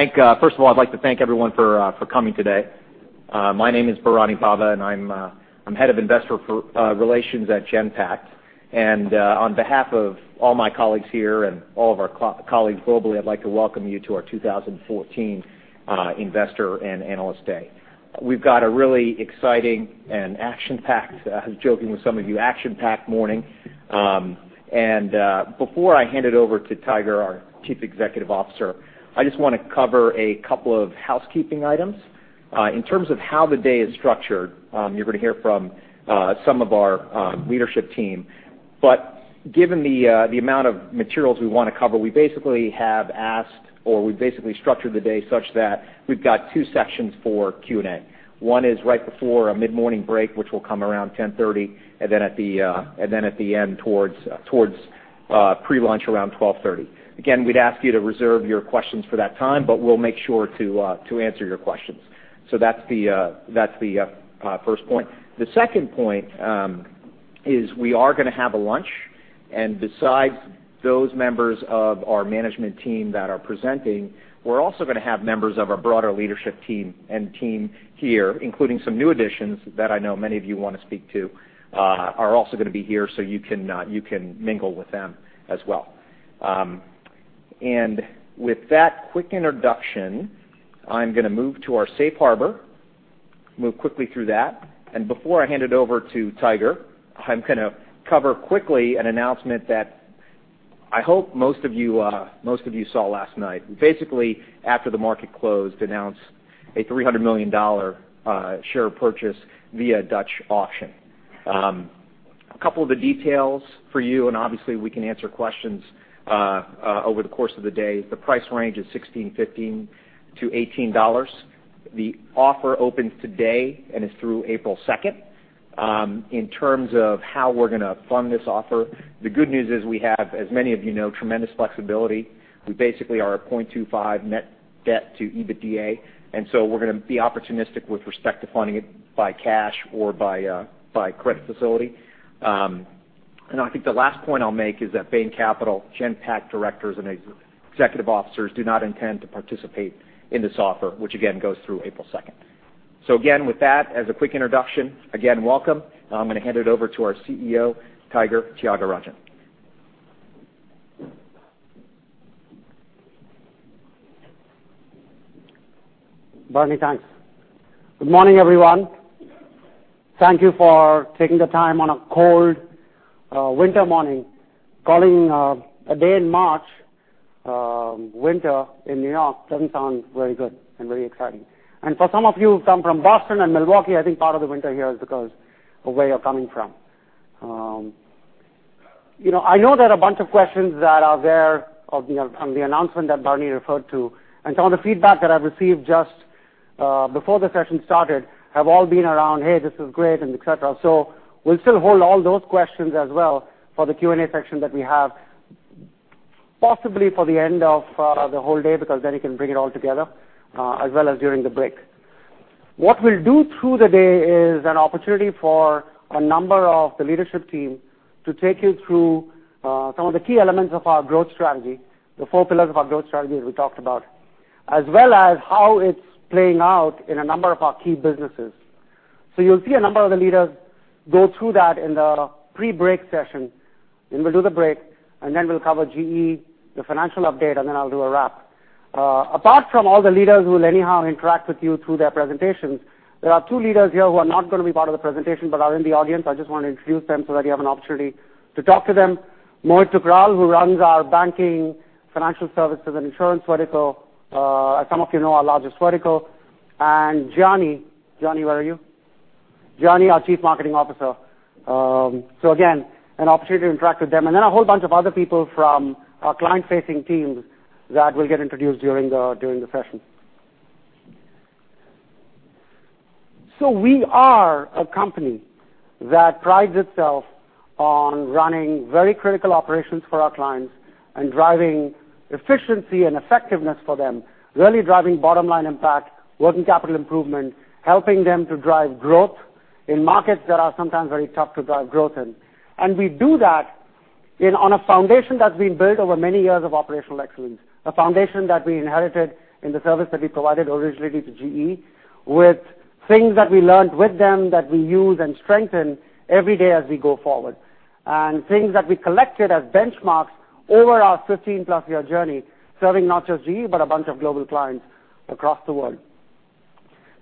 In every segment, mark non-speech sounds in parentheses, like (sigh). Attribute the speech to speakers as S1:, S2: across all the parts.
S1: First of all, I'd like to thank everyone for coming today. My name is Barney Pava, and I'm Head of Investor Relations at Genpact. On behalf of all my colleagues here and all of our colleagues globally, I'd like to welcome you to our 2014 Investor and Analyst Day. We've got a really exciting and action-packed, I was joking with some of you, action-packed morning. Before I hand it over to Tiger, our Chief Executive Officer, I just want to cover a couple of housekeeping items. In terms of how the day is structured, you're going to hear from some of our leadership team. Given the amount of materials we want to cover, we basically have asked, or we've basically structured the day such that we've got two sections for Q&A. One is right before a mid-morning break, which will come around 10:30 A.M., and then at the end towards pre-lunch around 12:30 P.M. Again, we'd ask you to reserve your questions for that time, but we'll make sure to answer your questions. That's the first point. The second point is we are going to have a lunch, and besides those members of our management team that are presenting, we're also going to have members of our broader leadership team and team here, including some new additions that I know many of you want to speak to, are also going to be here, so you can mingle with them as well. With that quick introduction, I'm going to move to our safe harbor, move quickly through that. Before I hand it over to Tiger, I'm going to cover quickly an announcement that I hope most of you saw last night. Basically, after the market closed, announced a $300 million share purchase via Dutch Auction. A couple of the details for you, and obviously, we can answer questions over the course of the day. The price range is $16.15-$18. The offer opens today and is through April 2nd. In terms of how we're going to fund this offer, the good news is we have, as many of you know, tremendous flexibility. We basically are at 0.25 net debt to EBITDA, and so we're going to be opportunistic with respect to funding it by cash or by credit facility. I think the last point I'll make is that Bain Capital, Genpact directors, and executive officers do not intend to participate in this offer, which again goes through April 2nd. Again, with that, as a quick introduction, again, welcome. I'm going to hand it over to our CEO, Tiger Tyagarajan.
S2: Barney, thanks. Good morning, everyone. Thank you for taking the time on a cold winter morning. Calling a day in March winter in New York doesn't sound very good and very exciting. For some of you who come from Boston and Milwaukee, I think part of the winter here is because of where you're coming from. I know there are a bunch of questions that are there on the announcement that Barney referred to, and some of the feedback that I've received just before the session started have all been around, "Hey, this is great," and et cetera. We'll still hold all those questions as well for the Q&A section that we have, possibly for the end of the whole day, because then you can bring it all together, as well as during the break. What we'll do through the day is an opportunity for a number of the leadership team to take you through some of the key elements of our growth strategy, the four pillars of our growth strategy, as we talked about, as well as how it's playing out in a number of our key businesses. You'll see a number of the leaders go through that in the pre-break session, and we'll do the break, then we'll cover GE, the financial update, and then I'll do a wrap. Apart from all the leaders who will anyhow interact with you through their presentations, there are two leaders here who are not going to be part of the presentation, but are in the audience. I just want to introduce them so that you have an opportunity to talk to them. Mohit Thukral, who runs our banking, financial services, and insurance vertical. As some of you know, our largest vertical. Gianni. Gianni, where are you? Gianni, our Chief Marketing Officer. Again, an opportunity to interact with them. Then a whole bunch of other people from our client-facing teams that will get introduced during the session. We are a company that prides itself on running very critical operations for our clients and driving efficiency and effectiveness for them, really driving bottom-line impact, working capital improvement, helping them to drive growth in markets that are sometimes very tough to drive growth in. We do that on a foundation that's been built over many years of operational excellence, a foundation that we inherited in the service that we provided originally to GE with things that we learned with them, that we use and strengthen every day as we go forward, and things that we collected as benchmarks over our 15-plus year journey, serving not just GE, but a bunch of global clients across the world.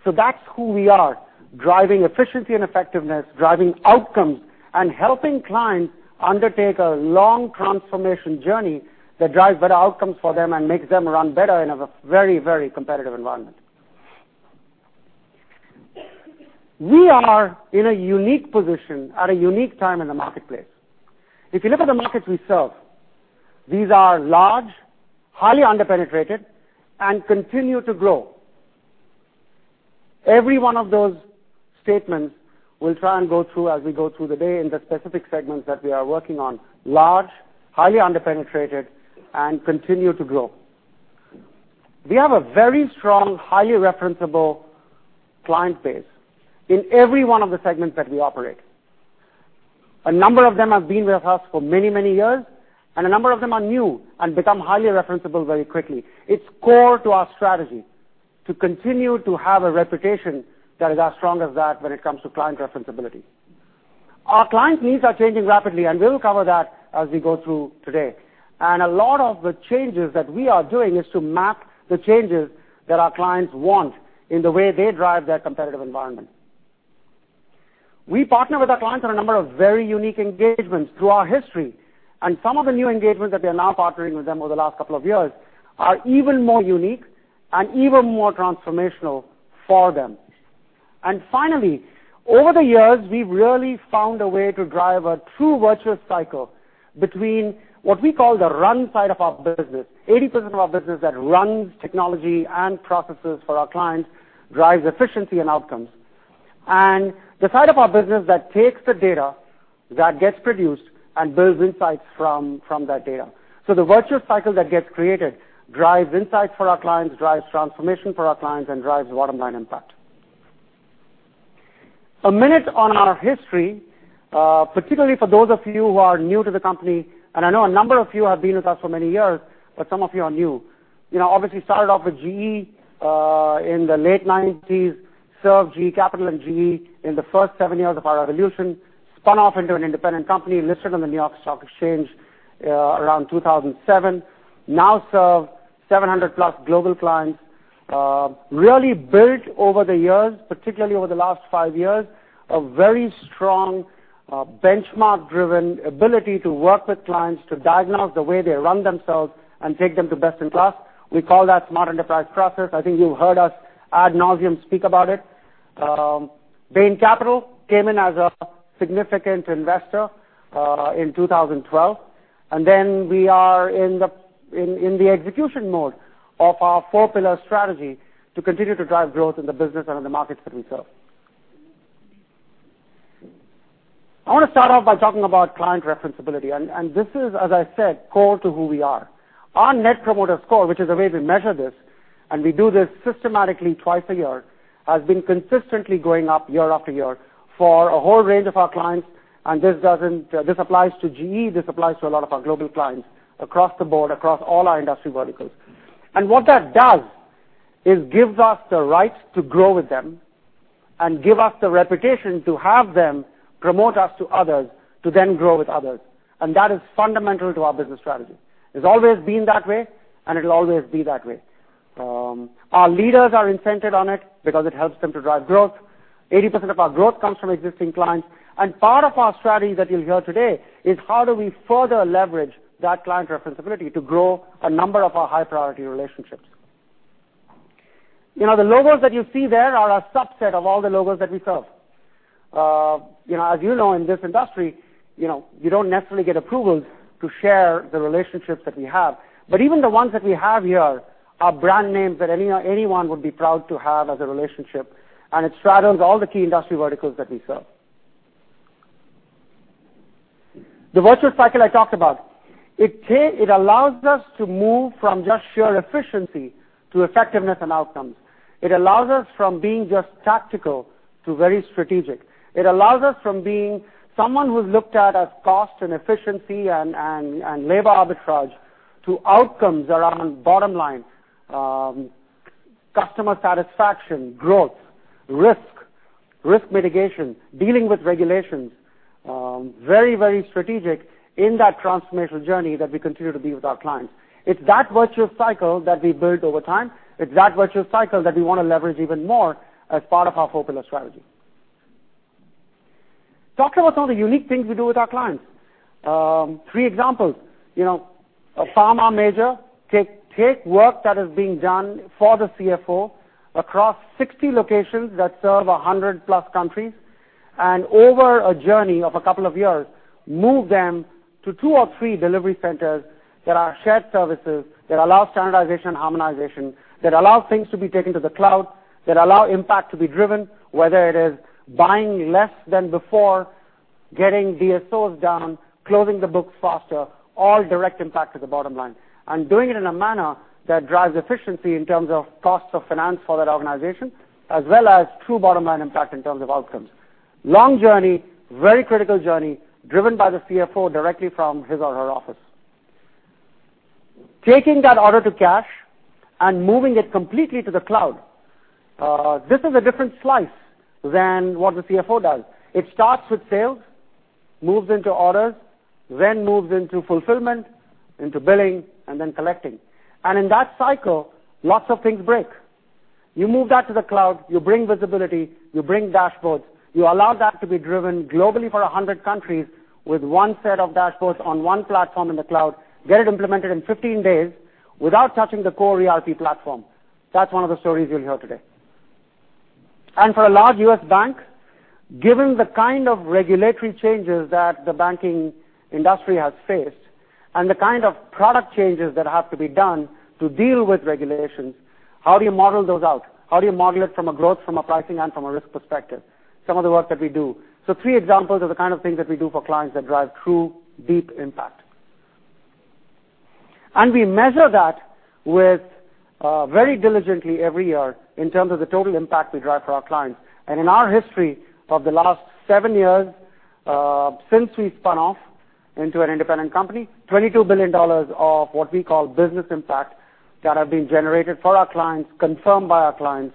S2: That's who we are, driving efficiency and effectiveness, driving outcomes, and helping clients undertake a long transformation journey that drives better outcomes for them and makes them run better in a very competitive environment. We are in a unique position at a unique time in the marketplace. If you look at the markets we serve, these are large, highly under-penetrated, and continue to grow. Every one of those statements we'll try and go through as we go through the day in the specific segments that we are working on. Large, highly under-penetrated, and continue to grow. We have a very strong, highly referenceable client base in every one of the segments that we operate. A number of them have been with us for many, many years, and a number of them are new and become highly referenceable very quickly. It's core to our strategy to continue to have a reputation that is as strong as that when it comes to client referenceability. Our clients' needs are changing rapidly, and we'll cover that as we go through today. A lot of the changes that we are doing is to map the changes that our clients want in the way they drive their competitive environment. We partner with our clients on a number of very unique engagements through our history, and some of the new engagements that we're now partnering with them over the last couple of years are even more unique and even more transformational for them. Finally, over the years, we've really found a way to drive a true virtuous cycle between what we call the run side of our business. 80% of our business that runs technology and processes for our clients drives efficiency and outcomes. The side of our business that takes the data that gets produced and builds insights from that data. The virtuous cycle that gets created drives insights for our clients, drives transformation for our clients, and drives bottom-line impact. A minute on our history, particularly for those of you who are new to the company, and I know a number of you have been with us for many years, but some of you are new. Obviously, started off with GE in the late '90s, served GE Capital and GE in the first seven years of our evolution, spun off into an independent company, listed on the New York Stock Exchange around 2007. Now serve 700-plus global clients. Really built over the years, particularly over the last five years, a very strong, benchmark-driven ability to work with clients to diagnose the way they run themselves and take them to best in class. We call that Smart Enterprise Process. I think you've heard us ad nauseam speak about it. Bain Capital came in as a significant investor, in 2012, and then we are in the execution mode of our four-pillar strategy to continue to drive growth in the business and in the markets that we serve. I want to start off by talking about client referenceability, and this is, as I said, core to who we are. Our Net Promoter Score, which is the way we measure this, and we do this systematically twice a year, has been consistently going up year after year for a whole range of our clients, and this applies to GE, this applies to a lot of our global clients across the board, across all our industry verticals. What that does is gives us the right to grow with them and give us the reputation to have them promote us to others, to then grow with others. That is fundamental to our business strategy. It's always been that way, it'll always be that way. Our leaders are incented on it because it helps them to drive growth. 80% of our growth comes from existing clients, part of our strategy that you'll hear today is how do we further leverage that client referenceability to grow a number of our high-priority relationships. The logos that you see there are a subset of all the logos that we serve. As you know, in this industry, you don't necessarily get approvals to share the relationships that we have, but even the ones that we have here are brand names that anyone would be proud to have as a relationship, it straddles all the key industry verticals that we serve. The virtuous cycle I talked about, it allows us to move from just sheer efficiency to effectiveness and outcomes. It allows us from being just tactical to very strategic. It allows us from being someone who's looked at as cost and efficiency and labor arbitrage to outcomes around bottom line, customer satisfaction, growth, risk mitigation, dealing with regulations. Very strategic in that transformational journey that we continue to be with our clients. It's that virtuous cycle that we built over time. It's that virtuous cycle that we want to leverage even more as part of our four-pillar strategy. Talk about some of the unique things we do with our clients. Three examples. A pharma major, take work that is being done for the CFO across 60 locations that serve 100-plus countries, over a journey of a couple of years, move them to two or three delivery centers that are shared services, that allow standardization, harmonization, that allow things to be taken to the cloud, that allow impact to be driven, whether it is buying less than before, getting DSOs down, closing the books faster, all direct impact to the bottom line. Doing it in a manner that drives efficiency in terms of costs of finance for that organization, as well as true bottom-line impact in terms of outcomes. Long journey, very critical journey, driven by the CFO directly from his or her office. Taking that order to cash and moving it completely to the cloud. This is a different slice than what the CFO does. It starts with sales, moves into orders, then moves into fulfillment, into billing, then collecting. In that cycle, lots of things break. You move that to the cloud, you bring visibility, you bring dashboards, you allow that to be driven globally for 100 countries with one set of dashboards on one platform in the cloud, get it implemented in 15 days without touching the core ERP platform. That's one of the stories you'll hear today. For a large U.S. bank, given the kind of regulatory changes that the banking industry has faced and the kind of product changes that have to be done to deal with regulations, how do you model those out? How do you model it from a growth, from a pricing, and from a risk perspective? Some of the work that we do. Three examples of the kind of things that we do for clients that drive true, deep impact. We measure that very diligently every year in terms of the total impact we drive for our clients. In our history of the last seven years since we've spun off into an independent company, $22 billion of what we call business impact that have been generated for our clients, confirmed by our clients,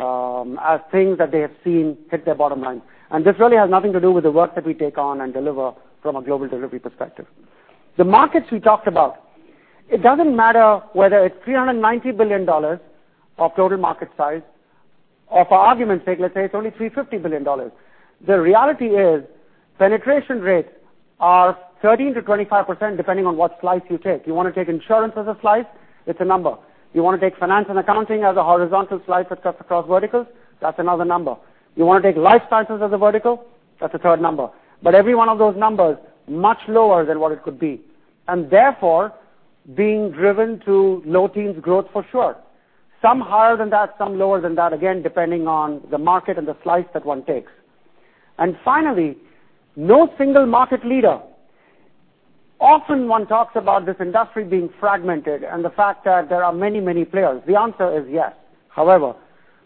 S2: as things that they have seen hit their bottom line. This really has nothing to do with the work that we take on and deliver from a global delivery perspective. The markets we talked about, it doesn't matter whether it's $390 billion of total market size, or for argument's sake, let's say it's only $350 billion. The reality is, penetration rates are 13%-25%, depending on what slice you take. You want to take insurance as a slice? It's a number. You want to take finance and accounting as a horizontal slice that cuts across verticals? That's another number. You want to take life sciences as a vertical? That's a third number. Every one of those numbers, much lower than what it could be, and therefore, being driven to low teens growth for sure. Some higher than that, some lower than that, again, depending on the market and the slice that one takes. Finally, no single market leader. Often, one talks about this industry being fragmented and the fact that there are many players. The answer is yes. However,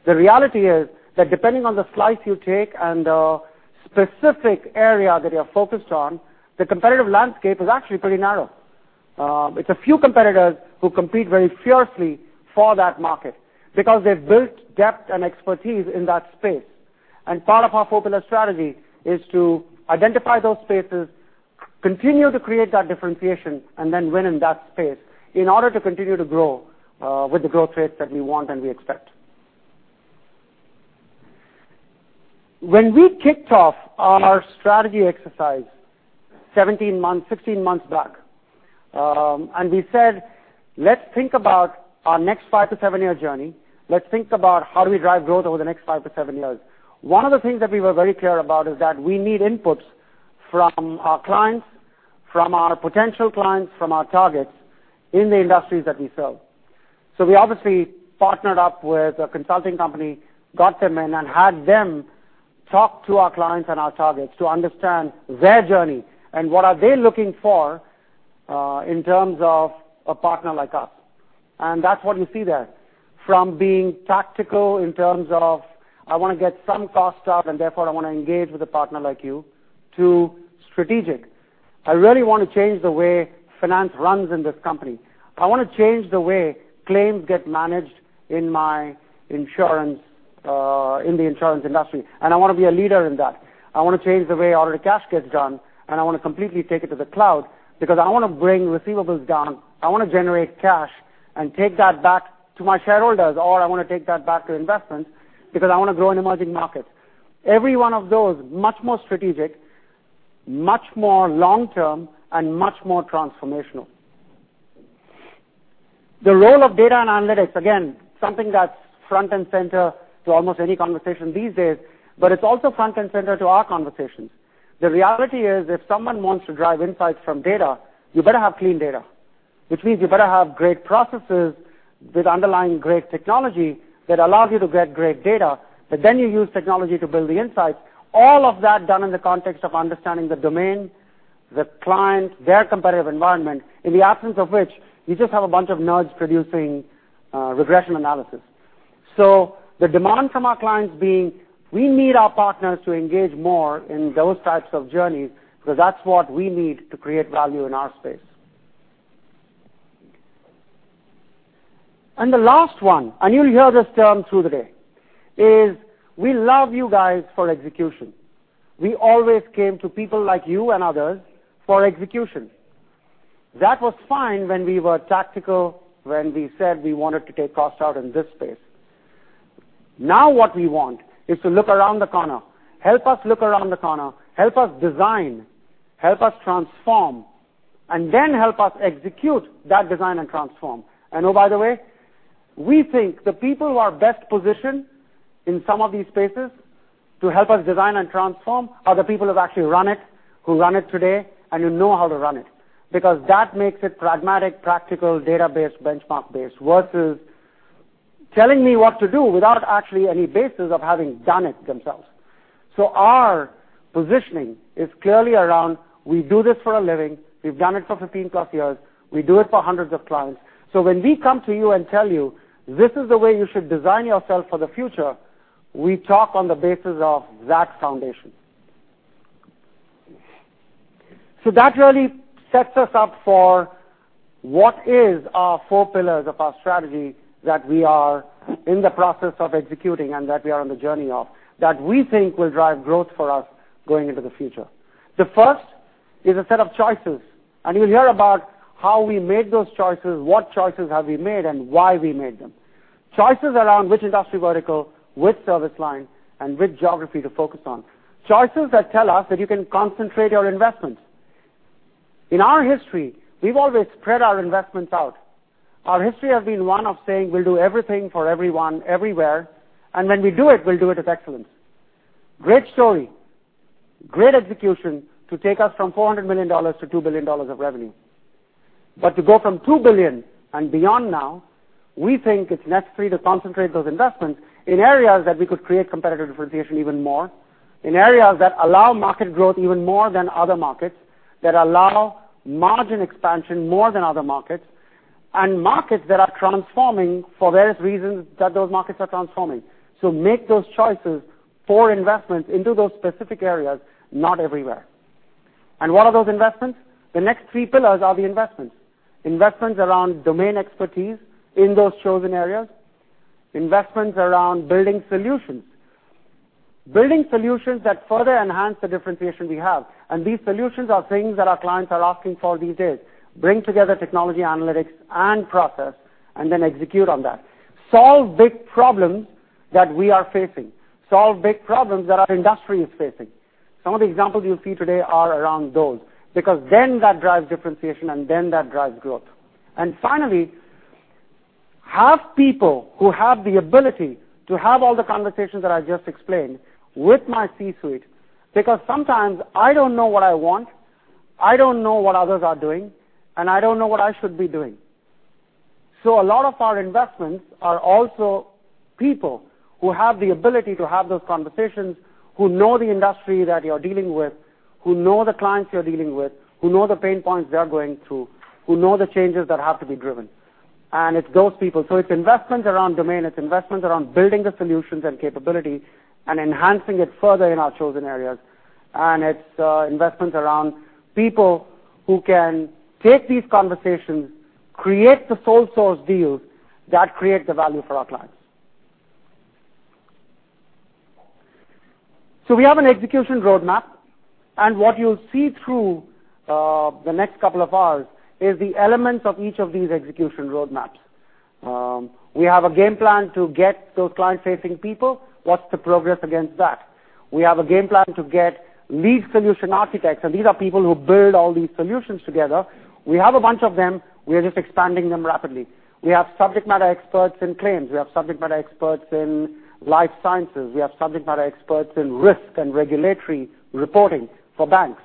S2: the reality is that depending on the slice you take and the specific area that you're focused on, the competitive landscape is actually pretty narrow. It's a few competitors who compete very fiercely for that market because they've built depth and expertise in that space. Part of our four-pillar strategy is to identify those spaces, continue to create that differentiation, and then win in that space in order to continue to grow with the growth rates that we want and we expect. When we kicked off our strategy exercise 16 months back, and we said, "Let's think about our next five to seven-year journey. Let's think about how do we drive growth over the next five to seven years." One of the things that we were very clear about is that we need inputs from our clients, from our potential clients, from our targets, in the industries that we serve. We obviously partnered up with a consulting company, got them in, and had them talk to our clients and our targets to understand their journey and what are they looking for, in terms of a partner like us. That's what you see there. From being tactical in terms of, I want to get some cost out and therefore I want to engage with a partner like you, to strategic. I really want to change the way finance runs in this company. I want to change the way claims get managed in the insurance industry, and I want to be a leader in that. I want to change the way order cash gets done, and I want to completely take it to the cloud because I want to bring receivables down. I want to generate cash and take that back to my shareholders. I want to take that back to investments because I want to grow in emerging markets. Every one of those, much more strategic, much more long-term, and much more transformational. The role of data and analytics, again, something that's front and center to almost any conversation these days, it's also front and center to our conversations. The reality is, if someone wants to drive insights from data, you better have clean data, which means you better have great processes with underlying great technology that allows you to get great data. Then you use technology to build the insights. All of that done in the context of understanding the domain, the client, their competitive environment, in the absence of which you just have a bunch of nerds producing regression analysis. The demand from our clients being, we need our partners to engage more in those types of journeys because that's what we need to create value in our space. The last one, and you'll hear this term through the day, is we love you guys for execution. We always came to people like you and others for execution. That was fine when we were tactical, when we said we wanted to take cost out in this space. Now what we want is to look around the corner. Help us look around the corner, help us design, help us transform, then help us execute that design and transform. Oh, by the way, we think the people who are best positioned in some of these spaces to help us design and transform are the people who've actually run it, who run it today, and who know how to run it. Because that makes it pragmatic, practical, database, benchmark-based, versus telling me what to do without actually any basis of having done it themselves. Our positioning is clearly around, we do this for a living. We've done it for 15-plus years. We do it for hundreds of clients. When we come to you and tell you, "This is the way you should design yourself for the future," we talk on the basis of that foundation. That really sets us up for what is our four pillars of our strategy that we are in the process of executing and that we are on the journey of, that we think will drive growth for us going into the future. The first is a set of choices, you'll hear about how we made those choices, what choices have we made, and why we made them. Choices around which industry vertical, which service line, and which geography to focus on. Choices that tell us that you can concentrate your investments. In our history, we've always spread our investments out. Our history has been one of saying, we'll do everything for everyone, everywhere, and when we do it, we'll do it with excellence. Great story. Great execution to take us from $400 million to $2 billion of revenue. To go from $2 billion and beyond now. We think it's necessary to concentrate those investments in areas that we could create competitive differentiation even more, in areas that allow market growth even more than other markets, that allow margin expansion more than other markets, and markets that are transforming for various reasons that those markets are transforming. Make those choices for investments into those specific areas, not everywhere. What are those investments? The next three pillars are the investments. Investments around domain expertise in those chosen areas, investments around building solutions. Building solutions that further enhance the differentiation we have. These solutions are things that our clients are asking for these days. Bring together technology, analytics, and process, and then execute on that. Solve big problems that we are facing, solve big problems that our industry is facing. Some of the examples you'll see today are around those, because then that drives differentiation, and then that drives growth. Finally, have people who have the ability to have all the conversations that I just explained with my C-suite, because sometimes I don't know what I want, I don't know what others are doing, and I don't know what I should be doing. A lot of our investments are also people who have the ability to have those conversations, who know the industry that you're dealing with, who know the clients you're dealing with, who know the pain points they are going through, who know the changes that have to be driven. It's those people. It's investments around domain, it's investments around building the solutions and capability and enhancing it further in our chosen areas. It's investments around people who can take these conversations, create the sole source deals that create the value for our clients. We have an execution roadmap, and what you'll see through the next couple of hours is the elements of each of these execution roadmaps. We have a game plan to get those client-facing people. What's the progress against that? We have a game plan to get lead solution architects, and these are people who build all these solutions together. We have a bunch of them. We are just expanding them rapidly. We have Subject Matter Experts in claims. We have Subject Matter Experts in Life Sciences. We have Subject Matter Experts in risk and regulatory reporting for banks.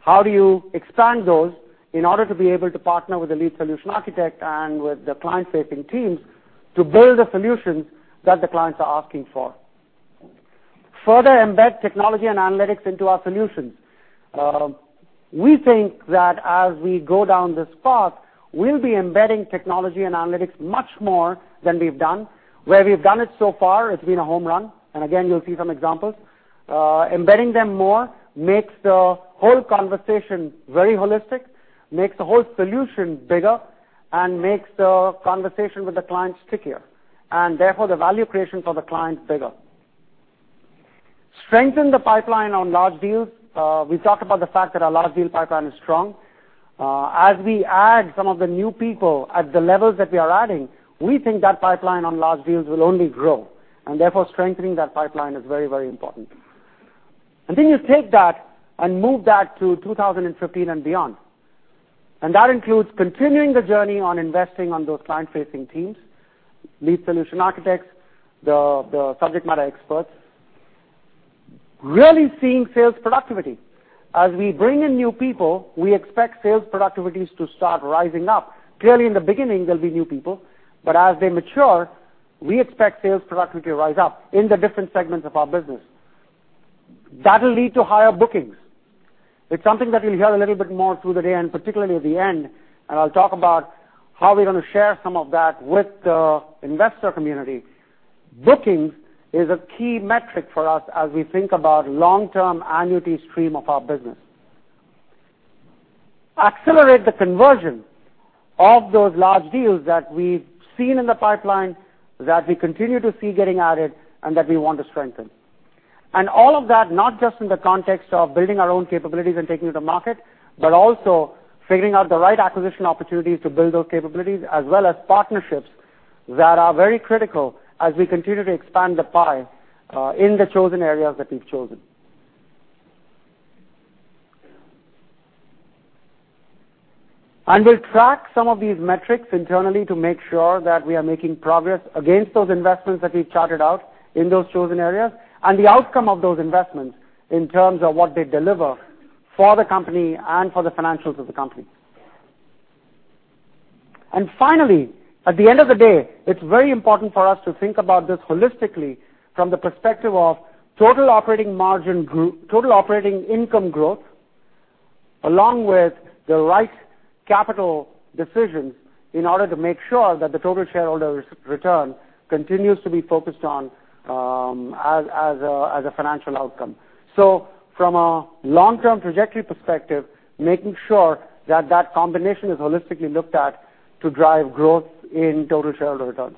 S2: How do you expand those in order to be able to partner with the lead solution architect and with the client-facing teams to build the solutions that the clients are asking for? Further embed technology and analytics into our solutions. We think that as we go down this path, we'll be embedding technology and analytics much more than we've done. Where we've done it so far, it's been a home run, and again, you'll see some examples. Embedding them more makes the whole conversation very holistic, makes the whole solution bigger, and makes the conversation with the client stickier, and therefore, the value creation for the client bigger. Strengthen the pipeline on large deals. We've talked about the fact that our large deal pipeline is strong. We add some of the new people at the levels that we are adding, we think that pipeline on large deals will only grow, therefore strengthening that pipeline is very important. Then you take that and move that to 2015 and beyond. That includes continuing the journey on investing on those client-facing teams, lead solution architects, the subject matter experts, really seeing sales productivity. As we bring in new people, we expect sales productivities to start rising up. Clearly, in the beginning, they'll be new people, but as they mature, we expect sales productivity to rise up in the different segments of our business. That'll lead to higher bookings. It's something that you'll hear a little bit more through the day and particularly at the end, and I'll talk about how we're going to share some of that with the investor community. Bookings is a key metric for us as we think about long-term annuity stream of our business. Accelerate the conversion of those large deals that we've seen in the pipeline, that we continue to see getting added, and that we want to strengthen. All of that, not just in the context of building our own capabilities and taking it to market, but also figuring out the right acquisition opportunities to build those capabilities as well as partnerships that are very critical as we continue to expand the pie in the chosen areas that we've chosen. We'll track some of these metrics internally to make sure that we are making progress against those investments that we charted out in those chosen areas and the outcome of those investments in terms of what they deliver for the company and for the financials of the company. Finally, at the end of the day, it's very important for us to think about this holistically from the perspective of total operating income growth along with the right capital decisions in order to make sure that the total shareholder return continues to be focused on as a financial outcome. From a long-term trajectory perspective, making sure that that combination is holistically looked at to drive growth in total shareholder returns.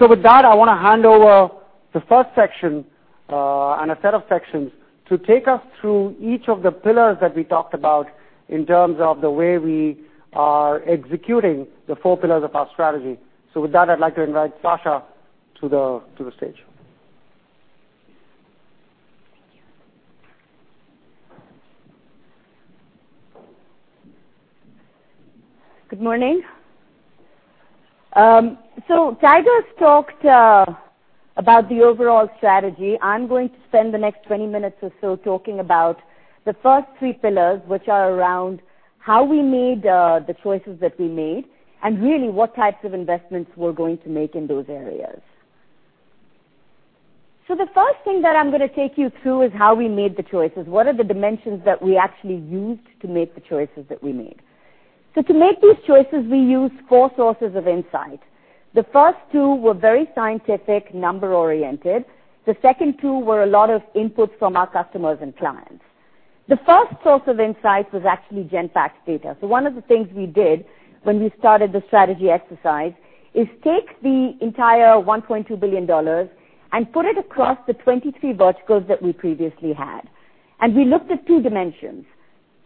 S2: With that, I want to hand over the first section and a set of sections to take us through each of the pillars that we talked about in terms of the way we are executing the 4 pillars of our strategy. With that, I'd like to invite Sasha to the stage.
S3: Thank you. Good morning. Tiger's talked about the overall strategy. I'm going to spend the next 20 minutes or so talking about the first 3 pillars, which are around how we made the choices that we made and really what types of investments we're going to make in those areas. The first thing that I'm going to take you through is how we made the choices. What are the dimensions that we actually used to make the choices that we made? To make these choices, we used four sources of insight. The first two were very scientific, number-oriented. The second two were a lot of input from our customers and clients. The first source of insight was actually Genpact's data. One of the things we did when we started the strategy exercise is take the entire $1.2 billion and put it across the 23 verticals that we previously had. We looked at two dimensions,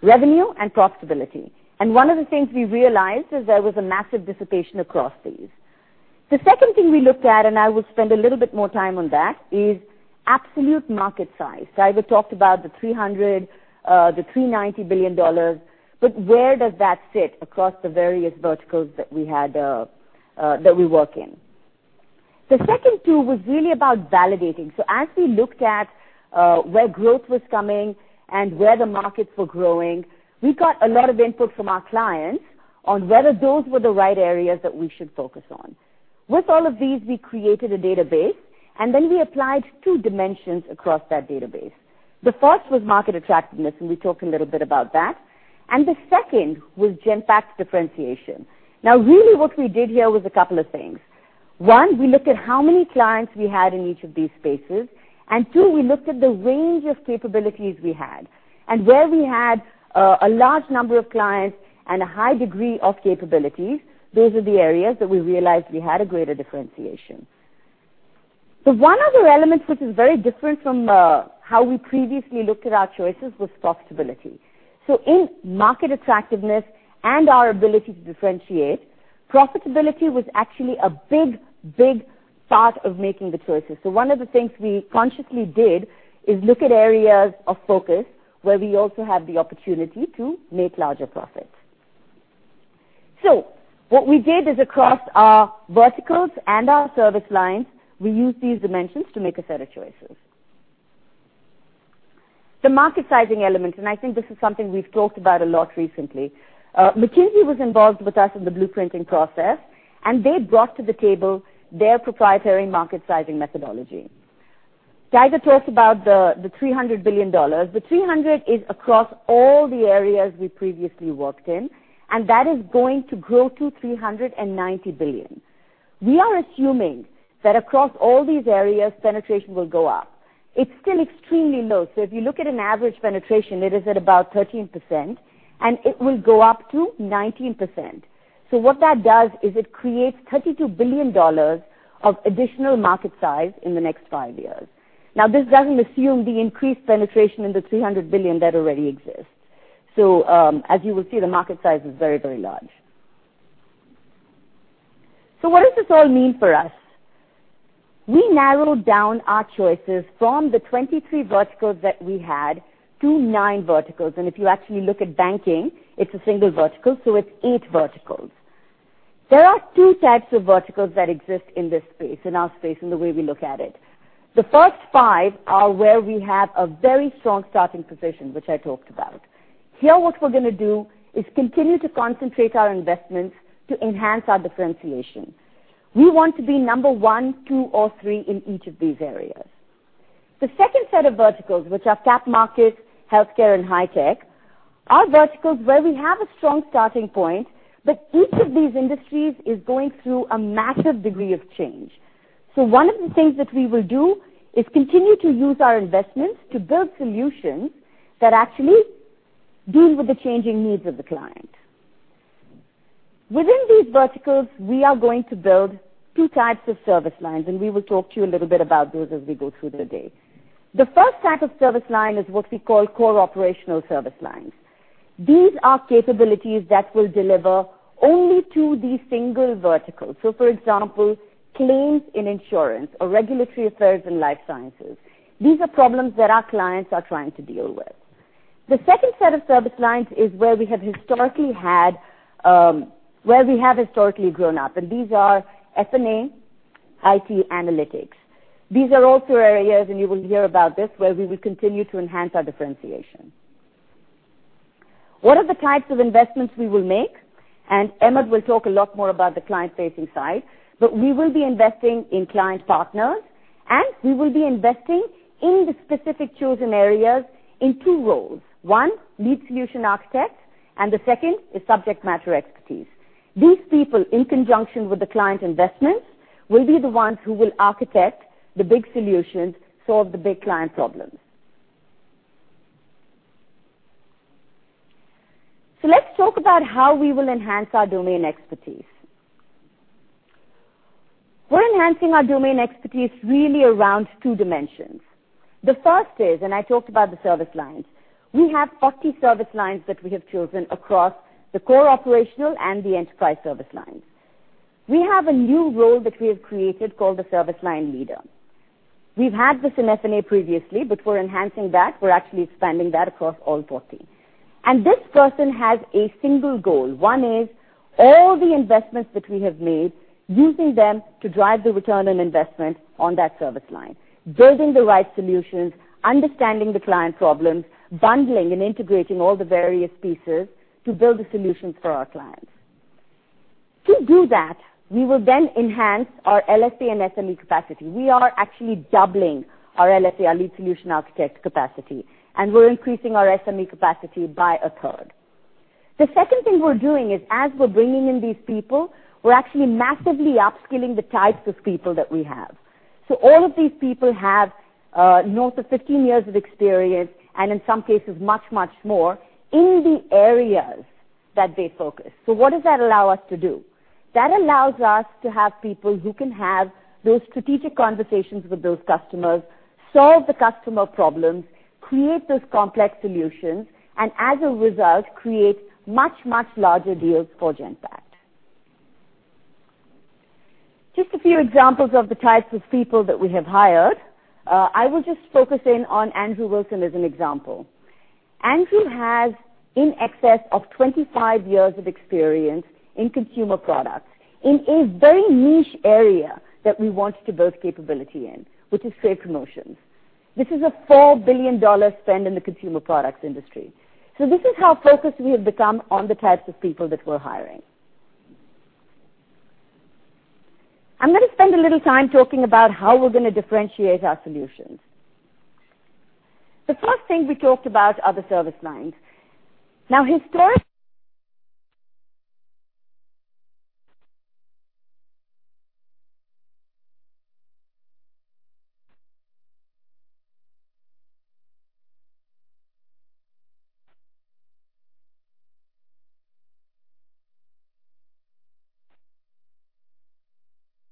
S3: revenue and profitability. One of the things we realized is there was a massive dissipation across these. The second thing we looked at, I will spend a little bit more time on that, is absolute market size. Tiger talked about the $390 billion, where does that sit across the various verticals that we work in? The second tool was really about validating. As we looked at where growth was coming and where the markets were growing, we got a lot of input from our clients on whether those were the right areas that we should focus on. With all of these, we created a database, we applied two dimensions across that database. The first was market attractiveness, we talked a little bit about that, the second was Genpact differentiation. Really what we did here was a couple of things. One, we looked at how many clients we had in each of these spaces, two, we looked at the range of capabilities we had. Where we had a large number of clients and a high degree of capabilities, those are the areas that we realized we had a greater differentiation. One other element which is very different from how we previously looked at our choices was profitability. In market attractiveness and our ability to differentiate, profitability was actually a big, big part of making the choices. One of the things we consciously did is look at areas of focus where we also have the opportunity to make larger profits. What we did is across our verticals and our service lines, we used these dimensions to make a set of choices. The market sizing element, I think this is something we've talked about a lot recently. McKinsey was involved with us in the blueprinting process, and they brought to the table their proprietary market sizing methodology. Tiger talked about the $300 billion. The 300 is across all the areas we previously worked in, and that is going to grow to $390 billion. We are assuming that across all these areas, penetration will go up. It's still extremely low. If you look at an average penetration, it is at about 13%, and it will go up to 19%. What that does is it creates $32 billion of additional market size in the next five years. This doesn't assume the increased penetration in the $300 billion that already exists. As you will see, the market size is very, very large. What does this all mean for us? We narrowed down our choices from the 23 verticals that we had to nine verticals. If you actually look at banking, it's a single vertical, it's 8 verticals. There are 2 types of verticals that exist in this space, in our space, in the way we look at it. The first five are where we have a very strong starting position, which I talked about. Here what we're going to do is continue to concentrate our investments to enhance our differentiation. We want to be number 1, 2, or 3 in each of these areas. The second set of verticals, which are cap markets, healthcare, and high tech, are verticals where we have a strong starting point, but each of these industries is going through a massive degree of change. One of the things that we will do is continue to use our investments to build solutions that actually deal with the changing needs of the client. Within these verticals, we are going to build 2 types of service lines, and we will talk to you a little bit about those as we go through the day. The first type of service line is what we call core operational service lines. These are capabilities that will deliver only to the single vertical. For example, claims in insurance or regulatory affairs in life sciences. These are problems that our clients are trying to deal with. The second set of service lines is where we have historically grown up, and these are F&A, IT, analytics. These are also areas, and you will hear about this, where we will continue to enhance our differentiation. What are the types of investments we will make? Amit will talk a lot more about the client-facing side, but we will be investing in client partners, and we will be investing in the specific chosen areas in 2 roles. 1, lead solution architect, and the second is subject matter expertise. These people, in conjunction with the client investments, will be the ones who will architect the big solutions, solve the big client problems. Let's talk about how we will enhance our domain expertise. We're enhancing our domain expertise really around 2 dimensions. The first is, I talked about the service lines, we have 40 service lines that we have chosen across the core operational and the enterprise service lines. We have a new role that we have created called the service line leader. We've had this in F&A previously, but we're enhancing that. We're actually expanding that across all 40. This person has a single goal. 1 is all the investments that we have made, using them to drive the ROI on that service line, building the right solutions, understanding the client problems, bundling and integrating all the various pieces to build the solutions for our clients. To do that, we will then enhance our LSA and SME capacity. We are actually doubling our LSA, our lead solution architect capacity, and we're increasing our SME capacity by a third. The second thing we're doing is as we're bringing in these people, we're actually massively upskilling the types of people that we have. All of these people have north of 15 years of experience, and in some cases much, much more, in the areas that they focus. What does that allow us to do? That allows us to have people who can have those strategic conversations with those customers, solve the customer problems, create those complex solutions, and as a result, create much, much larger deals for Genpact. Just a few examples of the types of people that we have hired. I will just focus in on Andrew Wilson as an example. Andrew has in excess of 25 years of experience in consumer products, in a very niche area that we want to build capability in, which is trade promotions. This is a $4 billion spend in the consumer products industry. This is how focused we have become on the types of people that we're hiring. I'm going to spend a little time talking about how we're going to differentiate our solutions. The first thing we talked about are the service lines. Now, historic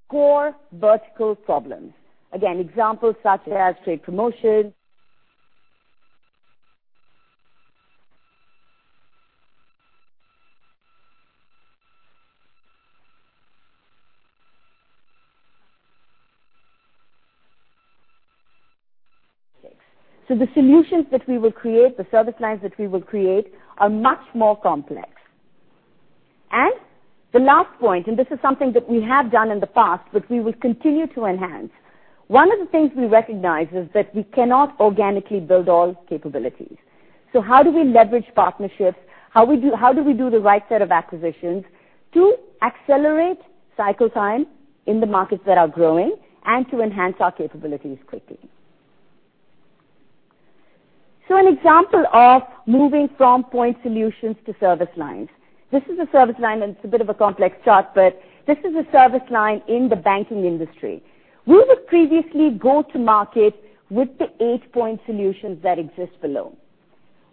S3: core vertical problems. Again, examples such as trade promotion. The solutions that we will create, the service lines that we will create are much more complex. The last point, and this is something that we have done in the past, but we will continue to enhance. One of the things we recognize is that we cannot organically build all capabilities. How do we leverage partnerships? How do we do the right set of acquisitions to accelerate cycle time in the markets that are growing and to enhance our capabilities quickly? An example of moving from point solutions to service lines. This is a service line, and it's a bit of a complex chart, but this is a service line in the banking industry. We would previously go to market with the eight point solutions that exist below,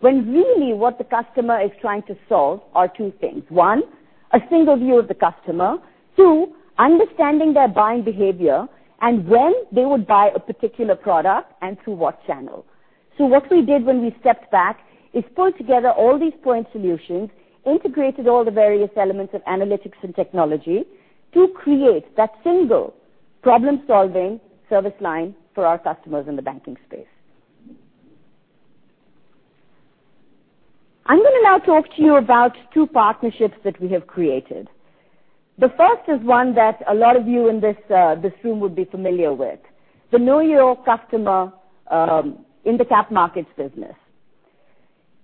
S3: when really what the customer is trying to solve are two things. One, a single view of the customer. Two, understanding their buying behavior and when they would buy a particular product and through what channel. What we did when we stepped back is pull together all these point solutions, integrated all the various elements of analytics and technology to create that single problem-solving service line for our customers in the banking space. I'm going to now talk to you about two partnerships that we have created. The first is one that a lot of you in this room would be familiar with. The Know Your Customer in the cap markets business.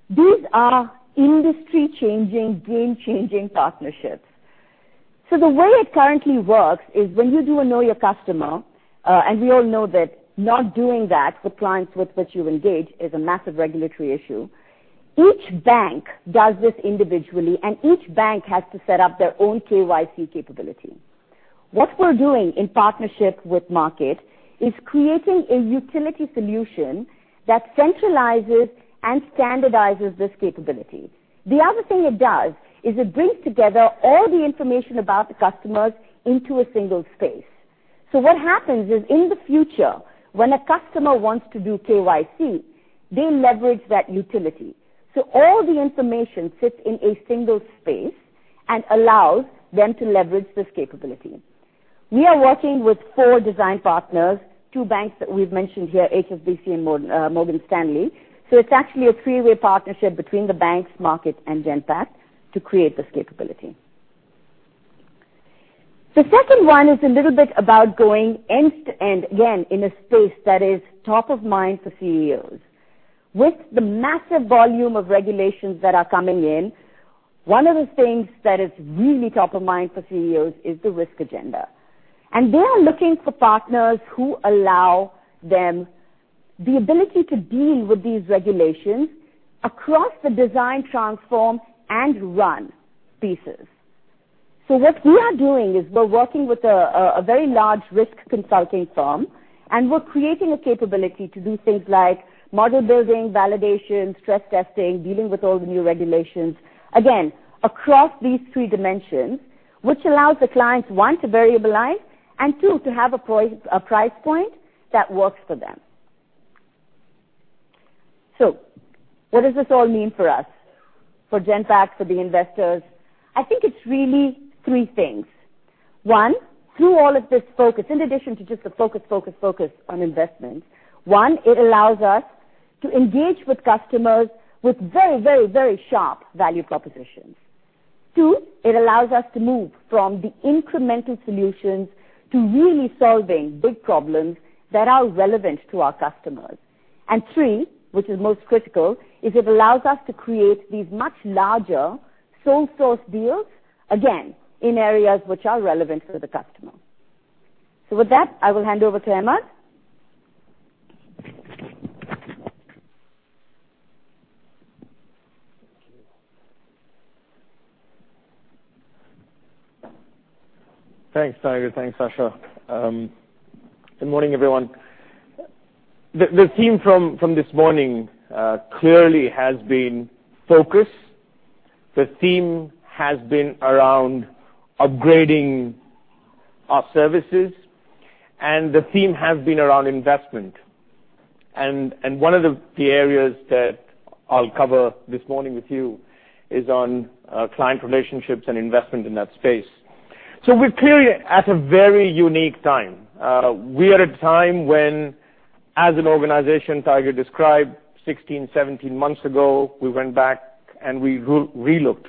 S3: These are industry-changing, game-changing partnerships. The way it currently works is when you do a Know Your Customer, and we all know that not doing that for clients with which you engage is a massive regulatory issue. Each bank does this individually, and each bank has to set up their own KYC capability. What we're doing in partnership with Markit is creating a utility solution that centralizes and standardizes this capability. The other thing it does is it brings together all the information about the customers into a single space. What happens is, in the future, when a customer wants to do KYC, they leverage that utility. All the information sits in a single space and allows them to leverage this capability. We are working with four design partners, two banks that we've mentioned here, HSBC and Morgan Stanley. It's actually a three-way partnership between the banks, Markit, and Genpact to create this capability. The second one is a little bit about going end-to-end, again, in a space that is top of mind for CEOs. With the massive volume of regulations that are coming in, one of the things that is really top of mind for CEOs is the risk agenda. They are looking for partners who allow them the ability to deal with these regulations across the design transform and run pieces. What we are doing is we're working with a very large risk consulting firm. We're creating a capability to do things like model building, validation, stress testing, dealing with all the new regulations, again, across these 3 dimensions, which allows the clients, one, to variabilize. Two, to have a price point that works for them. What does this all mean for us, for Genpact, for the investors? I think it's really 3 things. One, through all of this focus, in addition to just the focus, focus on investment. One, it allows us to engage with customers with very, very, very sharp value propositions. Two, it allows us to move from the incremental solutions to really solving big problems that are relevant to our customers. Three, which is most critical, is it allows us to create these much larger sole source deals, again, in areas which are relevant for the customer. With that, I will hand over to Hemant.
S4: Thanks, Tiger. Thanks, Sasha. Good morning, everyone. The theme from this morning, clearly has been focus. The theme has been around upgrading our services. The theme has been around investment. One of the areas that I'll cover this morning with you is on client relationships and investment in that space. We're clearly at a very unique time. We are at a time when, as an organization, Tiger described 16, 17 months ago, we went back and we relooked.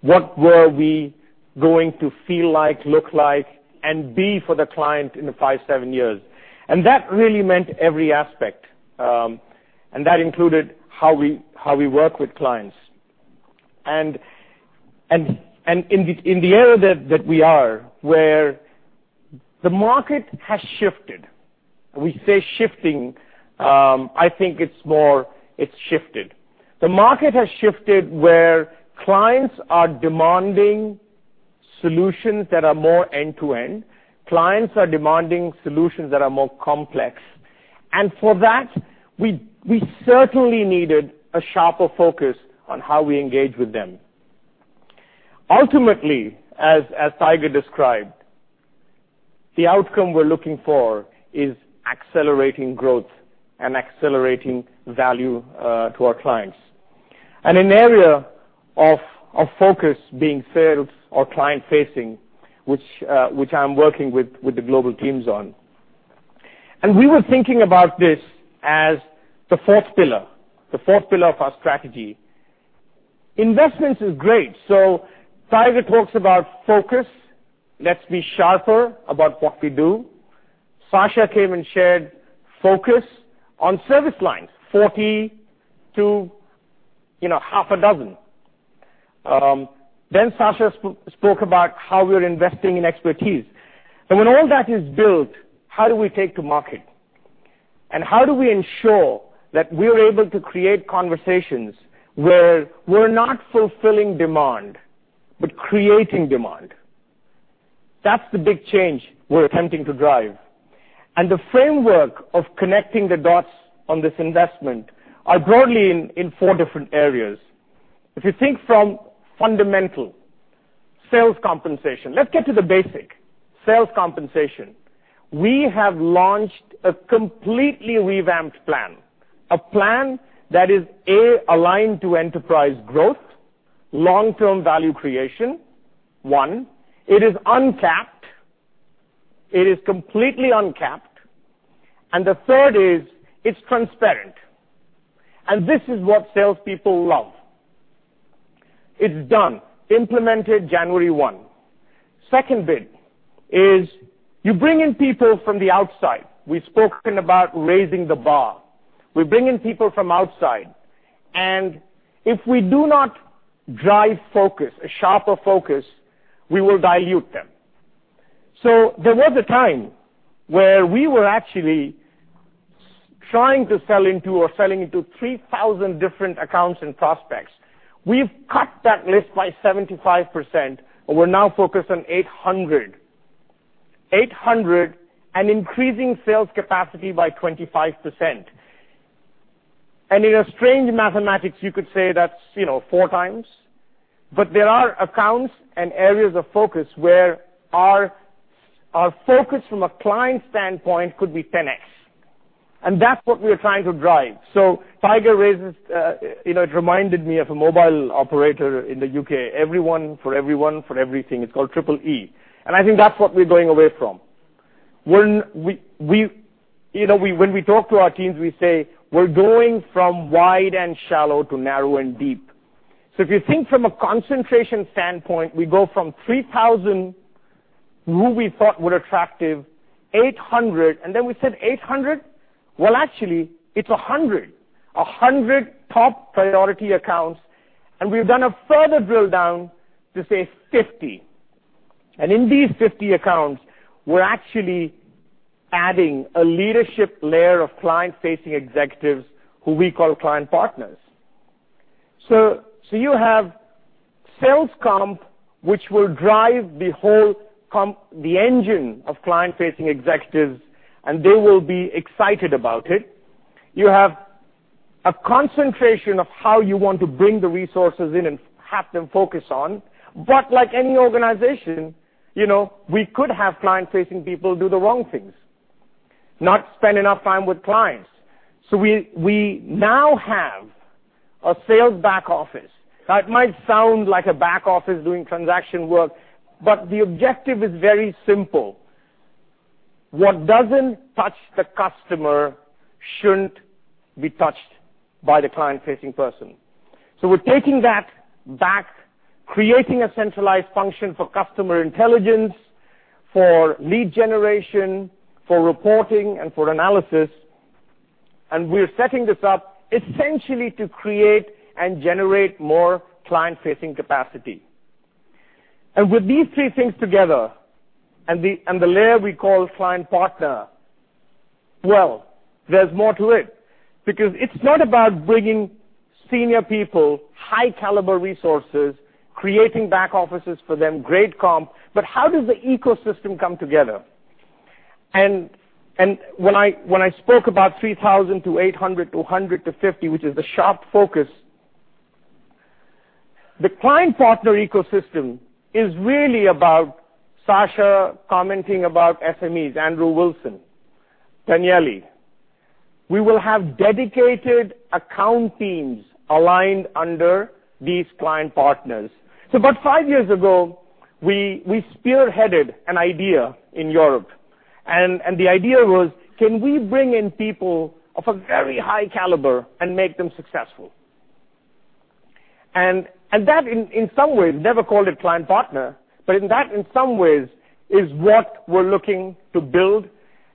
S4: What were we going to feel like, look like, and be for the client in the five, seven years? That really meant every aspect. That included how we work with clients. In the era that we are, where the market has shifted. We say shifting, I think it's more, it's shifted. The market has shifted where clients are demanding solutions that are more end-to-end. Clients are demanding solutions that are more complex. For that, we certainly needed a sharper focus on how we engage with them. Ultimately, as Tiger described, the outcome we're looking for is accelerating growth and accelerating value to our clients. An area of focus being sales or client-facing, which I'm working with the global teams on. We were thinking about this as the fourth pillar of our strategy. Investments is great. Tiger talks about focus. Let's be sharper about what we do. Sasha came and shared focus on service lines, 40 to half a dozen. Sasha spoke about how we're investing in expertise. When all that is built, how do we take to market? How do we ensure that we're able to create conversations where we're not fulfilling demand, but creating demand? That's the big change we're attempting to drive. The framework of connecting the dots on this investment are broadly in 4 different areas. If you think from fundamental, sales compensation. Let's get to the basic, sales compensation. We have launched a completely revamped plan. A plan that is, A, aligned to enterprise growth, long-term value creation, 1. It is uncapped. It is completely uncapped. The third is, it's transparent. This is what salespeople love. It's done, implemented January 1. The second bit is you bring in people from the outside. We've spoken about raising the bar. We bring in people from outside, and if we do not drive focus, a sharper focus, we will dilute them. There was a time where we were actually trying to sell into or selling into 3,000 different accounts and prospects. We've cut that list by 75%, and we're now focused on 800. 800 and increasing sales capacity by 25%. In a strange mathematics, you could say that's four times. But there are accounts and areas of focus where our focus from a client standpoint could be 10x. That's what we're trying to drive. Tiger raises-- It reminded me of a mobile operator in the U.K. Everyone for everyone for everything. It's called Triple E. I think that's what we're going away from. When we talk to our teams, we say, "We're going from wide and shallow to narrow and deep." If you think from a concentration standpoint, we go from 3,000 who we thought were attractive, 800, and then we said 800? Well, actually, it's 100. 100 top priority accounts, and we've done a further drill down to say 50. In these 50 accounts, we're actually adding a leadership layer of client-facing executives who we call client partners. You have sales comp, which will drive the engine of client-facing executives, and they will be excited about it. You have a concentration of how you want to bring the resources in and have them focus on. Like any organization-- We could have client-facing people do the wrong things, not spend enough time with clients. We now have a sales back office. That might sound like a back office doing transaction work, but the objective is very simple. What doesn't touch the customer shouldn't be touched by the client-facing person. We're taking that back, creating a centralized function for customer intelligence, for lead generation, for reporting, and for analysis. We're setting this up essentially to create and generate more client-facing capacity. With these three things together, and the layer we call client partner, well, there's more to it. It's not about bringing senior people, high caliber resources, creating back offices for them, great comp, but how does the ecosystem come together? When I spoke about 3,000 to 800 to 100 to 50, which is the sharp focus, the client partner ecosystem is really about Sasha commenting about SMEs, Andrew Wilson, Danielli. We will have dedicated account teams aligned under these client partners. About five years ago, we spearheaded an idea in Europe. The idea was, can we bring in people of a very high caliber and make them successful? That in some ways, never called it client partner, but in that in some ways is what we're looking to build,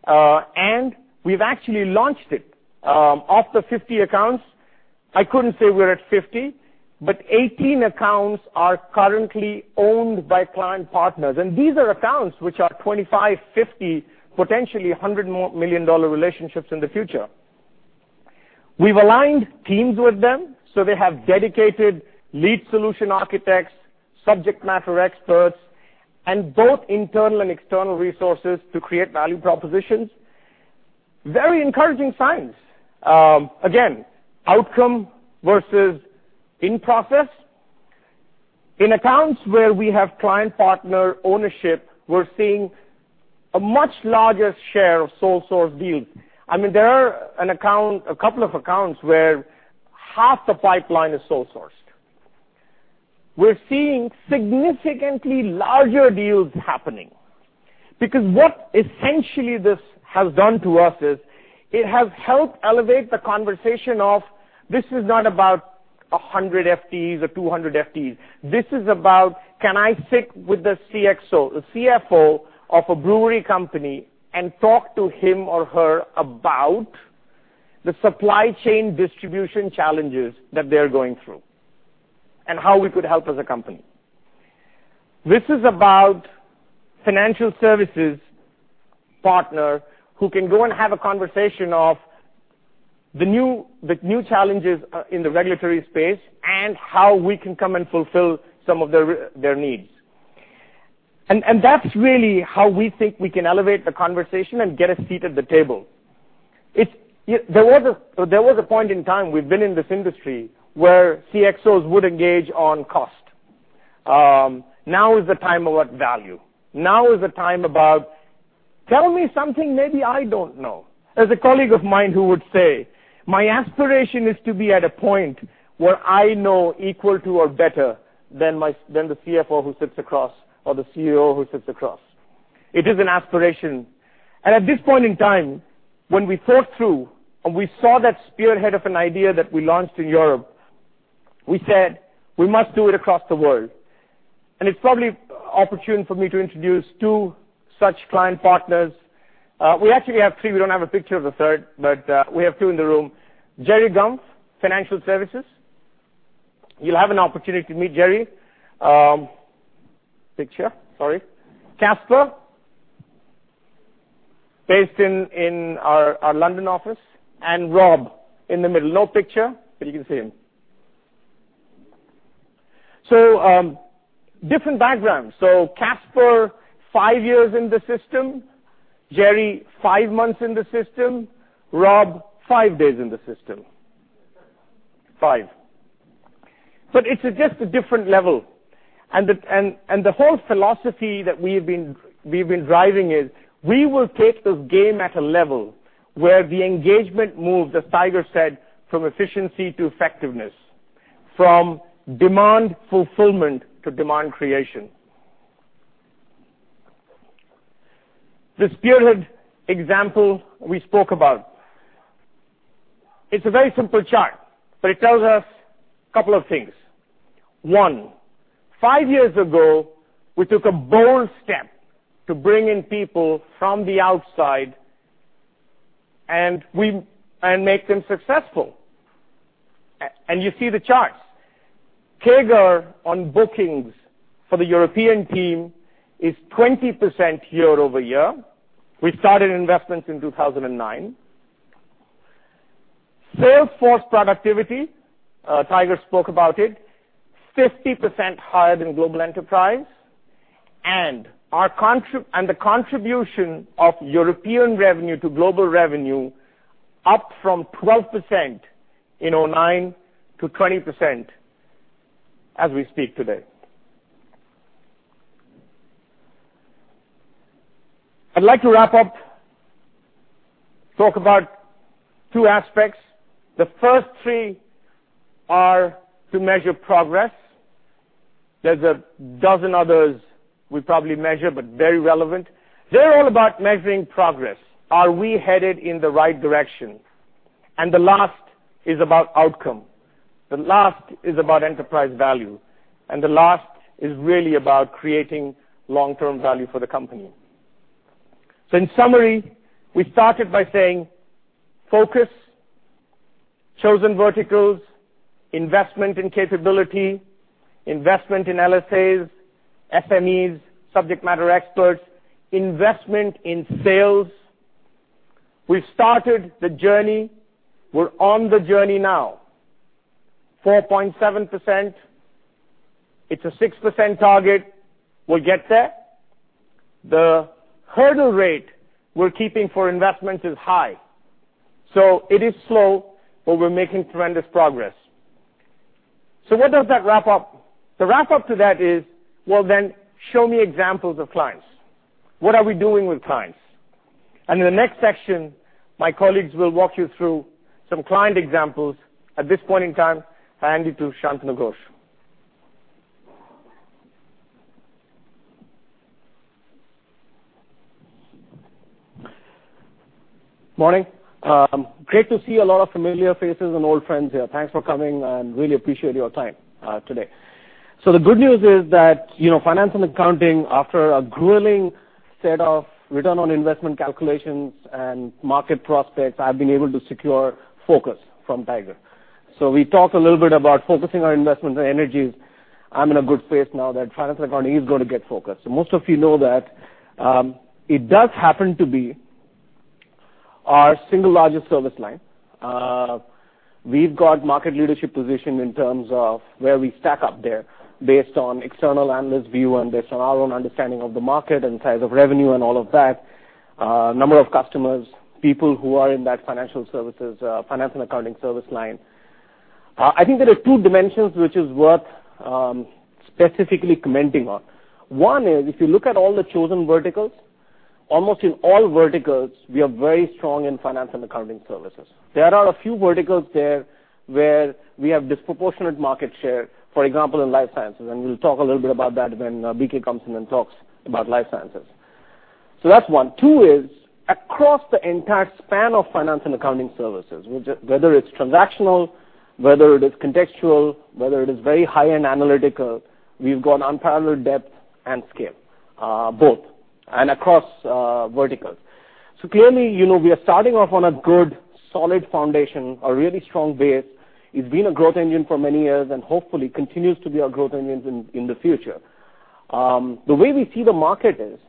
S4: and we've actually launched it. Of the 50 accounts, I couldn't say we're at 50. 18 accounts are currently owned by client partners, and these are accounts which are 25, 50, potentially $100 million more relationships in the future. We've aligned teams with them, so they have dedicated lead solution architects, subject matter experts, and both internal and external resources to create value propositions. Very encouraging signs. Again, outcome versus in process. In accounts where we have client-partner ownership, we're seeing a much larger share of sole source deals. There are a couple of accounts where half the pipeline is sole sourced. We're seeing significantly larger deals happening. Because what essentially this has done to us is it has helped elevate the conversation of, this is not about 100 FTEs or 200 FTEs. This is about can I sit with the CXO, the CFO of a brewery company and talk to him or her about the supply chain distribution challenges that they're going through, and how we could help as a company. This is about financial services partner who can go and have a conversation of the new challenges in the regulatory space, and how we can come and fulfill some of their needs. That's really how we think we can elevate the conversation and get a seat at the table. There was a point in time, we've been in this industry, where CXOs would engage on cost. Now is the time about value. Now is the time about, "Tell me something maybe I don't know." There's a colleague of mine who would say, "My aspiration is to be at a point where I know equal to or better than the CFO who sits across, or the CEO who sits across." It is an aspiration. At this point in time, when we thought through and we saw that spearhead of an idea that we launched in Europe, we said, "We must do it across the world." It's probably opportune for me to introduce two such client partners. We actually have three. We don't have a picture of the third, but, we have two in the room. Jerry Gumpf, financial services. You'll have an opportunity to meet Jerry. Picture. Sorry. Casper, based in our London office, and Rob in the middle. No picture, but you can see him. Different backgrounds. Casper, five years in the system. Jerry, five months in the system. Rob, five days in the system. Five. It's just a different level. The whole philosophy that we've been driving is we will take this game at a level where the engagement moves, as Tiger said, from efficiency to effectiveness. From demand fulfillment to demand creation. The spearhead example we spoke about. It's a very simple chart, it tells us a couple of things. One, five years ago, we took a bold step to bring in people from the outside and make them successful. You see the charts. CAGR on bookings for the European team is 20% year-over-year. We started investments in 2009. Sales force productivity, Tiger spoke about it, 50% higher than global enterprise. The contribution of European revenue to global revenue Up from 12% in 2009 to 20% as we speak today. I'd like to wrap up, talk about two aspects. The first three are to measure progress. There's a dozen others we probably measure, but very relevant. They're all about measuring progress. Are we headed in the right direction? The last is about outcome. The last is about enterprise value, and the last is really about creating long-term value for the company. In summary, we started by saying focus, chosen verticals, investment in capability, investment in LSAs, SMEs, subject matter experts, investment in sales. We've started the journey. We're on the journey now. 4.7%. It's a 6% target. We'll get there. The hurdle rate we're keeping for investment is high. It is slow, but we're making tremendous progress. What does that wrap up? The wrap-up to that is, well then, show me examples of clients. What are we doing with clients? In the next section, my colleagues will walk you through some client examples. At this point in time, I hand it to Shantanu Ghosh.
S5: Morning. Great to see a lot of familiar faces and old friends here. Thanks for coming, and really appreciate your time today. The good news is that finance and accounting, after a grueling set of return on investment calculations and market prospects, I've been able to secure focus from Tiger. We talked a little bit about focusing our investments and energies. I'm in a good space now that finance and accounting is going to get focused. Most of you know that it does happen to be our single largest service line. We've got market leadership position in terms of where we stack up there based on external analyst view and based on our own understanding of the market and size of revenue and all of that. Number of customers, people who are in that financial services, finance and accounting service line. I think there are two dimensions which is worth specifically commenting on. One is, if you look at all the chosen verticals, almost in all verticals, we are very strong in finance and accounting services. There are a few verticals there where we have disproportionate market share, for example, in life sciences, and we'll talk a little bit about that when BK comes in and talks about life sciences. That's one. Two is across the entire span of finance and accounting services, whether it's transactional, whether it is contextual, whether it is very high-end analytical, we've got unparalleled depth and scale, both, and across verticals. Clearly, we are starting off on a good, solid foundation, a really strong base. It's been a growth engine for many years, and hopefully continues to be our growth engines in the future. The way we see the market is,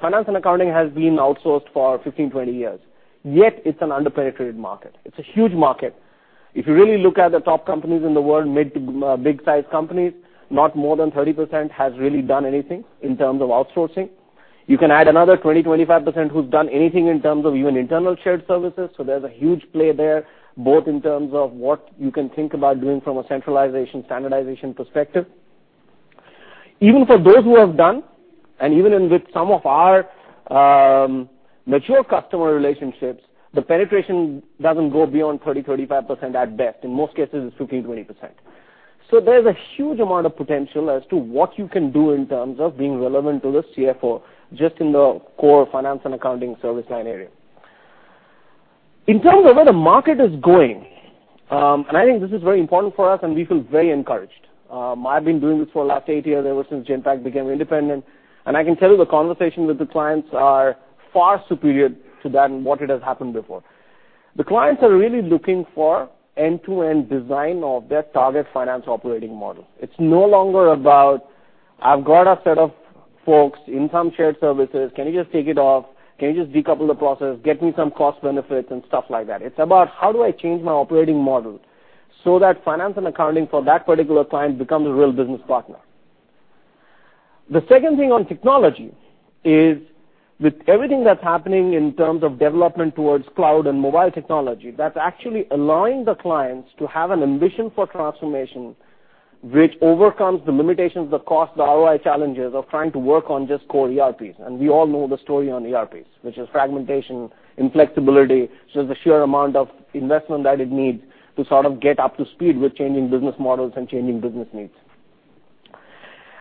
S5: finance and accounting has been outsourced for 15, 20 years, yet it's an under-penetrated market. It's a huge market. If you really look at the top companies in the world, mid to big-size companies, not more than 30% has really done anything in terms of outsourcing. You can add another 20%, 25% who've done anything in terms of even internal shared services. There's a huge play there, both in terms of what you can think about doing from a centralization, standardization perspective. Even for those who have done, and even in with some of our mature customer relationships, the penetration doesn't go beyond 30%, 35% at best. In most cases, it's 15%, 20%. There's a huge amount of potential as to what you can do in terms of being relevant to the CFO, just in the core finance and accounting service line area. In terms of where the market is going, and I think this is very important for us and we feel very encouraged. I've been doing this for the last eight years, ever since Genpact became independent, I can tell you the conversation with the clients are far superior to than what it has happened before. The clients are really looking for end-to-end design of their target finance operating model. It's no longer about, "I've got a set of folks in some shared services. Can you just take it off? Can you just decouple the process, get me some cost benefits," and stuff like that. It's about how do I change my operating model so that finance and accounting for that particular client becomes a real business partner. The second thing on technology is with everything that's happening in terms of development towards cloud and mobile technology, that's actually allowing the clients to have an ambition for transformation which overcomes the limitations, the cost, the ROI challenges of trying to work on just core ERPs. We all know the story on ERPs, which is fragmentation, inflexibility. It's the sheer amount of investment that it needs to sort of get up to speed with changing business models and changing business needs.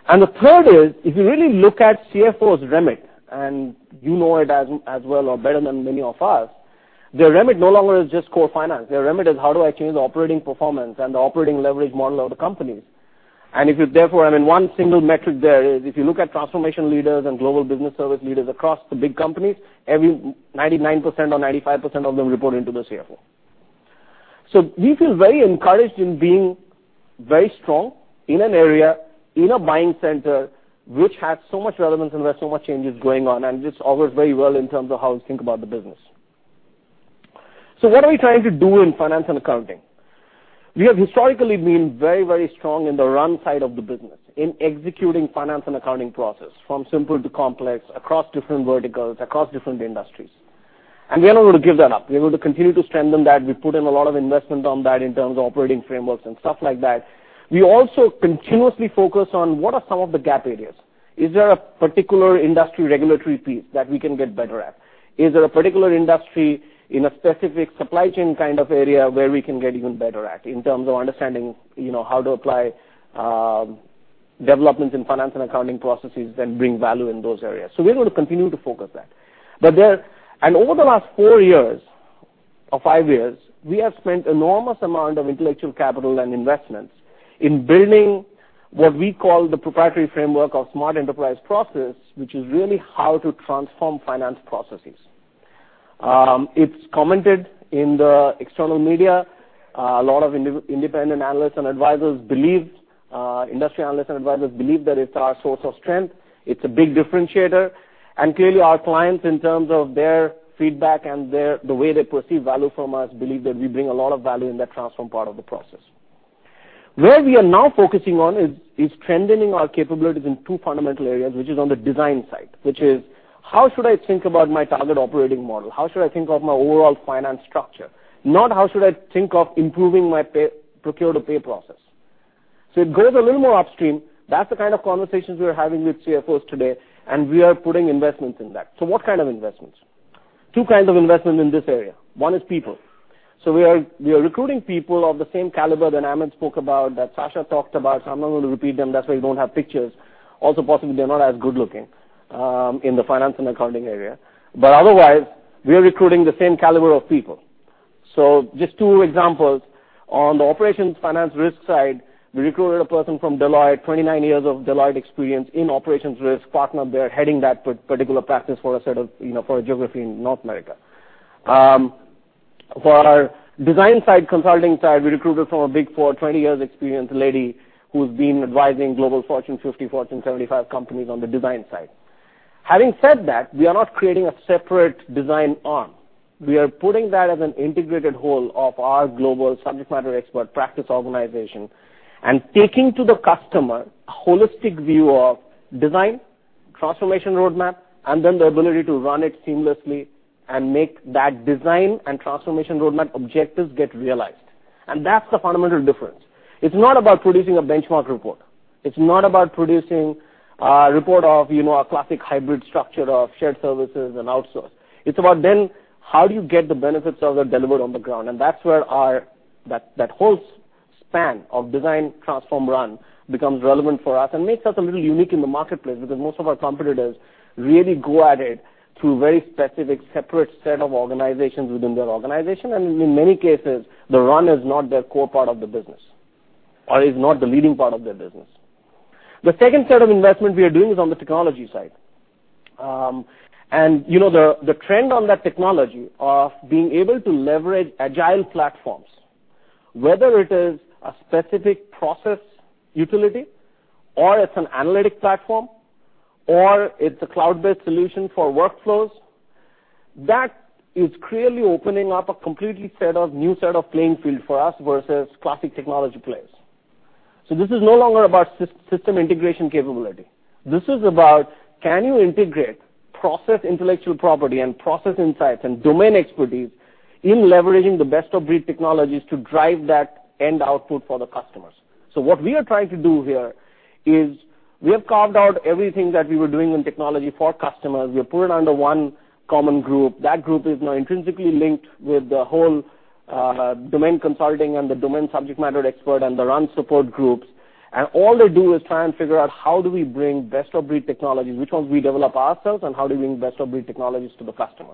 S5: The third is, if you really look at CFOs' remit, and you know it as well or better than many of us, their remit no longer is just core finance. Their remit is how do I change the operating performance and the operating leverage model of the companies. If you therefore, I mean, one single metric there is if you look at transformation leaders and global business service leaders across the big companies, every 99% or 95% of them report into the CFO. We feel very encouraged in being very strong in an area, in a buying center, which has so much relevance and where so much change is going on, this augurs very well in terms of how we think about the business. What are we trying to do in finance and accounting? We have historically been very, very strong in the run side of the business, in executing finance and accounting process from simple to complex, across different verticals, across different industries. We are not going to give that up. We are going to continue to strengthen that. We put in a lot of investment on that in terms of operating frameworks and stuff like that. We also continuously focus on what are some of the gap areas. Is there a particular industry regulatory piece that we can get better at? Is there a particular industry in a specific supply chain kind of area where we can get even better at in terms of understanding how to apply developments in finance and accounting processes that bring value in those areas. We're going to continue to focus that. Over the last four years or five years, we have spent enormous amount of intellectual capital and investments in building what we call the proprietary framework of Smart Enterprise Process, which is really how to transform finance processes. It's commented in the external media. A lot of independent analysts and advisors believe industry analysts and advisors believe that it's our source of strength. It's a big differentiator, and clearly our clients, in terms of their feedback and the way they perceive value from us, believe that we bring a lot of value in that transform part of the process. Where we are now focusing on is strengthening our capabilities in two fundamental areas, which is on the design side. Which is, how should I think about my target operating model? How should I think of my overall finance structure? Not how should I think of improving my procure-to-pay process. It goes a little more upstream. That's the kind of conversations we're having with CFOs today, and we are putting investments in that. What kind of investments? Two kinds of investments in this area. One is people. We are recruiting people of the same caliber that Amit spoke about, that Sasha talked about. I'm not going to repeat them, that's why you don't have pictures. Also, possibly, they're not as good-looking in the finance and accounting area. Otherwise, we are recruiting the same caliber of people. Just two examples. On the operations finance risk side, we recruited a person from Deloitte, 29 years of Deloitte experience in operations risk, partner there, heading that particular practice for a geography in North America. For our design side, consulting side, we recruited from a Big Four, 20 years experienced lady who's been advising global Fortune 50, Fortune 75 companies on the design side. Having said that, we are not creating a separate design arm. We are putting that as an integrated whole of our global subject matter expert practice organization and taking to the customer holistic view of design, transformation roadmap, and the ability to run it seamlessly and make that design and transformation roadmap objectives get realized. That's the fundamental difference. It's not about producing a benchmark report. It's not about producing a report of a classic hybrid structure of shared services and outsource. It's about then how do you get the benefits of that delivered on the ground, and that's where our that whole span of design, transform, run becomes relevant for us and makes us a little unique in the marketplace because most of our competitors really go at it through very specific, separate set of organizations within their organization. In many cases, the run is not their core part of the business. Is not the leading part of their business. The second set of investment we are doing is on the technology side. The trend on that technology of being able to leverage agile platforms, whether it is a specific process utility or it's an analytic platform or it's a cloud-based solution for workflows, that is clearly opening up a completely new set of playing field for us versus classic technology players. This is no longer about system integration capability. This is about can you integrate process intellectual property and process insights and domain expertise in leveraging the best-of-breed technologies to drive that end output for the customers. What we are trying to do here is we have carved out everything that we were doing in technology for customers. We have put it under one common group. That group is now intrinsically linked with the whole domain consulting and the domain subject matter expert and the run support groups. All they do is try and figure out how do we bring best-of-breed technology, which ones we develop ourselves, and how do we bring best-of-breed technologies to the customer.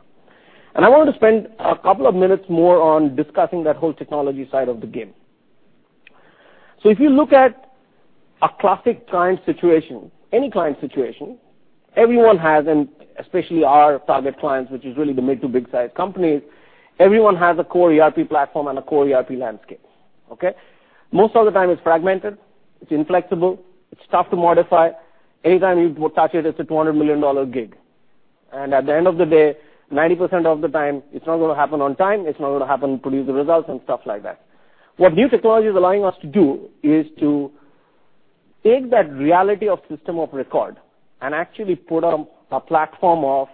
S5: I want to spend a couple of minutes more on discussing that whole technology side of the game. If you look at a classic client situation, any client situation, everyone has, and especially our target clients, which is really the mid-to-big-sized companies, everyone has a core ERP platform and a core ERP landscape. Okay? Most of the time it's fragmented, it's inflexible, it's tough to modify. Any time you touch it's a $200 million gig. At the end of the day, 90% of the time, it's not going to happen on time, it's not going to happen, produce the results and stuff like that. What new technology is allowing us to do is to take that reality of system of record and actually put a platform of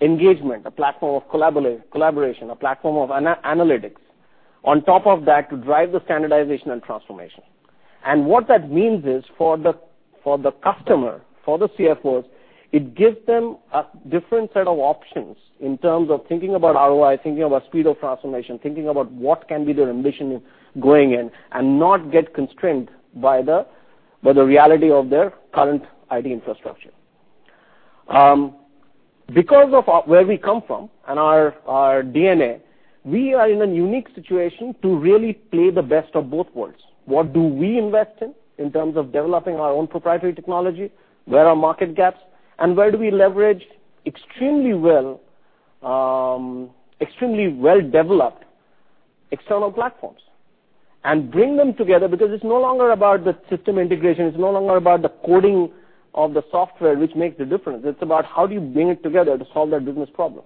S5: engagement, a platform of collaboration, a platform of analytics on top of that to drive the standardization and transformation. What that means is, for the customer, for the CFOs, it gives them a different set of options in terms of thinking about ROI, thinking about speed of transformation, thinking about what can be their ambition going in and not get constrained by the reality of their current IT infrastructure. Because of where we come from and our DNA, we are in a unique situation to really play the best of both worlds. What do we invest in terms of developing our own proprietary technology, where are market gaps, and where do we leverage extremely well, extremely well-developed external platforms and bring them together because it's no longer about the system integration, it's no longer about the coding of the software which makes the difference. It's about how do you bring it together to solve that business problem.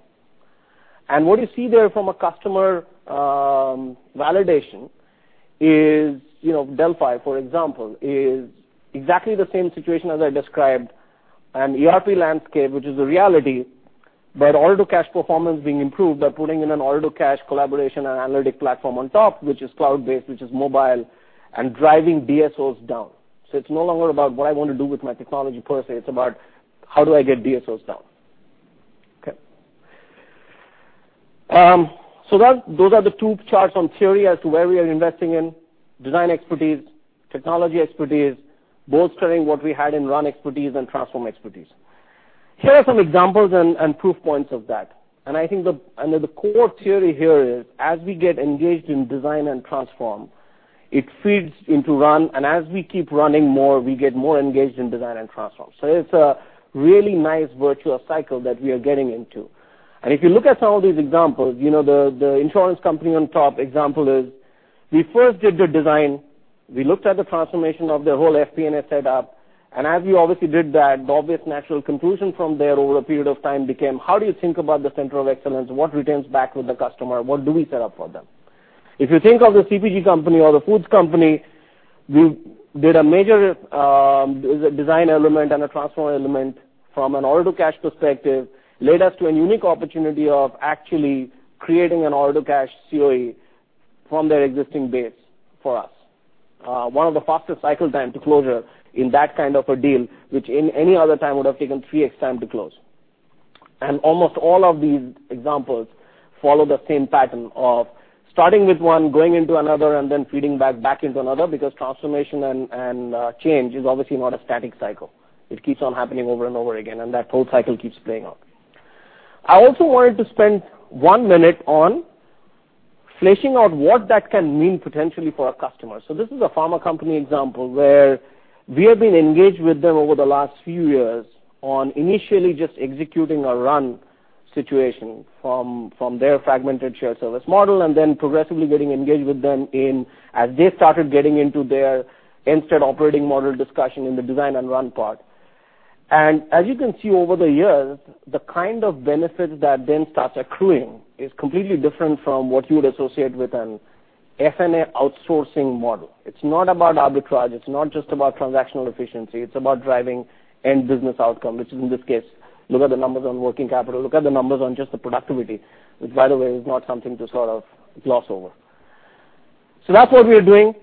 S5: What you see there from a customer validation is, Delphi, for example, is exactly the same situation as I described, an ERP landscape, which is a reality, but order-to-cash performance being improved by putting in an order-to-cash collaboration and analytic platform on top, which is cloud-based, which is mobile, and driving DSOs down. It's no longer about what I want to do with my technology per se. It's about how do I get DSOs down. Okay. Those are the two charts on theory as to where we are investing in design expertise, technology expertise, bolstering what we had in run expertise and transform expertise. Here are some examples and proof points of that. I think the core theory here is as we get engaged in design and transform, it feeds into run, and as we keep running more, we get more engaged in design and transform. It's a really nice virtuous cycle that we are getting into. If you look at some of these examples, the insurance company on top example is, we first did the design, we looked at the transformation of their whole FP&A setup, and as we obviously did that, the obvious natural conclusion from there over a period of time became: How do you think about the center of excellence? What returns back with the customer? What do we set up for them? If you think of the CPG company or the foods company, we did a major design element and a transform element from an order-to-cash perspective, led us to a unique opportunity of actually creating an order-to-cash COE from their existing base for us. One of the fastest cycle time to closure in that kind of a deal, which in any other time would have taken 3x time to close. Almost all of these examples follow the same pattern of starting with one, going into another, and then feeding back into another, because transformation and change is obviously not a static cycle. It keeps on happening over and over again, and that whole cycle keeps playing out. I also wanted to spend one minute on fleshing out what that can mean potentially for our customers. This is a pharma company example where we have been engaged with them over the last few years on initially just executing a run situation from their fragmented shared service model, and then progressively getting engaged with them in as they started getting into their instead operating model discussion in the design and run part. As you can see over the years, the kind of benefit that then starts accruing is completely different from what you would associate with an F&A outsourcing model. It's not about arbitrage, it's not just about transactional efficiency, it's about driving end business outcome, which in this case, look at the numbers on working capital, look at the numbers on just the productivity, which by the way, is not something to sort of gloss over. That's what we are doing.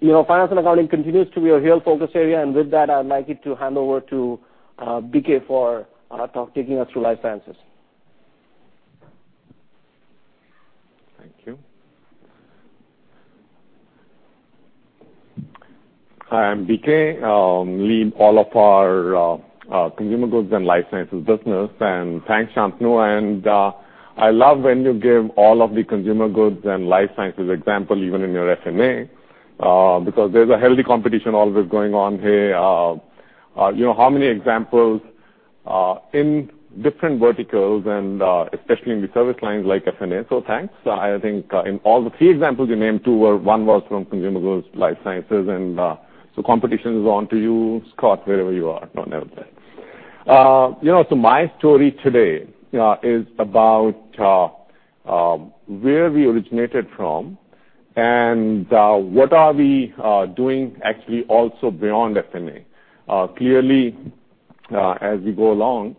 S5: Finance and accounting continues to be a real focus area, with that, I'd like it to hand over to BK for talk, taking us through life sciences.
S6: Thank you. I am BK, lead all of our consumer goods and life sciences business. Thanks, Shantanu, and I love when you give all of the consumer goods and life sciences example, even in your F&A. There's a healthy competition always going on here. How many examples in different verticals and, especially in the service lines like F&A. Thanks. I think in all the three examples you named, two were, one was from consumer goods, life sciences, competition is on to you, Scott, wherever you are. No, never mind. My story today is about where we originated from and what are we doing actually also beyond F&A. Clearly, as we go along.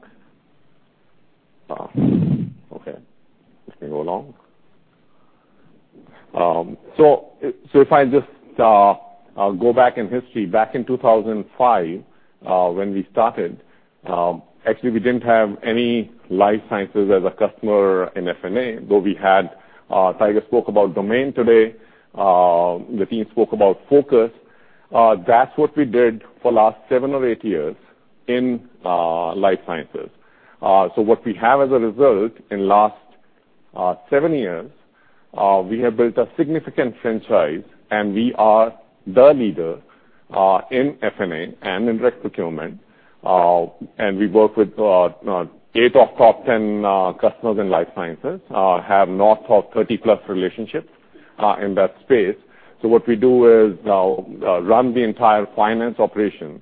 S6: If I just go back in history, back in 2005, when we started, actually, we didn't have any life sciences as a customer in F&A. Tiger spoke about domain today. (inaudible) spoke about focus. That's what we did for last seven or eight years in life sciences. What we have as a result in last seven years, we have built a significant franchise, and we are the leader in F&A and in direct procurement. We work with eight of top 10 customers in life sciences. Have north of 30-plus relationships in that space. What we do is run the entire finance operation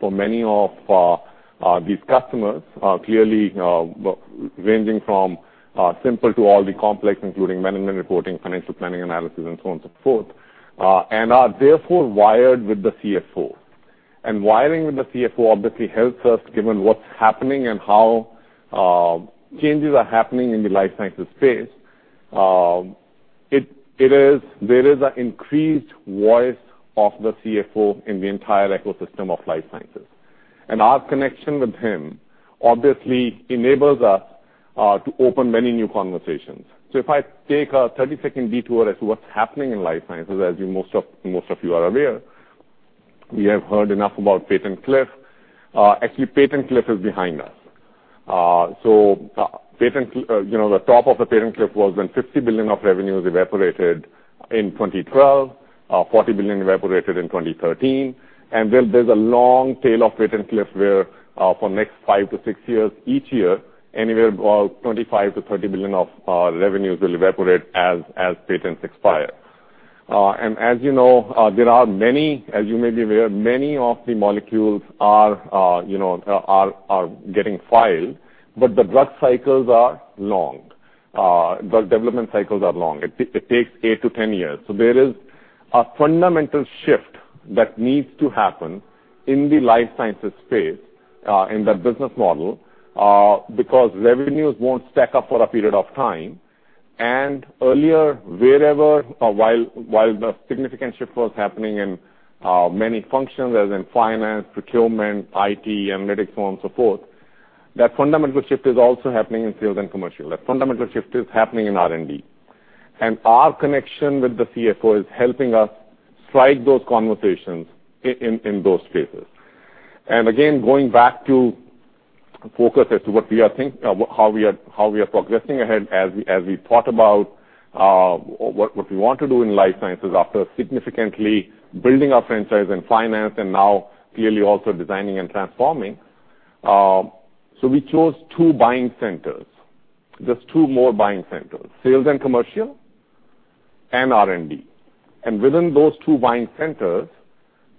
S6: for many of these customers, clearly ranging from simple to all the complex, including management reporting, financial planning analysis, and so on and so forth, and are therefore wired with the CFO. Wiring with the CFO obviously helps us given what's happening and how changes are happening in the life sciences space. There is an increased voice of the CFO in the entire ecosystem of life sciences. Our connection with him obviously enables us to open many new conversations. If I take a 30-second detour as to what's happening in life sciences, as most of you are aware, we have heard enough about patent cliff. Actually, patent cliff is behind us. The top of the patent cliff was when $50 billion of revenues evaporated in 2012, $40 billion evaporated in 2013, and then there's a long tail of patent cliff where for next five to six years, each year, anywhere about $25 billion-$30 billion of revenues will evaporate as patents expire. As you know, there are many, as you may be aware, many of the molecules are getting filed, but the drug cycles are long. Drug development cycles are long. It takes eight to 10 years. There is a fundamental shift that needs to happen in the life sciences space, in that business model, because revenues won't stack up for a period of time. Earlier, wherever, while the significant shift was happening in many functions, as in finance, procurement, IT, analytics, so on and so forth, that fundamental shift is also happening in sales and commercial. That fundamental shift is happening in R&D. Our connection with the CFO is helping us strike those conversations in those spaces. Going back to focus as to what we are how we are progressing ahead as we thought about what we want to do in life sciences after significantly building our franchise in finance and now clearly also designing and transforming. We chose two buying centers, just two more buying centers, sales and commercial, and R&D. Within those two buying centers,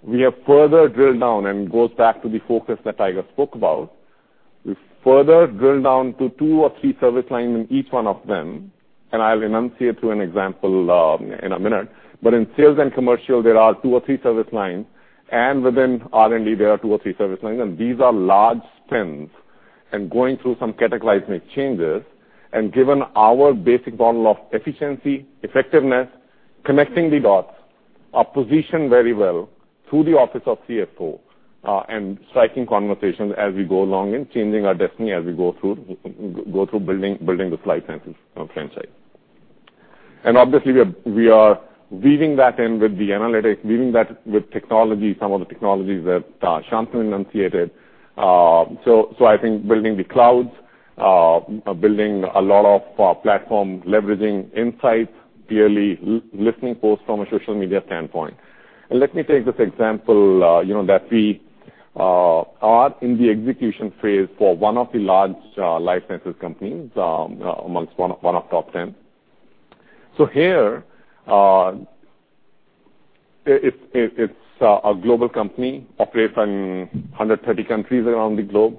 S6: we have further drilled down, and it goes back to the focus that Tiger spoke about. We've further drilled down to two or three service lines in each one of them, and I'll enunciate through an example in a minute. In sales and commercial, there are two or three service lines, and within R&D, there are two or three service lines. These are large spends and going through some cataclysmic changes. Given our basic model of efficiency, effectiveness, connecting the dots, are positioned very well through the office of CFO, striking conversations as we go along and changing our destiny as we go through building this life sciences franchise. Obviously, we are weaving that in with the analytics, weaving that with technology, some of the technologies that Shantanu enunciated. I think building the clouds, building a lot of platforms, leveraging insights, clearly listening posts from a social media standpoint. Let me take this example, that we are in the execution phase for one of the large life sciences companies, amongst one of top 10. Here, it's a global company, operates in 130 countries around the globe.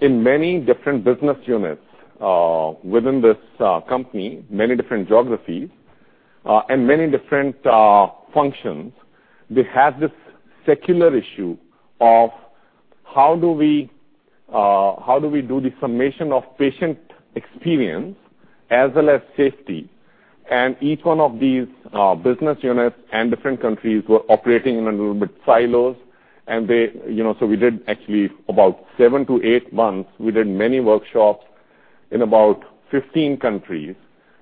S6: In many different business units within this company, many different geographies, and many different functions, they have this secular issue of how do we do the summation of patient experience as well as safety? Each one of these business units and different countries were operating in a little bit silos. We did actually about seven to eight months. We did many workshops in about 15 countries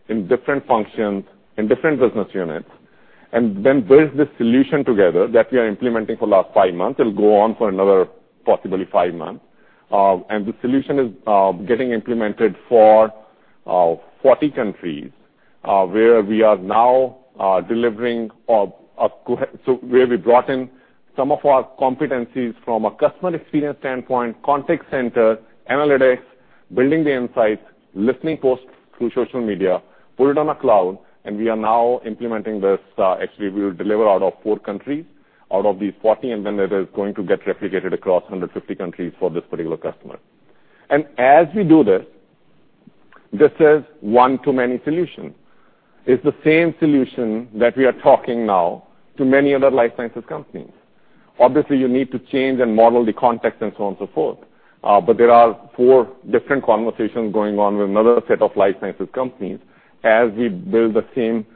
S6: in different functions, in different business units, and then build this solution together that we are implementing for last five months. It'll go on for another possibly five months. The solution is getting implemented for 40 countries, where we are now delivering a where we brought in some of our competencies from a customer experience standpoint, contact center, analytics, building the insights, listening posts through social media, put it on a cloud, and we are now implementing this. Actually, we will deliver out of four countries out of these 40, then it is going to get replicated across 150 countries for this particular customer. As we do this is one too many solution. It's the same solution that we are talking now to many other life sciences companies. Obviously, you need to change and model the context and so on and so forth. There are four different conversations going on with another set of life sciences companies as we build the same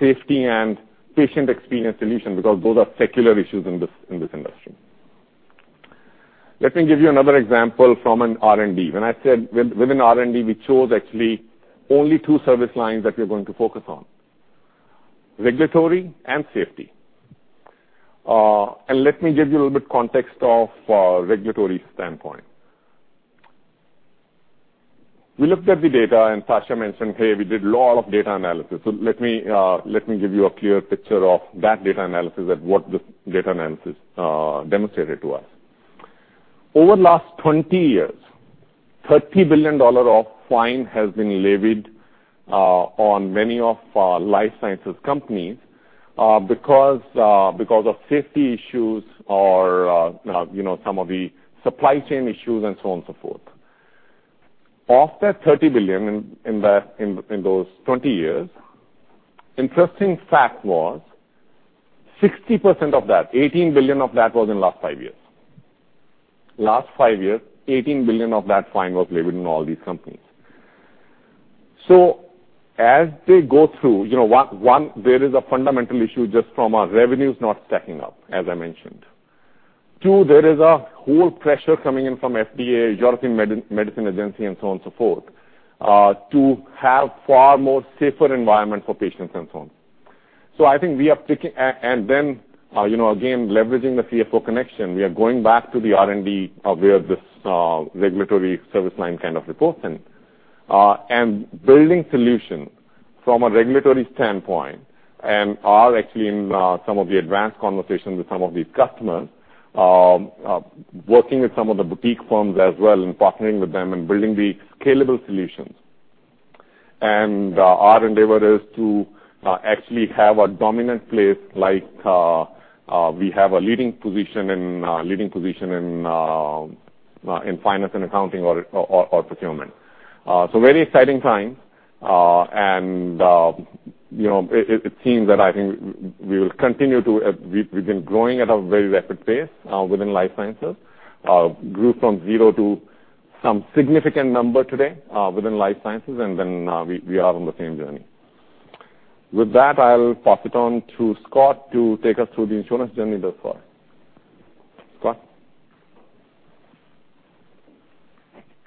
S6: safety and patient experience solution because those are secular issues in this industry. Let me give you another example from an R&D. When I said within R&D, we chose actually only two service lines that we're going to focus on, regulatory and safety. Let me give you a little bit context of regulatory standpoint. We looked at the data, Sasha mentioned, hey, we did lot of data analysis. Let me give you a clear picture of that data analysis at what this data analysis demonstrated to us. Over last 20 years, $30 billion of fine has been levied on many of life sciences companies because of safety issues or some of the supply chain issues and so on and so forth. Of that $30 billion in those 20 years, interesting fact was 60% of that, $18 billion of that was in last 5 years. Last 5 years, $18 billion of that fine was levied in all these companies. As they go through, one, there is a fundamental issue just from our revenues not stacking up, as I mentioned. Two, there is a whole pressure coming in from FDA, European Medicines Agency, and so on and so forth, to have far more safer environment for patients and so on. I think we are taking. Again, leveraging the CFO connection, we are going back to the R&D where this regulatory service line kind of reports in. Building solution from a regulatory standpoint and are actually in some of the advanced conversations with some of these customers. Working with some of the boutique firms as well and partnering with them and building the scalable solutions. Our endeavor is to actually have a dominant place like we have a leading position in finance and accounting or procurement. Very exciting times. It seems that I think we've been growing at a very rapid pace within life sciences. Grew from zero to some significant number today within life sciences, we are on the same journey. With that, I'll pass it on to Scott to take us through the insurance journey thus far. Scott?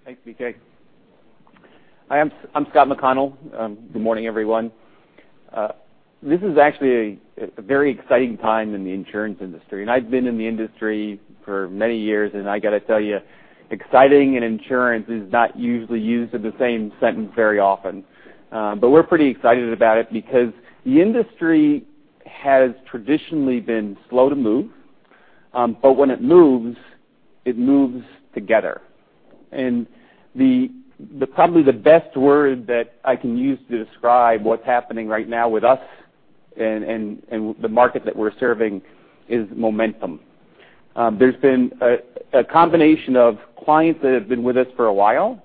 S7: Thanks, BK. Hi, I'm Scott McConnell. Good morning, everyone. This is actually a very exciting time in the insurance industry. I've been in the industry for many years, and I've got to tell you, exciting and insurance is not usually used in the same sentence very often. We're pretty excited about it because the industry has traditionally been slow to move. When it moves, it moves together. Probably the best word that I can use to describe what's happening right now with us and the market that we're serving is momentum. There's been a combination of clients that have been with us for a while,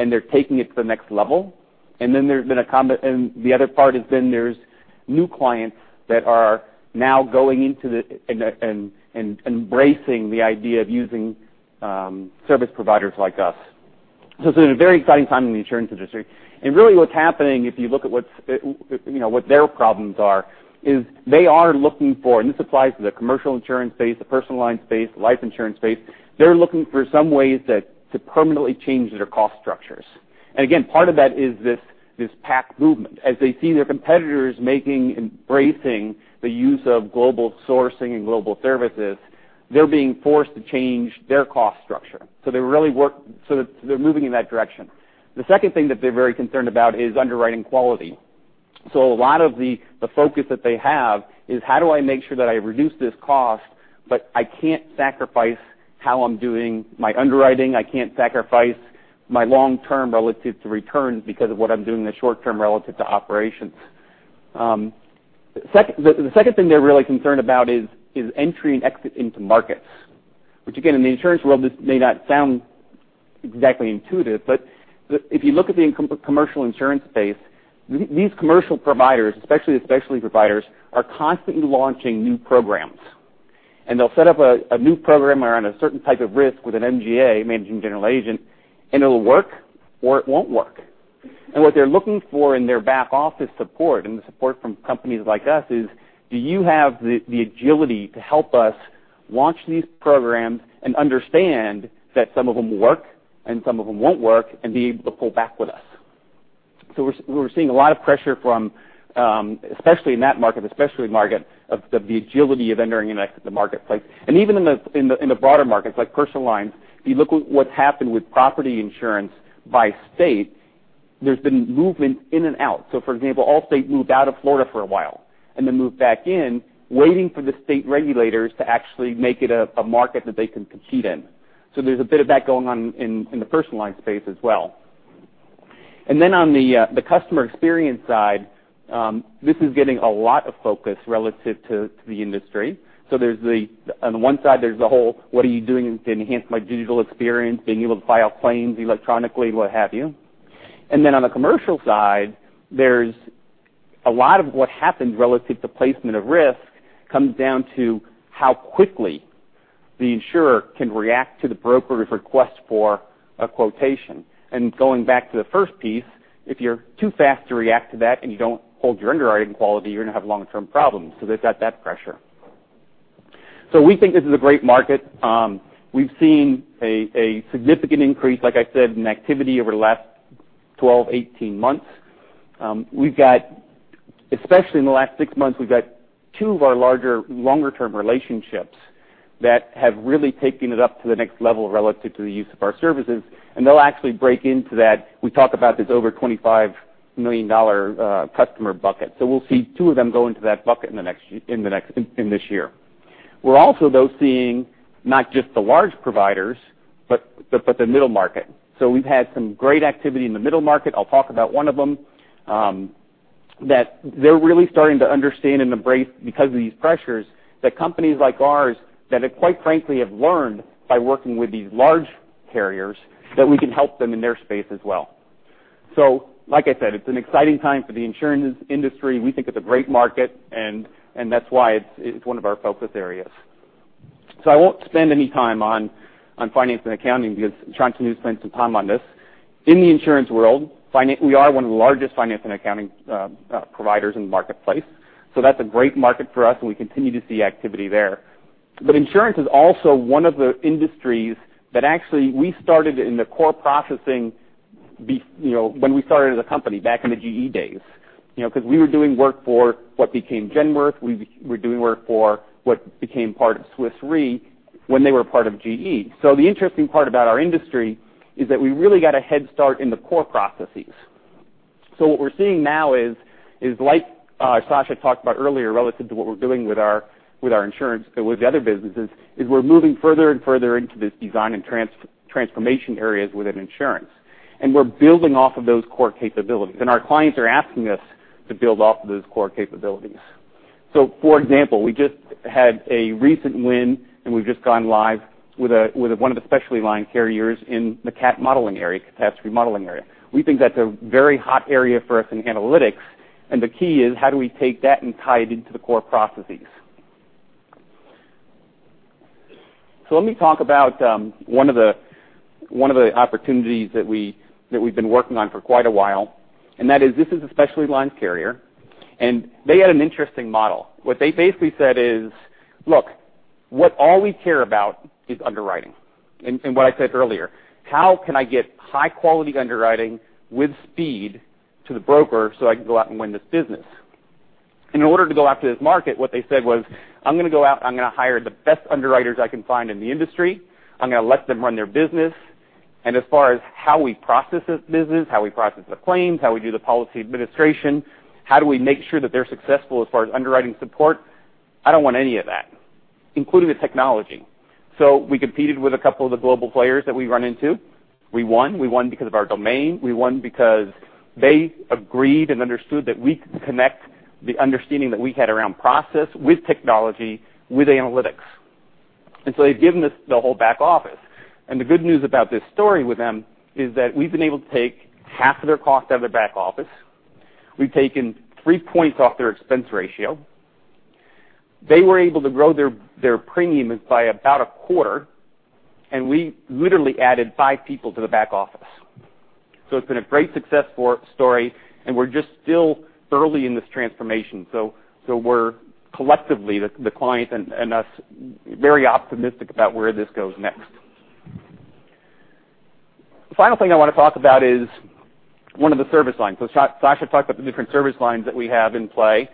S7: and they're taking it to the next level. The other part has been there's new clients that are now going into and embracing the idea of using service providers like us. It's a very exciting time in the insurance industry. Really what's happening, if you look at what their problems are, is they are looking for, and this applies to the commercial insurance space, the personal line space, the life insurance space, they're looking for some ways to permanently change their cost structures. Again, part of that is this PAC movement. They see their competitors making, embracing the use of global sourcing and global services, they're being forced to change their cost structure. They're moving in that direction. The second thing that they're very concerned about is underwriting quality. A lot of the focus that they have is how do I make sure that I reduce this cost, but I can't sacrifice how I'm doing my underwriting. I can't sacrifice my long-term relative to returns because of what I'm doing in the short term relative to operations. The second thing they're really concerned about is entry and exit into markets, which again, in the insurance world, this may not sound exactly intuitive, but if you look at the commercial insurance space, these commercial providers, especially the specialty providers, are constantly launching new programs. They'll set up a new program around a certain type of risk with an MGA, managing general agent, and it'll work or it won't work. What they're looking for in their back office support and the support from companies like us is, do you have the agility to help us launch these programs and understand that some of them work and some of them won't work and be able to pull back with us? We're seeing a lot of pressure from, especially in that market, the specialty market, of the agility of entering and exiting the marketplace. Even in the broader markets, like personal lines, if you look at what's happened with property insurance by state, there's been movement in and out. For example, Allstate moved out of Florida for a while and then moved back in, waiting for the state regulators to actually make it a market that they can compete in. There's a bit of that going on in the personal line space as well. Then on the customer experience side, this is getting a lot of focus relative to the industry. On the one side, there's the whole, what are you doing to enhance my digital experience, being able to file claims electronically, what have you. Then on the commercial side, there's a lot of what happens relative to placement of risk comes down to how quickly the insurer can react to the broker's request for a quotation. Going back to the first piece, if you're too fast to react to that and you don't hold your underwriting quality, you're going to have long-term problems. They've got that pressure. We think this is a great market. We've seen a significant increase, like I said, in activity over the last 12, 18 months. In the last six months, we've got two of our larger, longer-term relationships that have really taken it up to the next level relative to the use of our services. They'll actually break into that. We talk about this over $25 million customer bucket. We'll see two of them go into that bucket in this year. We're also, though, seeing not just the large providers, but the middle market. We've had some great activity in the middle market. I'll talk about one of them. That they're really starting to understand and embrace, because of these pressures, that companies like ours that have quite frankly learned by working with these large carriers, that we can help them in their space as well. Like I said, it's an exciting time for the insurance industry. We think it's a great market, and that's why it's one of our focus areas. I won't spend any time on finance and accounting because Shantanu spent some time on this. In the insurance world, we are one of the largest finance and accounting providers in the marketplace. That's a great market for us, and we continue to see activity there. Insurance is also one of the industries that actually we started in the core processing when we started as a company back in the GE days. Because we were doing work for what became Genworth. We were doing work for what became part of Swiss Re when they were part of GE. The interesting part about our industry is that we really got a head start in the core processes. What we're seeing now is, like Sasha talked about earlier, relative to what we're doing with our insurance, with the other businesses, is we're moving further and further into this design and transformation areas within insurance. We're building off of those core capabilities, and our clients are asking us to build off those core capabilities. For example, we just had a recent win, and we've just gone live with one of the specialty line carriers in the cat modeling area, catastrophe modeling area. We think that's a very hot area for us in analytics, the key is how do we take that and tie it into the core processes? Let me talk about one of the opportunities that we've been working on for quite a while, and that is this is a specialty lines carrier. They had an interesting model. What they basically said is, "Look, what all we care about is underwriting." What I said earlier, how can I get high-quality underwriting with speed to the broker so I can go out and win this business? In order to go after this market, what they said was, "I'm going to go out and I'm going to hire the best underwriters I can find in the industry. I'm going to let them run their business, and as far as how we process this business, how we process the claims, how we do the policy administration, how do we make sure that they're successful as far as underwriting support, I don't want any of that, including the technology." We competed with a couple of the global players that we run into. We won. We won because of our domain. We won because they agreed and understood that we could connect the understanding that we had around process with technology, with analytics. They've given us the whole back office. The good news about this story with them is that we've been able to take half of their cost out of their back office. We've taken three points off their expense ratio. They were able to grow their premiums by about a quarter, and we literally added five people to the back office. It's been a great success story, and we're just still early in this transformation. We're, collectively, the client and us, very optimistic about where this goes next. The final thing I want to talk about is one of the service lines. Sasha talked about the different service lines that we have in play.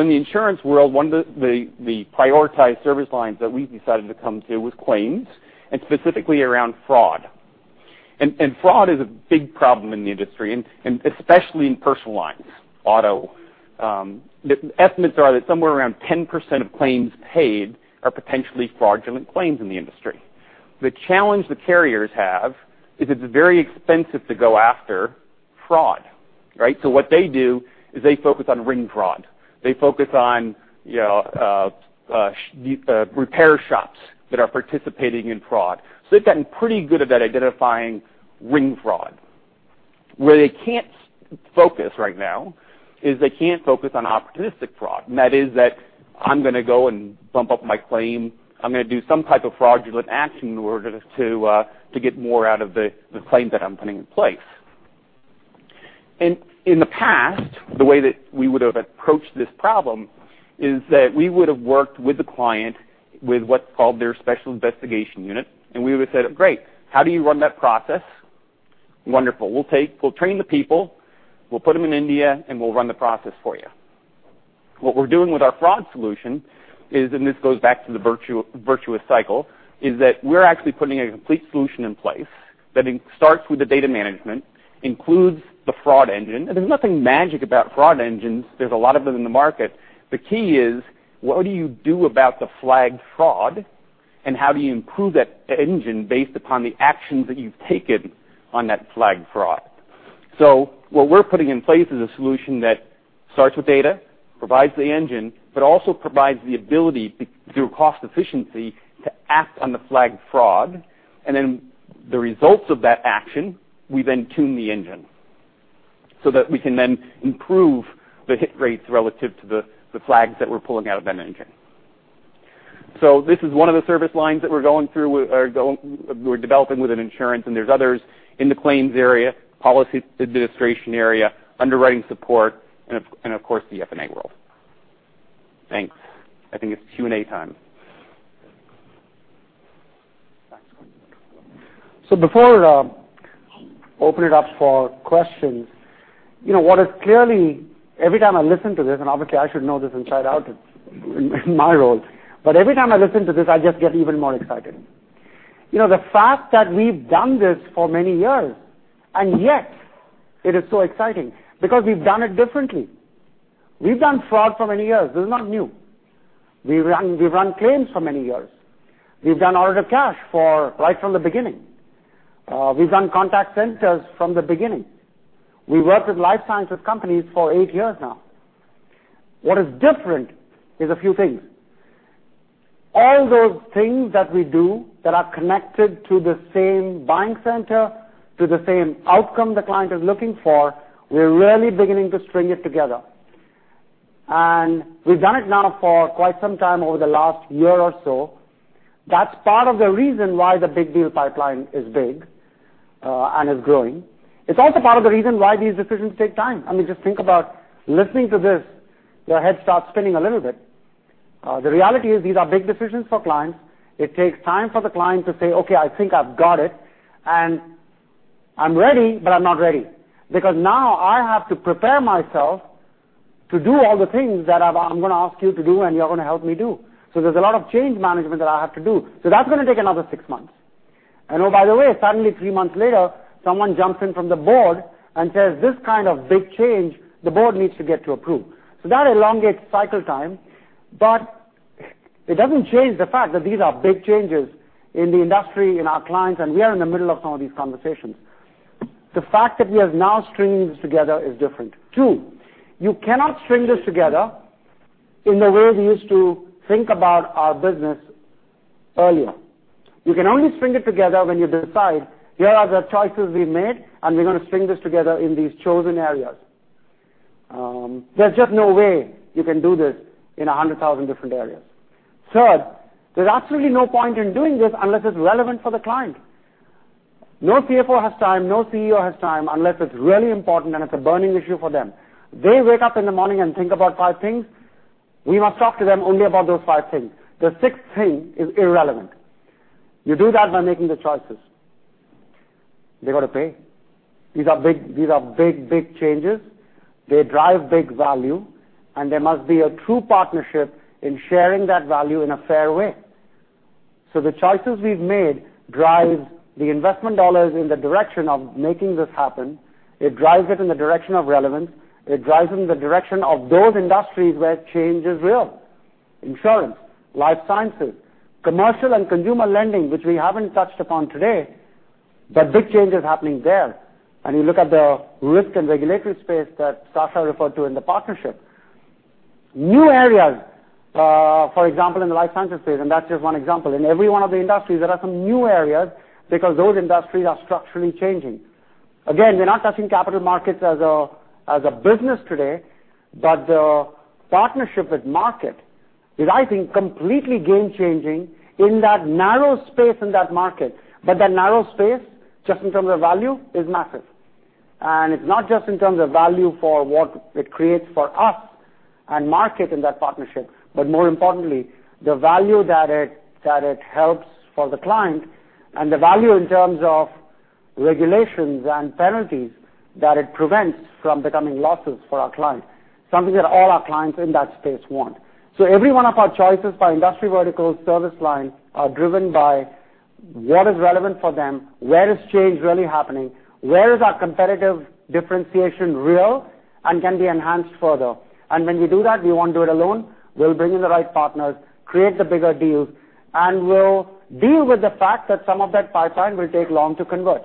S7: In the insurance world, one of the prioritized service lines that we've decided to come to was claims, and specifically around fraud. Fraud is a big problem in the industry, and especially in personal lines, auto. The estimates are that somewhere around 10% of claims paid are potentially fraudulent claims in the industry. The challenge the carriers have is it's very expensive to go after fraud, right? What they do is they focus on ring fraud. They focus on repair shops that are participating in fraud. They've gotten pretty good at that, identifying ring fraud. Where they can't focus right now is they can't focus on opportunistic fraud, and that is that I'm going to go and bump up my claim. I'm going to do some type of fraudulent action in order to get more out of the claim that I'm putting in place. In the past, the way that we would've approached this problem is that we would've worked with the client with what's called their special investigation unit, and we would've said, "Great. How do you run that process? Wonderful. We'll train the people, we'll put them in India, and we'll run the process for you." What we're doing with our fraud solution is, and this goes back to the virtuous cycle, is that we're actually putting a complete solution in place that starts with the data management, includes the fraud engine. There's nothing magic about fraud engines. There's a lot of them in the market. The key is, what do you do about the flagged fraud, and how do you improve that engine based upon the actions that you've taken on that flagged fraud? What we're putting in place is a solution that starts with data, provides the engine, but also provides the ability, through cost efficiency, to act on the flagged fraud, and then the results of that action, we then tune the engine, so that we can then improve the hit rates relative to the flags that we're pulling out of that engine. This is one of the service lines that we're going through, we're developing with an insurance, and there's others in the claims area, policy administration area, underwriting support, and of course, the F&A world. Thanks. I think it's Q&A time.
S2: Before I open it up for questions, what is clearly, every time I listen to this, and obviously I should know this inside out in my role, but every time I listen to this, I just get even more excited. The fact that we've done this for many years, and yet it is so exciting because we've done it differently. We've done fraud for many years. This is not new. We've run claims for many years. We've done audit of cash right from the beginning. We've done contact centers from the beginning. We've worked with life sciences companies for eight years now. What is different is a few things. All those things that we do that are connected to the same buying center, to the same outcome the client is looking for, we're really beginning to string it together. We've done it now for quite some time over the last year or so. That's part of the reason why the big deal pipeline is big, and is growing. It's also part of the reason why these decisions take time. I mean, just think about listening to this, your head starts spinning a little bit. The reality is these are big decisions for clients. It takes time for the client to say, "Okay, I think I've got it, and I'm ready, but I'm not ready. Because now I have to prepare myself to do all the things that I'm going to ask you to do, and you're going to help me do. There's a lot of change management that I have to do. That's going to take another six months. Oh, by the way, suddenly three months later, someone jumps in from the board and says, "This kind of big change, the board needs to get to approve." That elongates cycle time. It doesn't change the fact that these are big changes in the industry, in our clients, and we are in the middle of some of these conversations. The fact that we are now stringing this together is different. Two, you cannot string this together in the way we used to think about our business earlier. You can only string it together when you decide, here are the choices we made, and we're going to string this together in these chosen areas. There's just no way you can do this in 100,000 different areas. Third, there's absolutely no point in doing this unless it's relevant for the client. No CFO has time, no CEO has time, unless it's really important and it's a burning issue for them. They wake up in the morning and think about five things. We must talk to them only about those five things. The sixth thing is irrelevant. You do that by making the choices. They've got to pay. These are big, big changes. They drive big value, and there must be a true partnership in sharing that value in a fair way. The choices we've made drive the investment dollars in the direction of making this happen. It drives it in the direction of relevance. It drives in the direction of those industries where change is real. Insurance, life sciences, commercial and consumer lending, which we haven't touched upon today, but big change is happening there. You look at the risk and regulatory space that Sasha referred to in the partnership. New areas, for example, in the life sciences space, and that's just one example. In every one of the industries, there are some new areas because those industries are structurally changing. Again, we're not touching capital markets as a business today, but the partnership with Markit is, I think, completely game-changing in that narrow space in that market. That narrow space, just in terms of value, is massive. It's not just in terms of value for what it creates for us and Markit in that partnership, but more importantly, the value that it helps for the client, and the value in terms of regulations and penalties that it prevents from becoming losses for our clients, something that all our clients in that space want. Every one of our choices by industry vertical, service line, are driven by what is relevant for them, where is change really happening, where is our competitive differentiation real, and can be enhanced further. When we do that, we won't do it alone. We'll bring in the right partners, create the bigger deals, and we'll deal with the fact that some of that pipeline will take long to convert.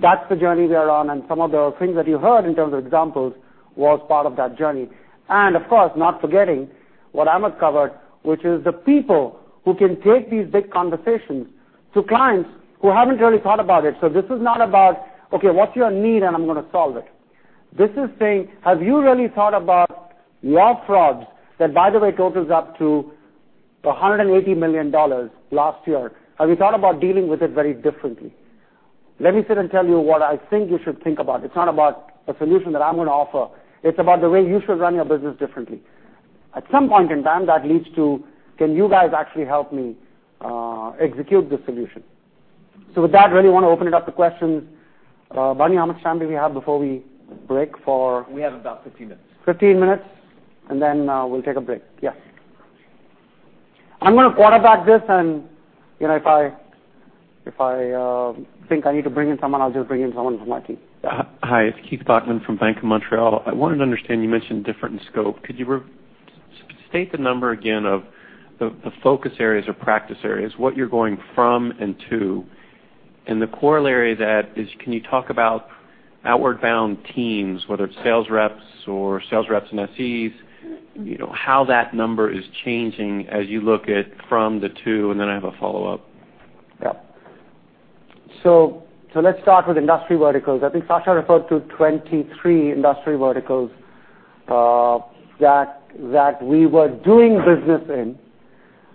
S2: That's the journey we are on, and some of the things that you heard in terms of examples was part of that journey. Of course, not forgetting what Amit covered, which is the people who can take these big conversations to clients who haven't really thought about it. This is not about, "Okay, what's your need? I'm going to solve it." This is saying, "Have you really thought about your frauds, that by the way, totals up to $180 million last year? Have you thought about dealing with it very differently? Let me sit and tell you what I think you should think about. It's not about a solution that I'm going to offer. It's about the way you should run your business differently." At some point in time, that leads to, "Can you guys actually help me execute this solution?" With that, really want to open it up to questions. Barney, how much time do we have before we break for-
S1: We have about 15 minutes.
S2: 15 minutes, then we'll take a break. Yes. I'm going to quarterback this and if I think I need to bring in someone, I'll just bring in someone from my team.
S8: Hi, it's Keith Bachman from Bank of Montreal. I wanted to understand, you mentioned different scope. Could you state the number again of the focus areas or practice areas, what you're going from and to, the corollary that is, can you talk about outward bound teams, whether it's sales reps or sales reps and SEs, how that number is changing as you look at from the two, then I have a follow-up.
S2: Yep. Let's start with industry verticals. I think Sasha referred to 23 industry verticals that we were doing business in.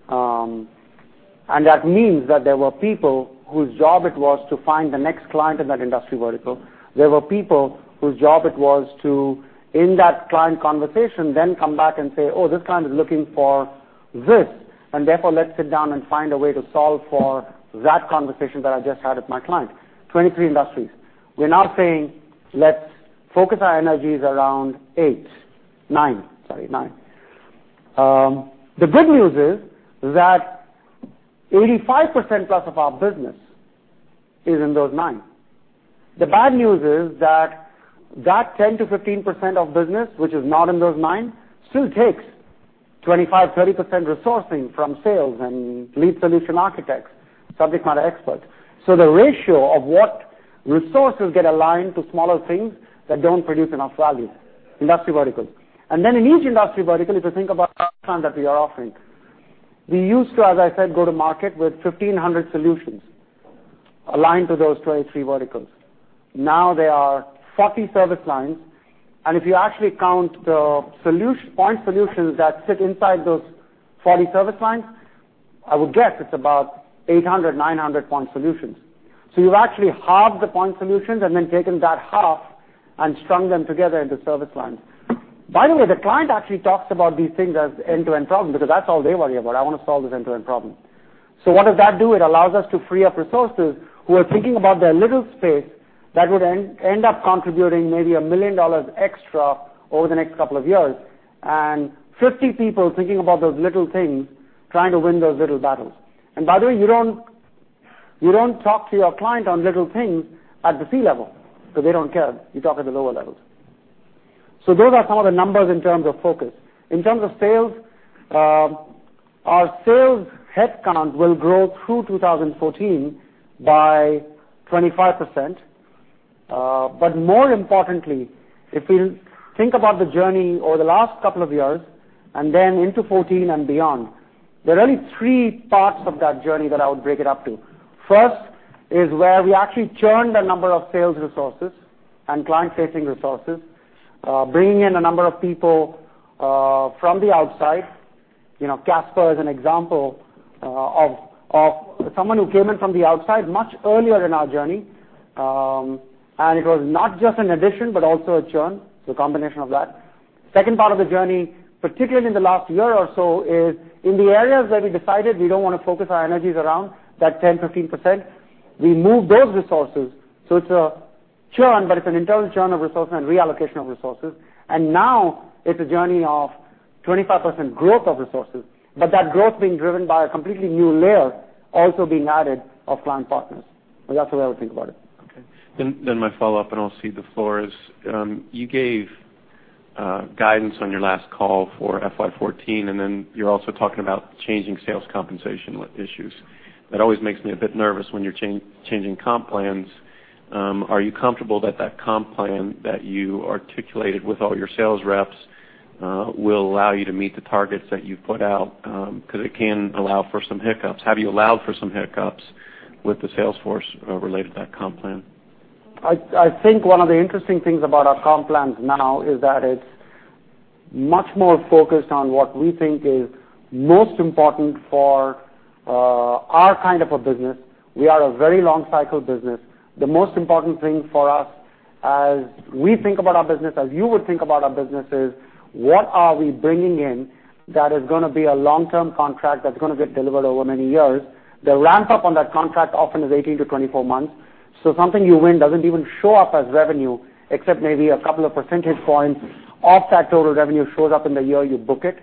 S2: That means that there were people whose job it was to find the next client in that industry vertical. There were people whose job it was to, in that client conversation, come back and say, "Oh, this client is looking for this, therefore let's sit down and find a way to solve for that conversation that I just had with my client." 23 industries. We're now saying, let's focus our energies around eight. Nine, sorry. Nine. The good news is that 85%-plus of our business is in those nine. The bad news is that that 10%-15% of business, which is not in those nine, still takes 25%, 30% resourcing from sales and lead solution architects, subject matter experts. The ratio of what resources get aligned to smaller things that don't produce enough value, industry verticals. Then in each industry vertical, if you think about our plan that we are offering, we used to, as I said, go to market with 1,500 solutions aligned to those 23 verticals. Now there are 40 service lines, if you actually count the point solutions that sit inside those 40 service lines, I would guess it's about 800, 900 point solutions. You've actually halved the point solutions then taken that half and strung them together into service lines. By the way, the client actually talks about these things as end-to-end problems because that's all they worry about. "I want to solve this end-to-end problem." What does that do? It allows us to free up resources who are thinking about their little space that would end up contributing maybe $1 million extra over the next couple of years, and 50 people thinking about those little things, trying to win those little battles. By the way, you don't talk to your client on little things at the C-level because they don't care. You talk at the lower levels. Those are some of the numbers in terms of focus. In terms of sales, our sales headcount will grow through 2014 by 25%. More importantly, if we think about the journey over the last couple of years and then into 2014 and beyond, there are only three parts of that journey that I would break it up to. First is where we actually churned the number of sales resources and client-facing resources, bringing in a number of people, from the outside. Casper is an example of someone who came in from the outside much earlier in our journey. It was not just an addition, but also a churn. A combination of that. Second part of the journey, particularly in the last year or so, is in the areas where we decided we don't want to focus our energies around that 10%, 15%, we moved those resources. It's a churn, but it's an internal churn of resources and reallocation of resources. Now it's a journey of 25% growth of resources, but that growth being driven by a completely new layer also being added of client partners. That's the way I would think about it.
S8: Okay. My follow-up, and I'll cede the floor, is, you gave guidance on your last call for FY 2014, and then you're also talking about changing sales compensation issues. That always makes me a bit nervous when you're changing comp plans. Are you comfortable that that comp plan that you articulated with all your sales reps will allow you to meet the targets that you've put out? Because it can allow for some hiccups. Have you allowed for some hiccups with the sales force related to that comp plan?
S2: I think one of the interesting things about our comp plans now is that it's much more focused on what we think is most important for our kind of a business. We are a very long cycle business. The most important thing for us as we think about our business, as you would think about our business, is what are we bringing in that is going to be a long-term contract that's going to get delivered over many years. The ramp-up on that contract often is 18 to 24 months. Something you win doesn't even show up as revenue, except maybe a couple of percentage points of that total revenue shows up in the year you book it.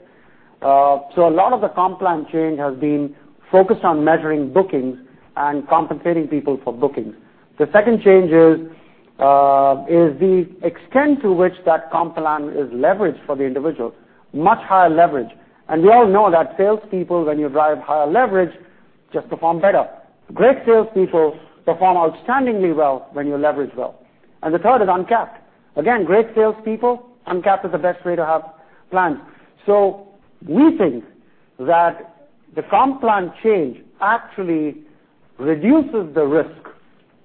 S2: A lot of the comp plan change has been focused on measuring bookings and compensating people for bookings. The second change is the extent to which that comp plan is leveraged for the individual, much higher leverage. We all know that salespeople, when you drive higher leverage, just perform better. Great salespeople perform outstandingly well when you leverage well. The third is uncapped. Again, great salespeople, uncapped is the best way to have plans. We think that the comp plan change actually reduces the risk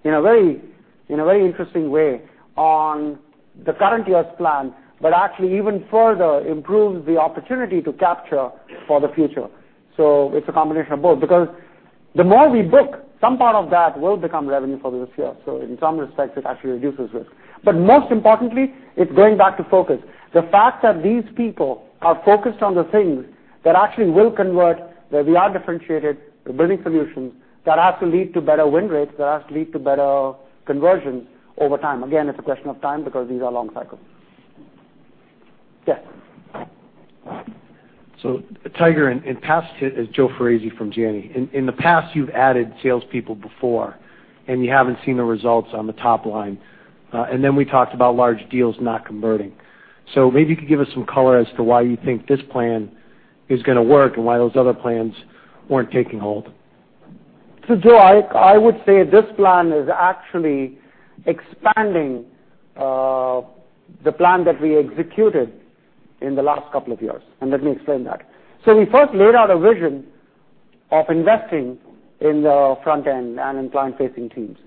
S2: in a very interesting way on the current year's plan, but actually even further improves the opportunity to capture for the future. It's a combination of both, because the more we book, some part of that will become revenue for this year. In some respects, it actually reduces risk. Most importantly, it's going back to focus. The fact that these people are focused on the things that actually will convert, where we are differentiated, we're building solutions that have to lead to better win rates, that have to lead to better conversion over time. Again, it's a question of time because these are long cycles. Yeah.
S9: Tiger, it's Joe Foresi from Janney. In the past, you've added salespeople before, and you haven't seen the results on the top line. Then we talked about large deals not converting. Maybe you could give us some color as to why you think this plan is going to work and why those other plans weren't taking hold.
S2: Joe, I would say this plan is actually expanding the plan that we executed in the last couple of years, and let me explain that. We first laid out a vision of investing in the front end and in client-facing teams.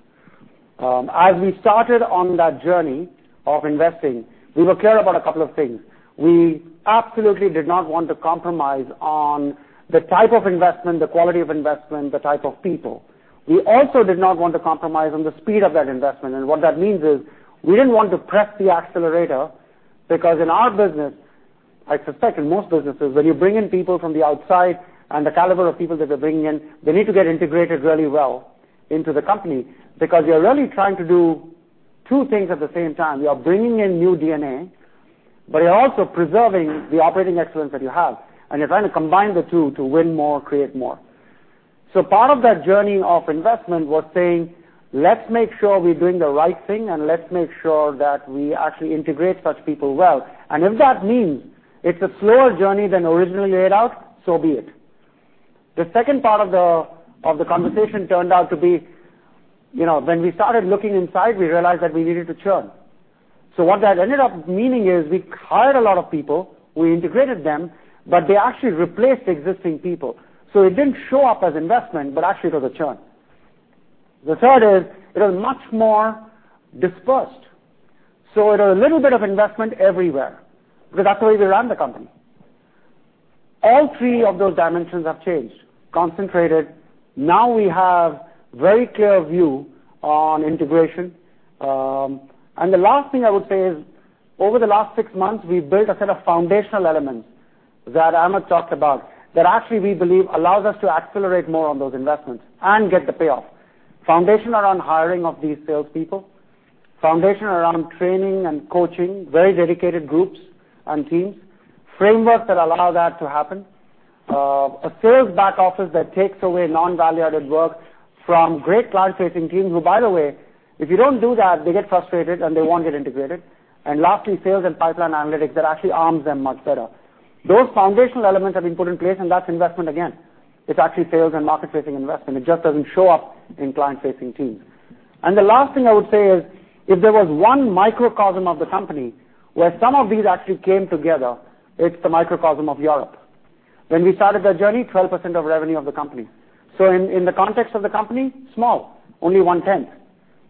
S2: As we started on that journey of investing, we were clear about a couple of things. We absolutely did not want to compromise on the type of investment, the quality of investment, the type of people. We also did not want to compromise on the speed of that investment. What that means is we didn't want to press the accelerator because in our business, I suspect in most businesses, when you bring in people from the outside and the caliber of people that they're bringing in, they need to get integrated really well into the company. You're really trying to do two things at the same time. You are bringing in new DNA, you're also preserving the operating excellence that you have, and you're trying to combine the two to win more, create more. Part of that journey of investment was saying, let's make sure we're doing the right thing, and let's make sure that we actually integrate such people well. If that means it's a slower journey than originally laid out, so be it. The second part of the conversation turned out to be, when we started looking inside, we realized that we needed to churn. What that ended up meaning is we hired a lot of people, we integrated them, but they actually replaced existing people. It didn't show up as investment, but actually, it was a churn. The third is, it was much more dispersed. It was a little bit of investment everywhere because that's the way we run the company. All three of those dimensions have changed, concentrated. Now we have a very clear view on integration. Over the last six months, we've built a set of foundational elements that Amit talked about, that actually we believe allows us to accelerate more on those investments and get the payoff. Foundation around hiring of these salespeople, foundation around training and coaching, very dedicated groups and teams, frameworks that allow that to happen. A sales back office that takes away non-value-added work from great client-facing teams, who, by the way, if you don't do that, they get frustrated, and they won't get integrated. Lastly, sales and pipeline analytics that actually arms them much better. Those foundational elements have been put in place, and that's investment again. It's actually sales and market-facing investment. It just doesn't show up in client-facing teams. The last thing I would say is, if there was one microcosm of the company where some of these actually came together, it's the microcosm of Europe. When we started the journey, 12% of revenue of the company. In the context of the company, small, only one-tenth.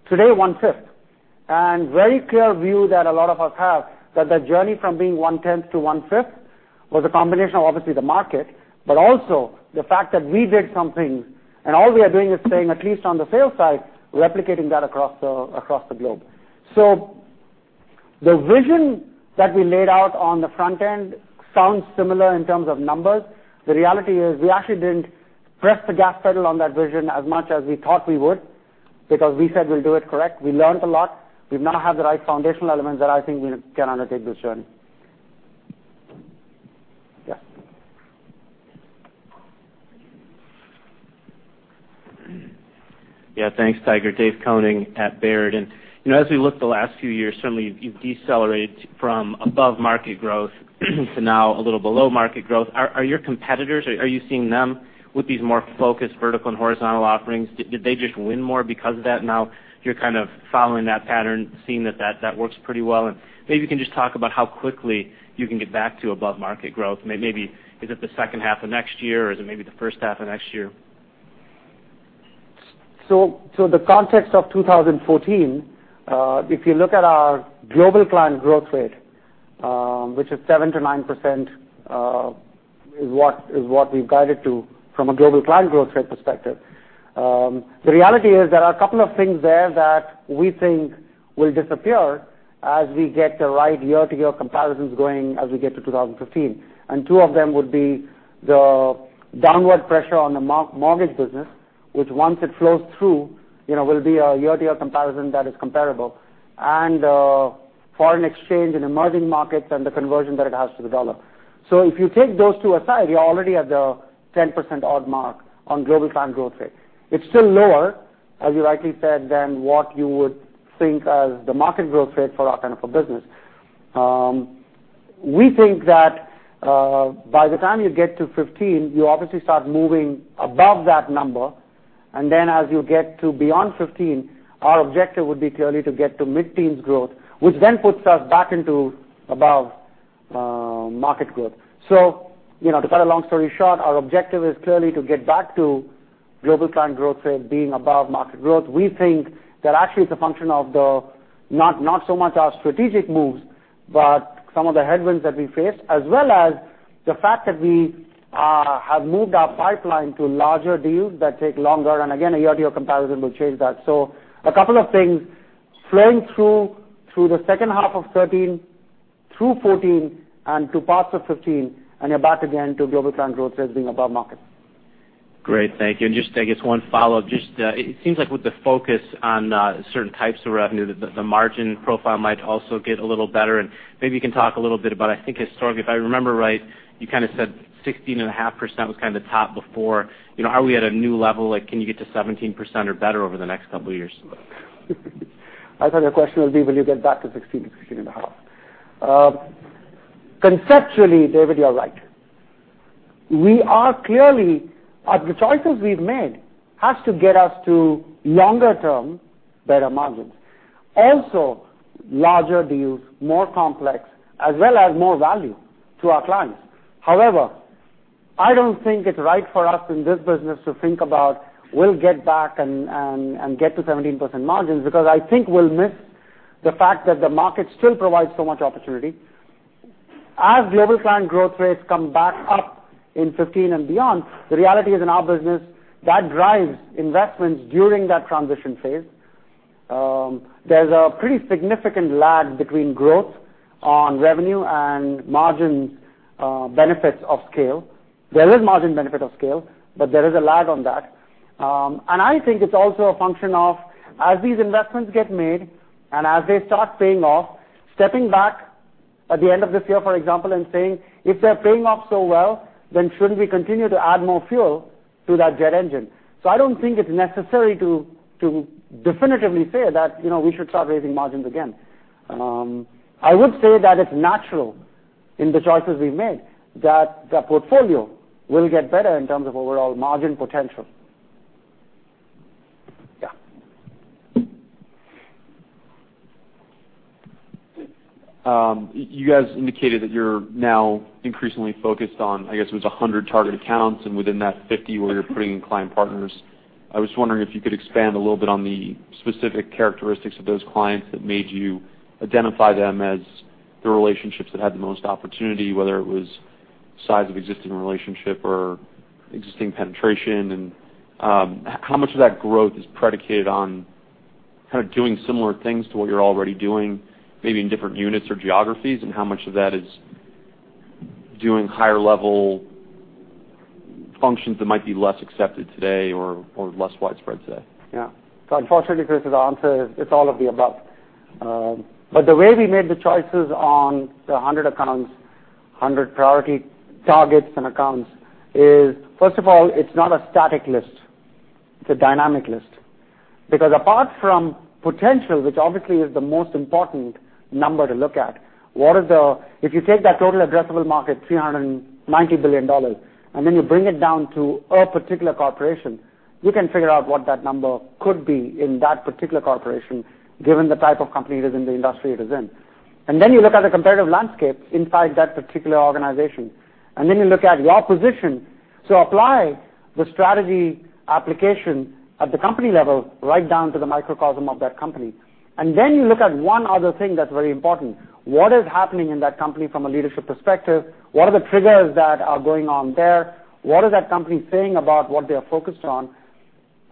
S2: Today, one-fifth. Very clear view that a lot of us have, that the journey from being one-tenth to one-fifth was a combination of obviously the market, but also the fact that we did something, and all we are doing is saying, at least on the sales side, replicating that across the globe. The vision that we laid out on the front end sounds similar in terms of numbers. The reality is, we actually didn't press the gas pedal on that vision as much as we thought we would, because we said we'll do it correct. We learned a lot. We now have the right foundational elements that I think we can undertake this journey. Yes.
S10: Yeah, thanks, Tiger. David Koning at Baird. As we look the last few years, certainly, you've decelerated from above market growth to now a little below market growth. Are your competitors, are you seeing them with these more focused vertical and horizontal offerings? Did they just win more because of that, and now you're kind of following that pattern, seeing that works pretty well? Maybe you can just talk about how quickly you can get back to above-market growth. Maybe is it the second half of next year, or is it maybe the first half of next year?
S2: The context of 2014, if you look at our global client growth rate, which is 7%-9%, is what we've guided to from a global client growth rate perspective. The reality is there are a couple of things there that we think will disappear as we get the right year-over-year comparisons going as we get to 2015. Two of them would be the downward pressure on the mortgage business, which once it flows through, will be a year-over-year comparison that is comparable, and foreign exchange in emerging markets and the conversion that it has to the dollar. If you take those two aside, you're already at the 10%-odd mark on global client growth rate. It's still lower, as you rightly said, than what you would think as the market growth rate for our kind of a business. We think that by the time you get to 2015, you obviously start moving above that number, and then as you get to beyond 2015, our objective would be clearly to get to mid-teens growth, which then puts us back into above market growth. To cut a long story short, our objective is clearly to get back to global client growth rate being above market growth. We think that actually it's a function of the, not so much our strategic moves, but some of the headwinds that we faced, as well as the fact that we have moved our pipeline to larger deals that take longer, and again, a year-over-year comparison will change that. A couple of things flowing through the second half of 2013, through 2014, and to parts of 2015, and you're back again to global client growth rates being above market.
S10: Great. Thank you. Just, I guess one follow-up. Just, it seems like with the focus on certain types of revenue, that the margin profile might also get a little better. Maybe you can talk a little bit about, I think historically, if I remember right, you kind of said 16.5% was kind of the top before. Are we at a new level? Can you get to 17% or better over the next couple of years?
S2: I thought your question would be, will you get back to 16.5. Conceptually, David, you're right. The choices we've made has to get us to longer-term, better margins. Also, larger deals, more complex, as well as more value to our clients. However, I don't think it's right for us in this business to think about, we'll get back and get to 17% margins because I think we'll miss the fact that the market still provides so much opportunity. As global client growth rates come back up in 2015 and beyond, the reality is, in our business, that drives investments during that transition phase. There's a pretty significant lag between growth on revenue and margin benefits of scale. There is margin benefit of scale, but there is a lag on that. I think it's also a function of, as these investments get made and as they start paying off, stepping back at the end of this year, for example, and saying, "If they're paying off so well, then shouldn't we continue to add more fuel to that jet engine?" I don't think it's necessary to definitively say that we should start raising margins again. I would say that it's natural in the choices we've made that the portfolio will get better in terms of overall margin potential. Yeah.
S11: You guys indicated that you're now increasingly focused on, I guess it was 100 target accounts, and within that, 50 where you're bringing in client partners. I was wondering if you could expand a little bit on the specific characteristics of those clients that made you identify them as the relationships that had the most opportunity, whether it was size of existing relationship or existing penetration, and how much of that growth is predicated on kind of doing similar things to what you're already doing, maybe in different units or geographies, and how much of that is doing higher level functions that might be less accepted today or less widespread today?
S2: Yeah. Unfortunately, Chris, the answer is it's all of the above. The way we made the choices on the 100 accounts, 100 priority targets and accounts is, first of all, it's not a static list. It's a dynamic list. Because apart from potential, which obviously is the most important number to look at, If you take that total addressable market, $390 billion, then you bring it down to a particular corporation, you can figure out what that number could be in that particular corporation, given the type of company it is and the industry it is in. Then you look at the competitive landscape inside that particular organization, then you look at your position. Apply the strategy application at the company level right down to the microcosm of that company. Then you look at one other thing that's very important. What is happening in that company from a leadership perspective? What are the triggers that are going on there? What is that company saying about what they are focused on?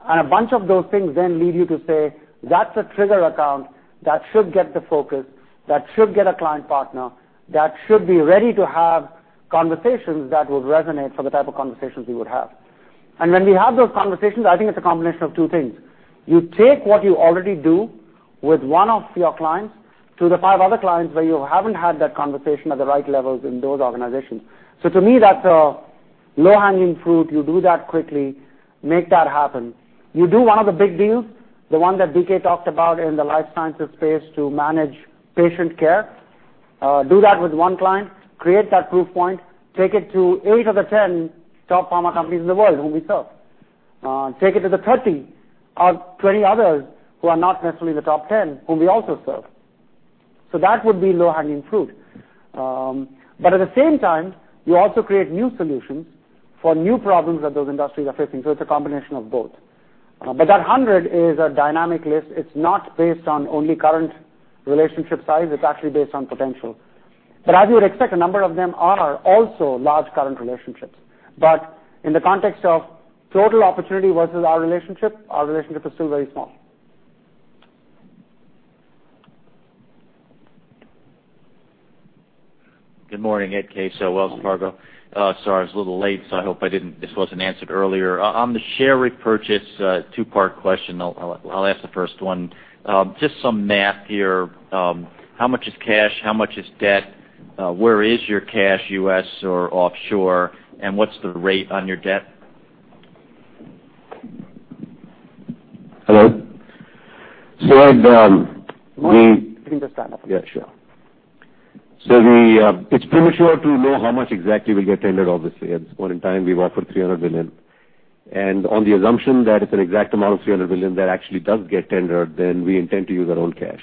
S2: A bunch of those things then lead you to say, "That's a trigger account that should get the focus, that should get a client partner, that should be ready to have conversations that would resonate for the type of conversations we would have." When we have those conversations, I think it's a combination of two things. You take what you already do with one of your clients to the five other clients where you haven't had that conversation at the right levels in those organizations. To me, that's a low-hanging fruit. You do that quickly, make that happen. You do one of the big deals, the one that BK talked about in the life sciences space to manage patient care. Do that with one client, create that proof point, take it to eight of the 10 top pharma companies in the world whom we serve. Take it to the 30 or 20 others who are not necessarily the top 10, whom we also serve. That would be low-hanging fruit. At the same time, you also create new solutions for new problems that those industries are facing. It's a combination of both. That 100 is a dynamic list. It's not based on only current relationship size, it's actually based on potential. As you would expect, a number of them are also large current relationships. In the context of total opportunity versus our relationship, our relationship is still very small.
S12: Good morning. Edward Keh, Wells Fargo. Sorry, I was a little late, so I hope this wasn't answered earlier. On the share repurchase, two-part question. I'll ask the first one. Just some math here. How much is cash? How much is debt? Where is your cash, U.S. or offshore, and what's the rate on your debt?
S13: Hello. Ed.
S2: You can just start off.
S13: Yeah, sure. It's premature to know how much exactly will get tendered, obviously. At this point in time, we've offered $300 million. On the assumption that if an exact amount of $300 million that actually does get tendered, then we intend to use our own cash.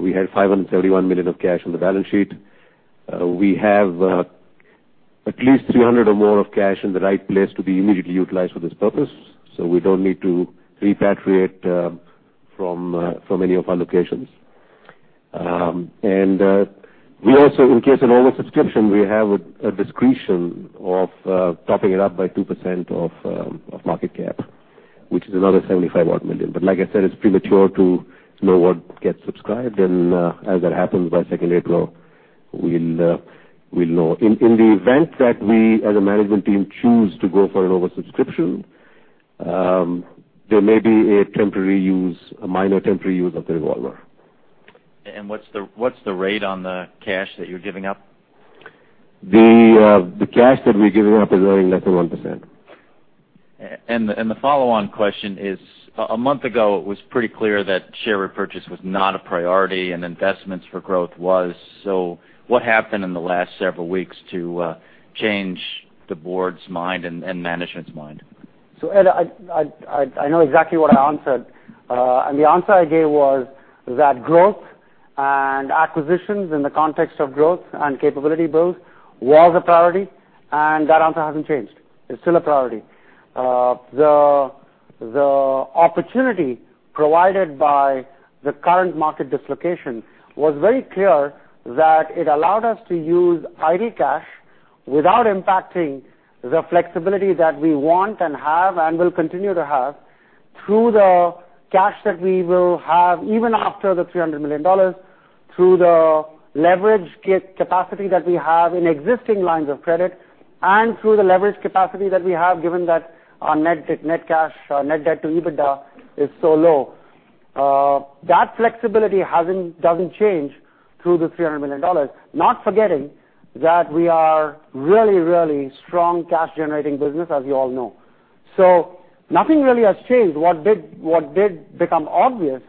S13: We had $571 million of cash on the balance sheet. We have at least $300 or more of cash in the right place to be immediately utilized for this purpose. We don't need to repatriate from any of our locations. We also, in case of over-subscription, we have a discretion of topping it up by 2% of market cap, which is another $75 odd million. Like I said, it's premature to know what gets subscribed, and as that happens by secondary flow, we'll know. In the event that we, as a management team, choose to go for an oversubscription, there may be a minor temporary use of the revolver.
S12: What's the rate on the cash that you're giving up?
S13: The cash that we're giving up is earning less than 1%.
S12: The follow-on question is, a month ago, it was pretty clear that share repurchase was not a priority and investments for growth was. What happened in the last several weeks to change the board's mind and management's mind?
S2: Ed, I know exactly what I answered. The answer I gave was that growth and acquisitions in the context of growth and capability build was a priority, and that answer hasn't changed. It's still a priority. The opportunity provided by the current market dislocation was very clear that it allowed us to use idle cash without impacting the flexibility that we want and have and will continue to have through the cash that we will have, even after the $300 million, through the leverage capacity that we have in existing lines of credit, and through the leverage capacity that we have, given that our net cash, net debt to EBITDA is so low. That flexibility doesn't change through the $300 million. Not forgetting that we are really, really strong cash-generating business, as you all know. Nothing really has changed. What did become obvious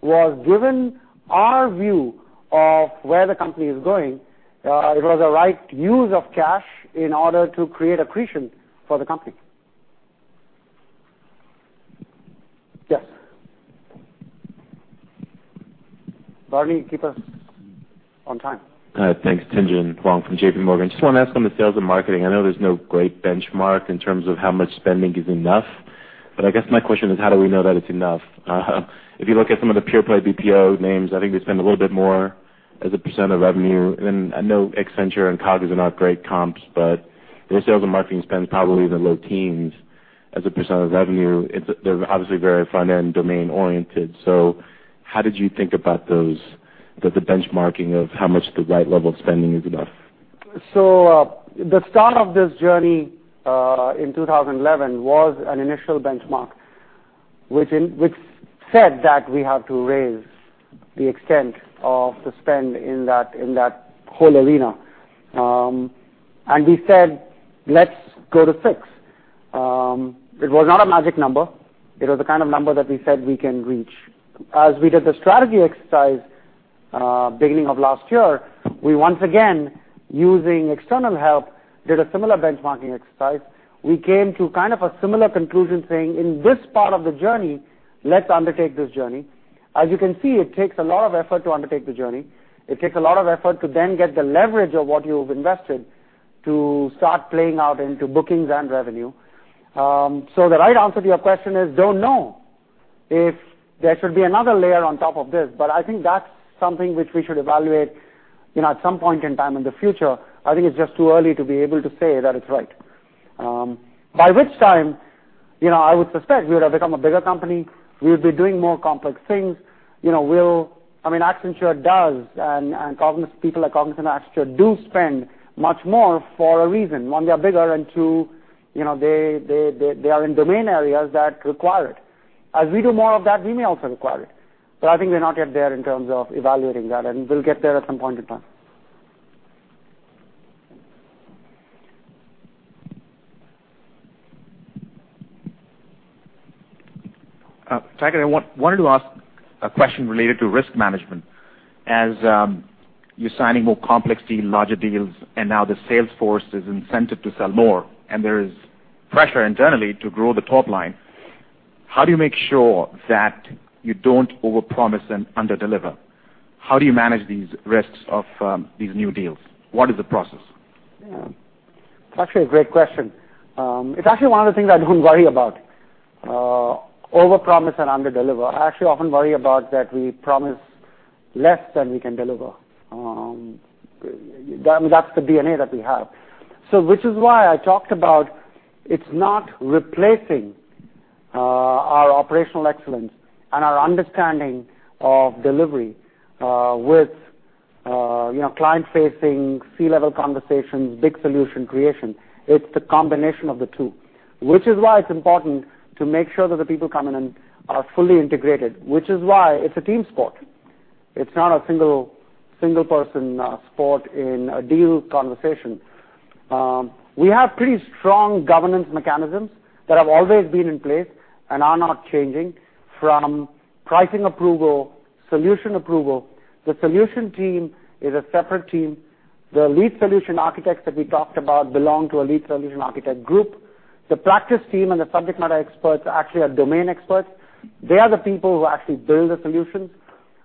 S2: was given our view of where the company is going, it was a right use of cash in order to create accretion for the company. Yes. Barney, keep us on time.
S14: Thanks. Tien-tsin Huang from J.P. Morgan. I just want to ask on the sales and marketing, I know there's no great benchmark in terms of how much spending is enough. I guess my question is, how do we know that it's enough? If you look at some of the pure play BPO names, I think they spend a little bit more as a % of revenue. I know Accenture and Cognizant are not great comps, their sales and marketing spend probably in the low teens as a % of revenue. They're obviously very front-end domain oriented. How did you think about those, the benchmarking of how much the right level of spending is enough?
S2: The start of this journey, in 2011, was an initial benchmark, which said that we have to raise the extent of the spend in that whole arena. We said, "Let's go to six." It was not a magic number. It was the kind of number that we said we can reach. As we did the strategy exercise, beginning of last year, we once again, using external help, did a similar benchmarking exercise. We came to kind of a similar conclusion, saying, in this part of the journey, let's undertake this journey. As you can see, it takes a lot of effort to undertake the journey. It takes a lot of effort to then get the leverage of what you've invested to start playing out into bookings and revenue. The right answer to your question is, don't know if there should be another layer on top of this. I think that's something which we should evaluate at some point in time in the future. I think it's just too early to be able to say that it's right. By which time, I would suspect we would have become a bigger company. We would be doing more complex things. Accenture does, people at Cognizant and Accenture do spend much more for a reason. One, they are bigger, and two, they are in domain areas that require it. As we do more of that, we may also require it. I think we're not yet there in terms of evaluating that, and we'll get there at some point in time.
S11: Chakri, I wanted to ask a question related to risk management. As you're signing more complex deals, larger deals, now the sales force is incented to sell more, there is pressure internally to grow the top line, how do you make sure that you don't overpromise and underdeliver? How do you manage these risks of these new deals? What is the process?
S2: Yeah. It is actually a great question. It is actually one of the things I do not worry about. Overpromise and underdeliver. I actually often worry about that we promise less than we can deliver. That is the DNA that we have. Which is why I talked about it is not replacing our operational excellence and our understanding of delivery, with client-facing C-level conversations, big solution creation. It is the combination of the two. Which is why it is important to make sure that the people coming in are fully integrated, which is why it is a team sport. It is not a single-person sport in a deal conversation. We have pretty strong governance mechanisms that have always been in place and are not changing, from pricing approval, solution approval. The solution team is a separate team. The lead solution architects that we talked about belong to a lead solution architect group. The practice team and the subject matter experts actually are domain experts. They are the people who actually build the solutions.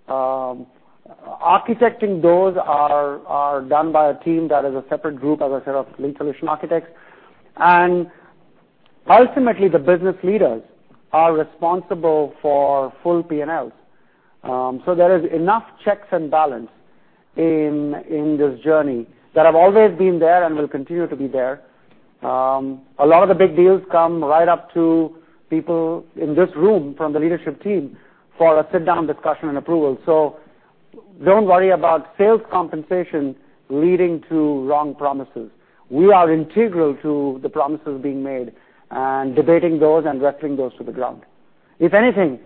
S2: Architecting those are done by a team that is a separate group of lead solution architects. Ultimately, the business leaders are responsible for full P&Ls. There is enough checks and balance in this journey that have always been there and will continue to be there. A lot of the big deals come right up to people in this room from the leadership team for a sit-down discussion and approval. Do not worry about sales compensation leading to wrong promises. We are integral to the promises being made and debating those and wrestling those to the ground. If anything,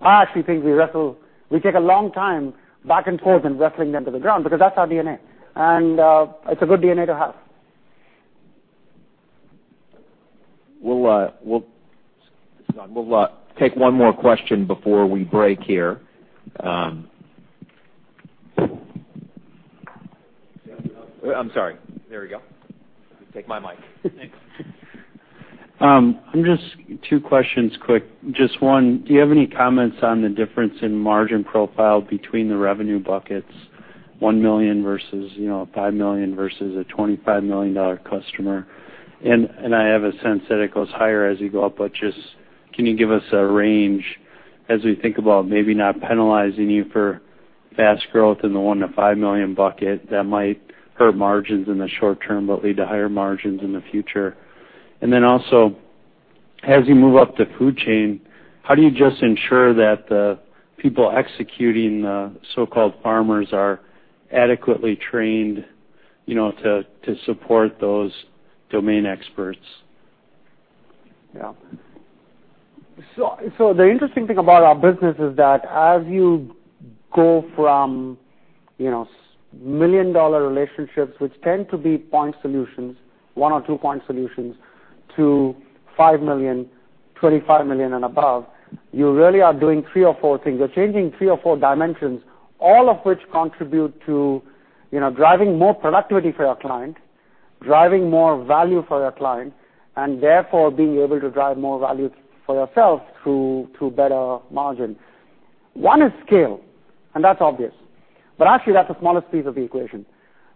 S2: I actually think we wrestle. We take a long time back and forth in wrestling them to the ground because that is our DNA. It is a good DNA to have.
S1: We will take one more question before we break here. I am sorry. There we go. Take my mic.
S11: Thanks. Just two questions quick. Just one, do you have any comments on the difference in margin profile between the revenue buckets, $1 million versus $5 million versus a $25 million customer? I have a sense that it goes higher as you go up, but just, can you give us a range as we think about maybe not penalizing you for fast growth in the $1 million-$5 million bucket that might hurt margins in the short term, but lead to higher margins in the future? Also, as you move up the food chain, how do you just ensure that the people executing, the so-called farmers, are adequately trained to support those domain experts?
S2: Yeah. The interesting thing about our business is that as you go from million-dollar relationships, which tend to be point solutions, one or two-point solutions, to $5 million, $25 million, and above, you really are doing three or four things. You're changing three or four dimensions, all of which contribute to driving more productivity for your client, driving more value for your client, and therefore, being able to drive more value for yourself through better margins. One is scale, and that's obvious. Actually, that's the smallest piece of the equation.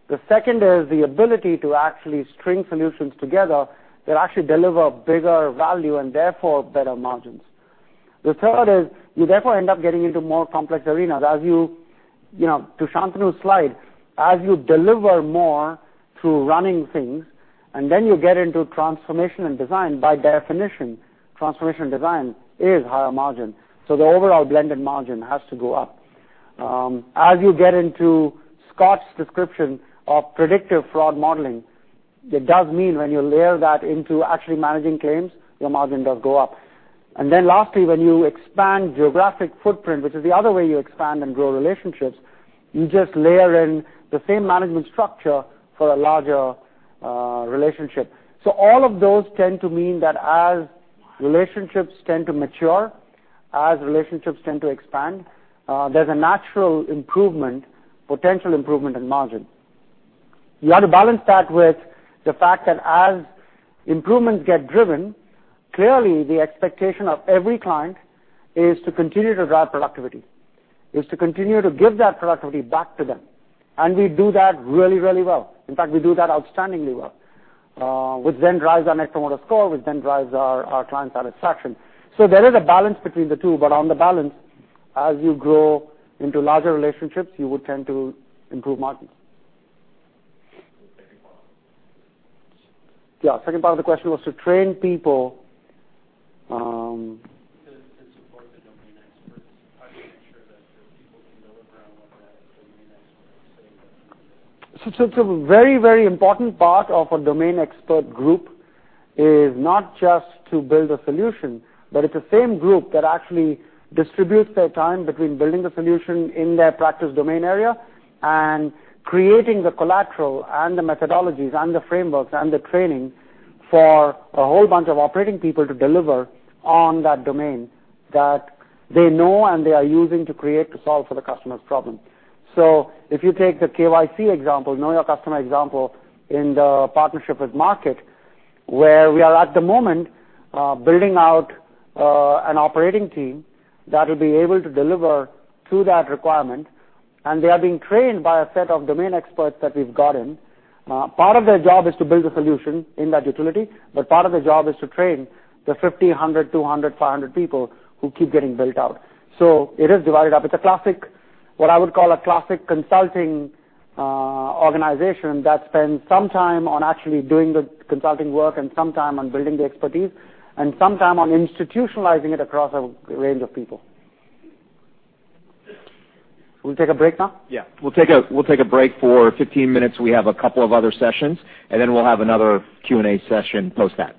S2: The second is the ability to actually string solutions together that actually deliver bigger value and therefore better margins. The third is you therefore end up getting into more complex arenas. To Shantanu's slide, as you deliver more through running things, you get into transformation and design. By definition, transformation design is higher margin, the overall blended margin has to go up. As you get into Scott's description of predictive fraud modeling, it does mean when you layer that into actually managing claims, your margin does go up. Lastly, when you expand geographic footprint, which is the other way you expand and grow relationships, you just layer in the same management structure for a larger relationship. All of those tend to mean that as relationships tend to mature, as relationships tend to expand, there's a natural potential improvement in margin. You have to balance that with the fact that as improvements get driven, clearly the expectation of every client is to continue to drive productivity, is to continue to give that productivity back to them. We do that really, really well. In fact, we do that outstandingly well, which then drives our Net Promoter Score, which then drives our client satisfaction. There is a balance between the two, but on the balance, as you grow into larger relationships, you would tend to improve margins.
S11: The second part of the question.
S2: Yeah, second part of the question was to train people.
S11: To support the domain experts, how do you make sure that your people can deliver on what the domain experts say they can?
S2: A very important part of a domain expert group is not just to build a solution, but it's the same group that actually distributes their time between building the solution in their practice domain area and creating the collateral and the methodologies and the frameworks and the training for a whole bunch of operating people to deliver on that domain that they know and they are using to create, to solve for the customer's problem. If you take the KYC example, Know Your Customer example, in the partnership with Markit, where we are at the moment, building out an operating team that will be able to deliver to that requirement, and they are being trained by a set of domain experts that we've gotten. Part of their job is to build a solution in that utility, part of their job is to train the 50, 100, 200, 500 people who keep getting built out. It is divided up. It's what I would call a classic consulting organization that spends some time on actually doing the consulting work and some time on building the expertise and some time on institutionalizing it across a range of people. We'll take a break now?
S1: Yeah. We'll take a break for 15 minutes. We have a couple of other sessions, then we'll have another Q&A session post that.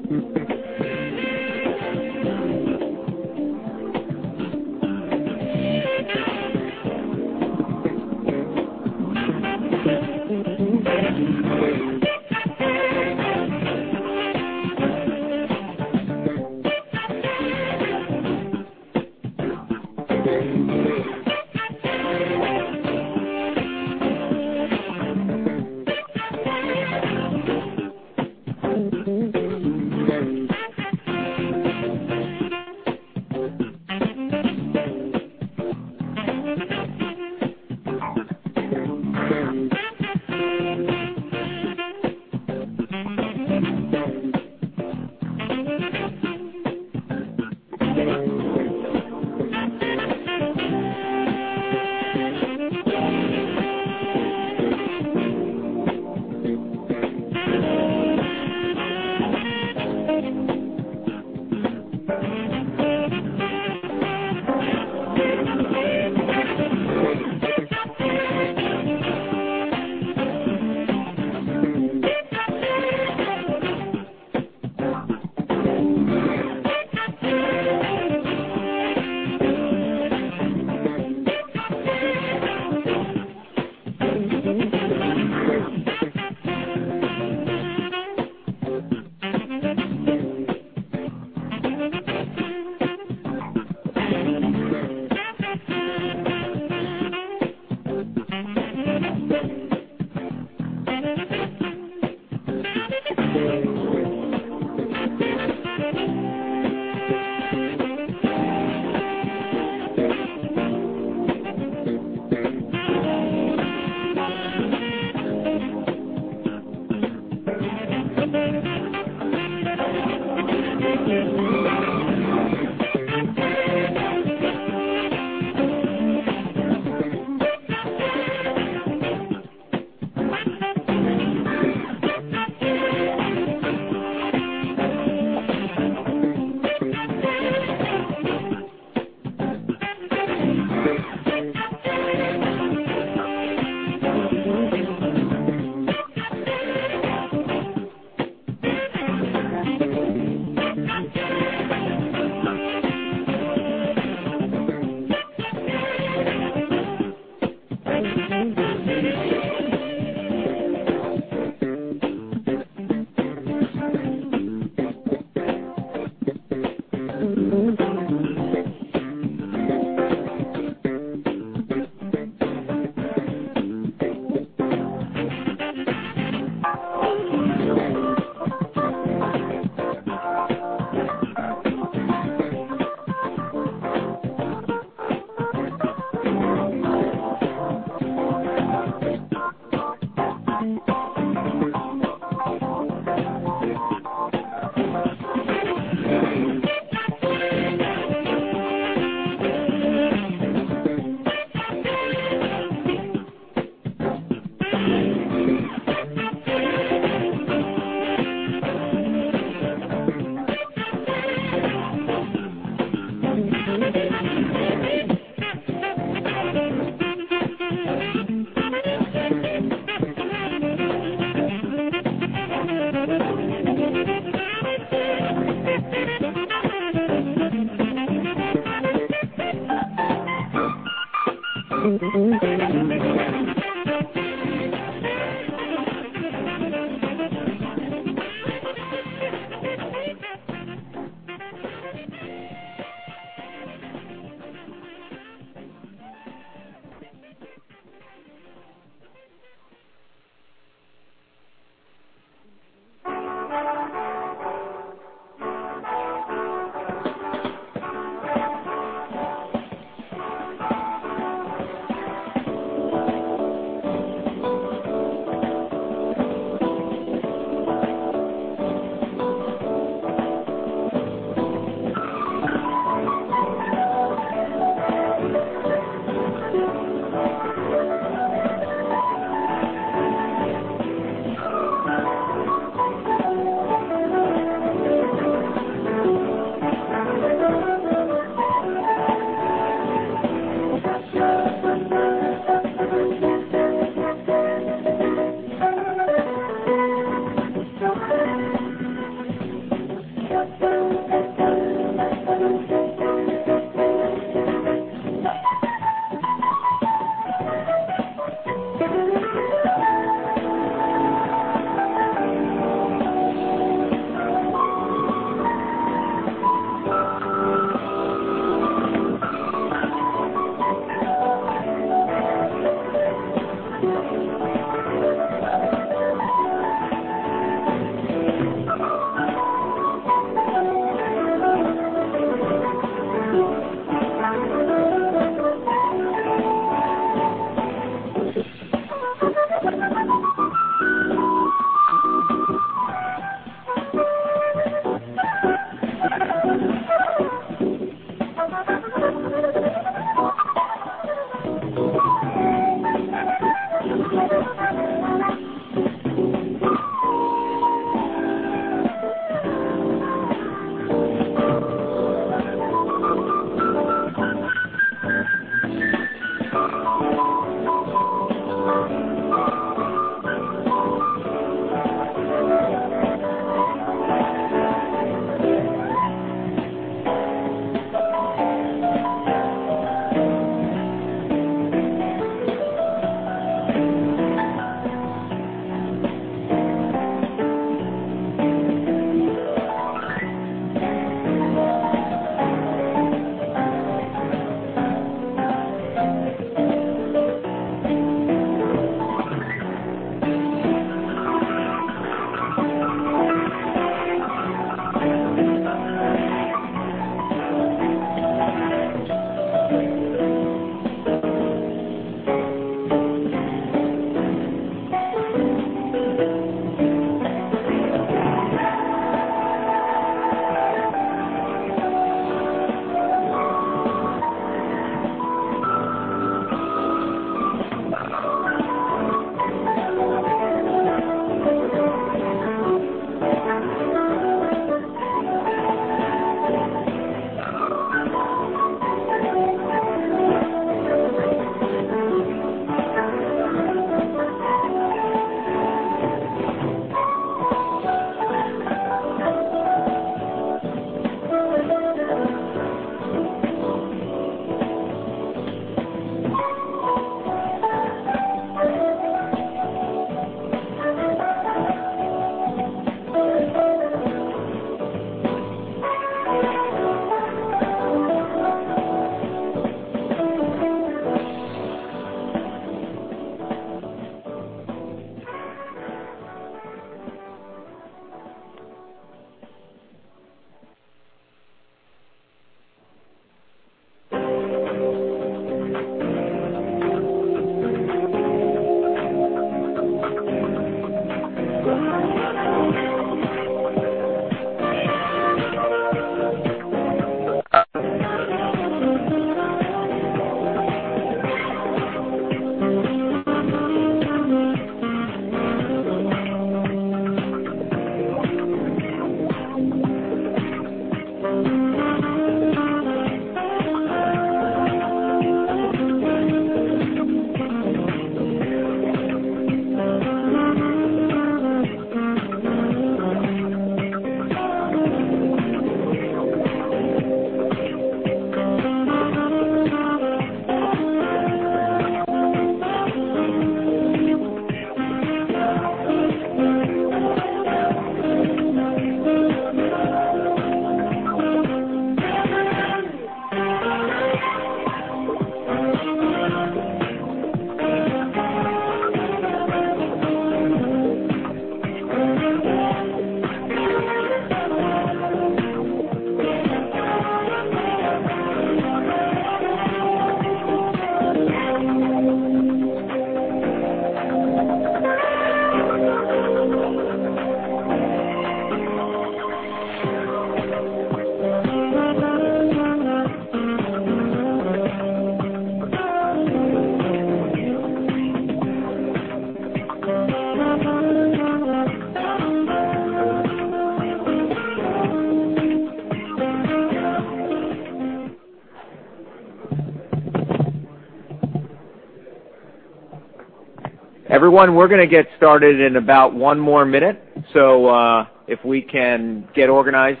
S1: Everyone, we're going to get started in about one more minute. If we can get organized,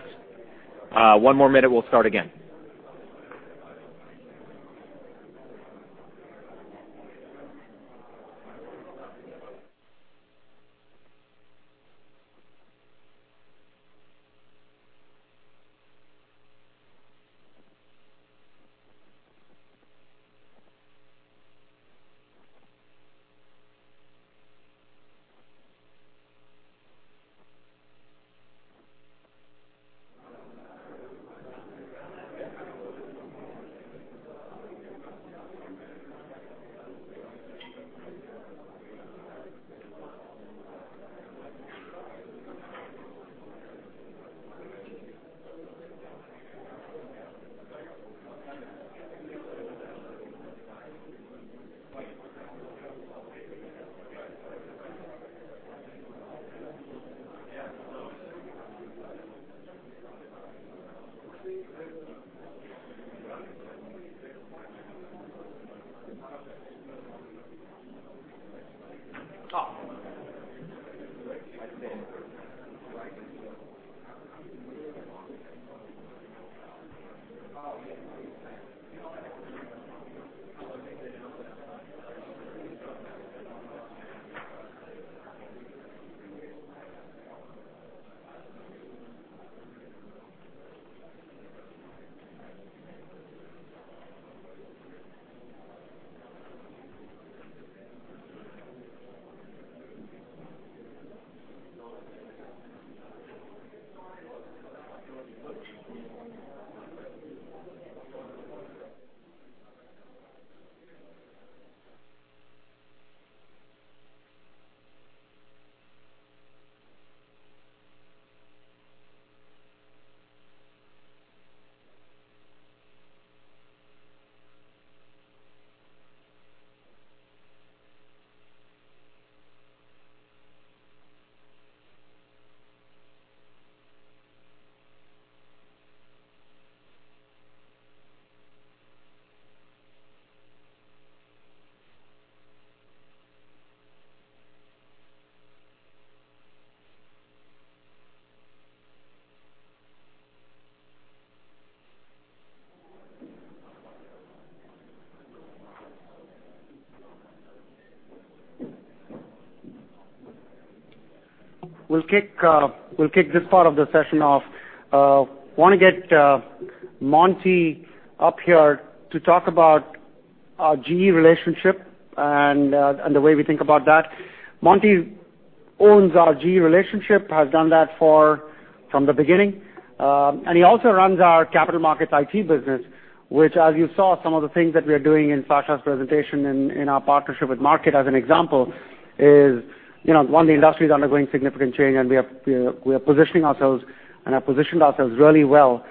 S1: one more minute, we'll start again.
S2: Oh. We'll kick this part of the session off. We want to get Monty up here to talk about our GE relationship and the way we think about that. Monty owns our GE relationship, has done that from the beginning. He also runs our capital markets IT business, which as you saw, some of the things that we are doing in Sasha's presentation in our partnership with Markit, as an example, is one, the industry is undergoing significant change, and we are positioning ourselves, and have positioned ourselves really well,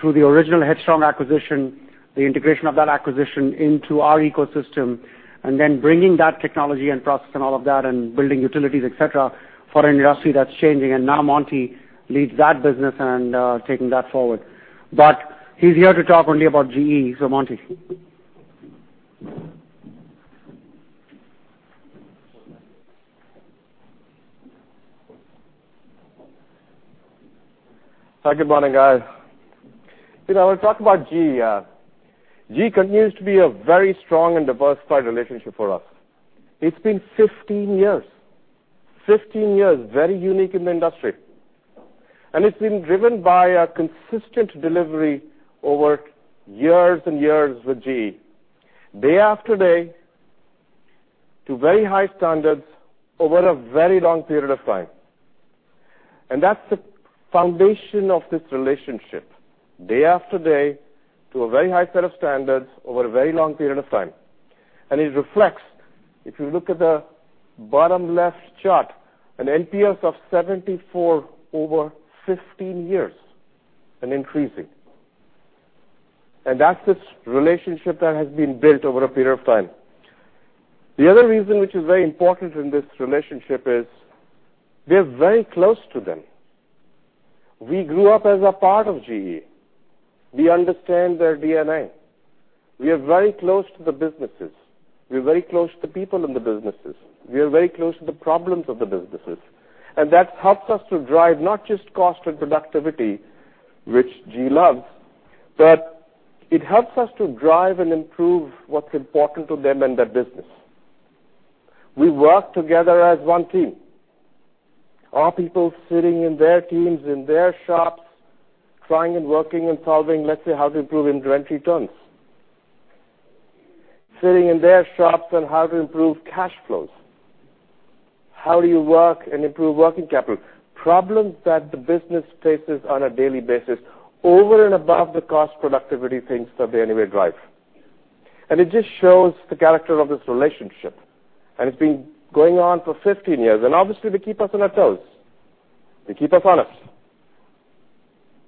S2: through the original Headstrong acquisition, the integration of that acquisition into our ecosystem, then bringing that technology and process and all of that, and building utilities, et cetera, for an industry that's changing. Now Monty leads that business and taking that forward. He's here to talk only about GE. Monty.
S15: Hi, good morning, guys. I want to talk about GE. GE continues to be a very strong and diversified relationship for us. It's been 15 years. 15 years, very unique in the industry. It's been driven by a consistent delivery over years and years with GE, day after day, to very high standards, over a very long period of time. That's the foundation of this relationship. Day after day, to a very high set of standards, over a very long period of time. It reflects, if you look at the bottom left chart, an NPS of 74 over 15 years, and increasing. That's this relationship that has been built over a period of time. The other reason which is very important in this relationship is we're very close to them. We grew up as a part of GE. We understand their DNA. We are very close to the businesses. We are very close to the people in the businesses. We are very close to the problems of the businesses. That helps us to drive not just cost and productivity, which GE loves, but it helps us to drive and improve what's important to them and their business. We work together as one team. Our people sitting in their teams, in their shops, trying and working and solving, let's say, how to improve inventory turns. Sitting in their shops on how to improve cash flows. How do you work and improve working capital? Problems that the business faces on a daily basis over and above the cost productivity things that they anyway drive. It just shows the character of this relationship. It's been going on for 15 years. Obviously, they keep us on our toes. They keep us honest.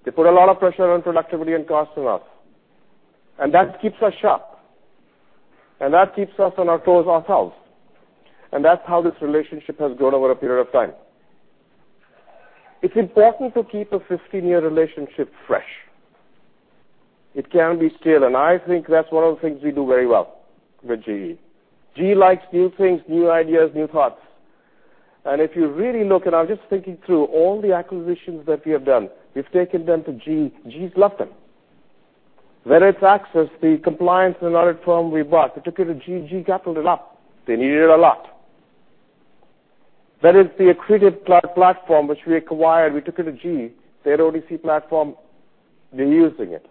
S15: They put a lot of pressure on productivity and cost on us. That keeps us sharp. That keeps us on our toes ourselves. That's how this relationship has grown over a period of time. It's important to keep a 15-year relationship fresh. It can be stale, and I think that's one of the things we do very well with GE. GE likes new things, new ideas, new thoughts. If you really look, and I was just thinking through all the acquisitions that we have done, we've taken them to GE. GE's loved them. Whether it's Axis, the compliance and audit firm we bought, we took it to GE coupled it up. They needed it a lot. That is the Akritiv cloud platform which we acquired, we took it to GE, their OTC platform, they're using it,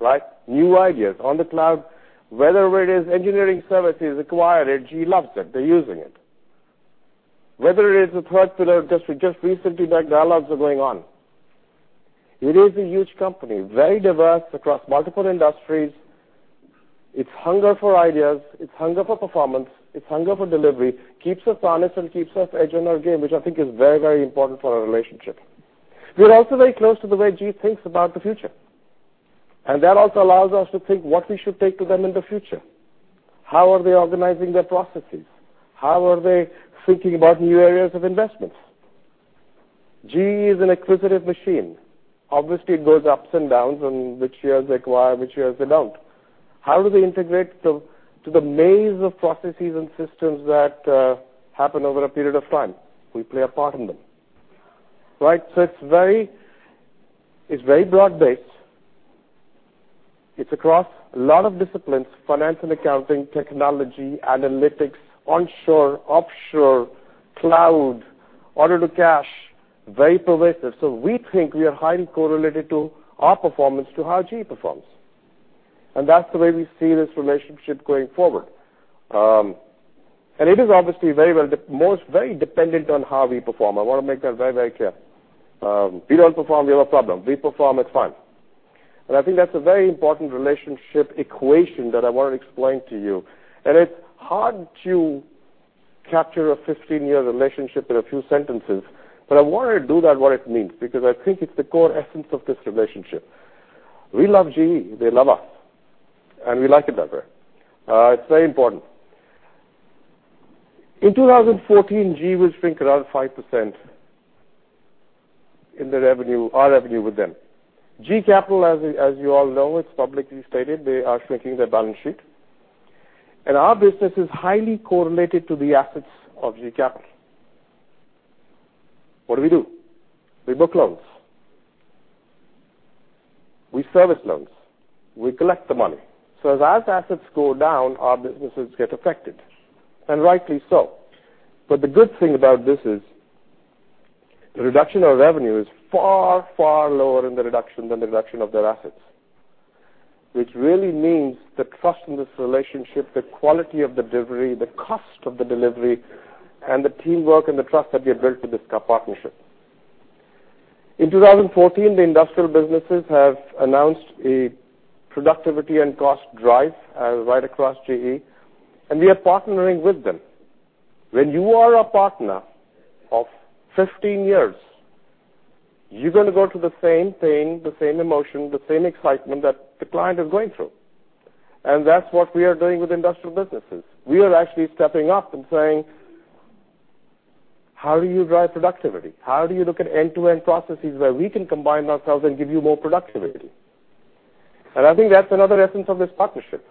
S15: right? New ideas on the cloud. Whether it is engineering services acquired it, GE loves it. They're using it. Whether it is a Third Pillar, because we just recently like dialogues are going on. It is a huge company, very diverse across multiple industries. Its hunger for ideas, its hunger for performance, its hunger for delivery, keeps us honest and keeps us edge on our game, which I think is very, very important for our relationship. We're also very close to the way GE thinks about the future. That also allows us to think what we should take to them in the future. How are they organizing their processes? How are they thinking about new areas of investments? GE is an acquisitive machine. Obviously, it goes ups and downs on which years they acquire, which years they don't. How do they integrate to the maze of processes and systems that happen over a period of time? We play a part in them. It's very broad-based. It's across a lot of disciplines, finance and accounting, technology, analytics, onshore, offshore, cloud, order to cash, very pervasive. We think we are highly correlated to our performance to how GE performs. That's the way we see this relationship going forward. It is obviously very dependent on how we perform. I want to make that very clear. We don't perform, we have a problem. We perform, it's fine. I think that's a very important relationship equation that I want to explain to you. It's hard to capture a 15-year relationship in a few sentences, but I want to do that what it means, because I think it's the core essence of this relationship. We love GE, they love us, and we like it that way. It's very important. In 2014, GE will shrink around 5% in our revenue with them. GE Capital, as you all know, it's publicly stated, they are shrinking their balance sheet. Our business is highly correlated to the assets of GE Capital. What do we do? We book loans. We service loans. We collect the money. As our assets go down, our businesses get affected, and rightly so. The good thing about this is the reduction of revenue is far, far lower in the reduction than the reduction of their assets, which really means the trust in this relationship, the quality of the delivery, the cost of the delivery, and the teamwork and the trust that we have built with this partnership. In 2014, the industrial businesses have announced a productivity and cost drive right across GE, we are partnering with them. When you are a partner of 15 years, you're going to go through the same pain, the same emotion, the same excitement that the client is going through. That's what we are doing with industrial businesses. We are actually stepping up and saying, how do you drive productivity? How do you look at end-to-end processes where we can combine ourselves and give you more productivity? I think that's another essence of this partnership.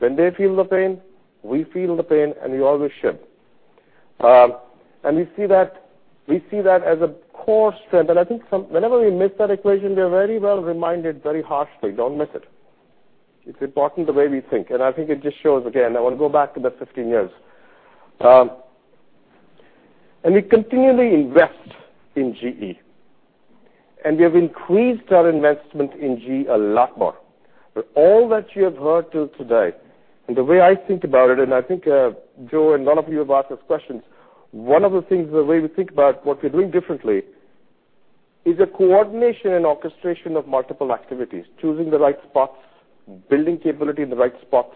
S15: When they feel the pain, we feel the pain, and we always should. We see that as a core strength. I think whenever we miss that equation, we are very well reminded very harshly, don't miss it. It's important the way we think, I think it just shows again, I want to go back to that 15 years. We continually invest in GE. We have increased our investment in GE a lot more. All that you have heard till today, and the way I think about it, and I think, Joe, and lot of you have asked us questions, one of the things, the way we think about what we're doing differently is the coordination and orchestration of multiple activities. Choosing the right spots, building capability in the right spots,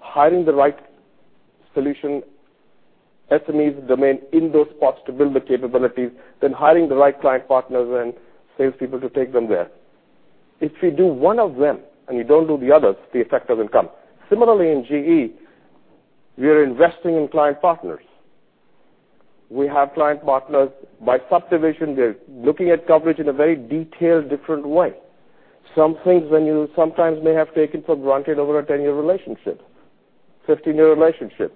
S15: hiring the right solution, SMEs, domain, in those spots to build the capabilities, hiring the right client partners and sales people to take them there. If we do one of them and we don't do the others, the effect doesn't come. Similarly, in GE, we are investing in client partners. We have client partners by subdivision. We're looking at coverage in a very detailed, different way. Some things when you sometimes may have taken for granted over a 10-year relationship, 15-year relationship.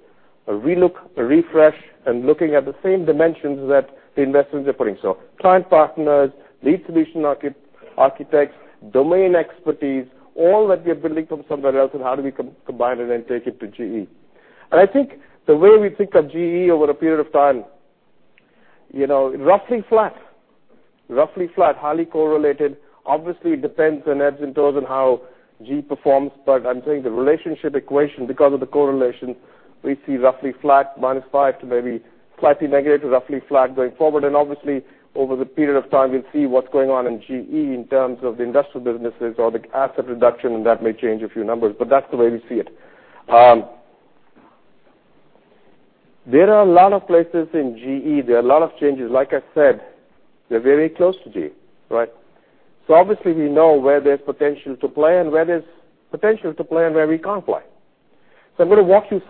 S15: A relook, a refresh, looking at the same dimensions that the investors are putting. Client partners, lead solution architects, domain expertise, all that we are building from somewhere else, how do we combine it and take it to GE? I think the way we think of GE over a period of time, roughly flat. Roughly flat, highly correlated. Obviously, it depends on how GE performs, but I'm saying the relationship equation, because of the correlation, we see roughly flat, -5% to maybe slightly negative to roughly flat going forward. Obviously, over the period of time, we'll see what's going on in GE in terms of the industrial businesses or the asset reduction, and that may change a few numbers. That's the way we see it. There are a lot of places in GE, there are a lot of changes. Like I said, we're very close to GE. Obviously, we know where there's potential to play and where there's potential to play and where we can't play. I'm going to walk you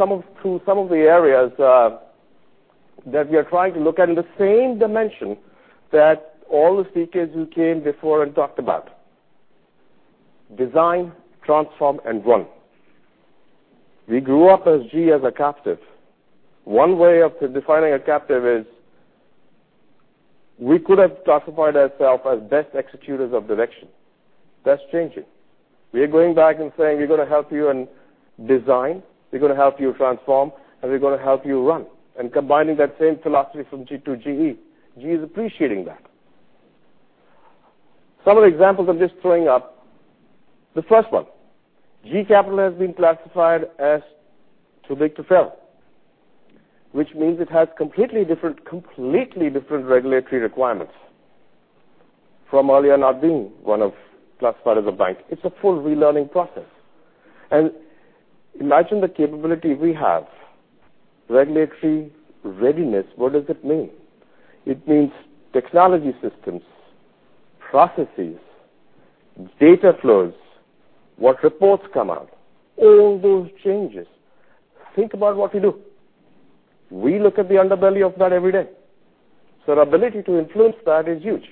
S15: through some of the areas that we are trying to look at in the same dimension that all the speakers who came before and talked about. Design, transform, and run. We grew up as GE as a captive. One way of defining a captive is we could have classified ourselves as best executors of direction. That's changing. We are going back and saying, we're going to help you in design, we're going to help you transform, and we're going to help you run. Combining that same philosophy from GE to GE. GE is appreciating that. Some of the examples I'm just throwing up. The first one, GE Capital has been classified as too big to fail, which means it has completely different regulatory requirements from earlier not being one of classified as a bank. It's a full relearning process. Imagine the capability we have. Regulatory readiness, what does it mean? It means technology systems, processes, data flows, what reports come out, all those changes, think about what we do. We look at the underbelly of that every day. The ability to influence that is huge.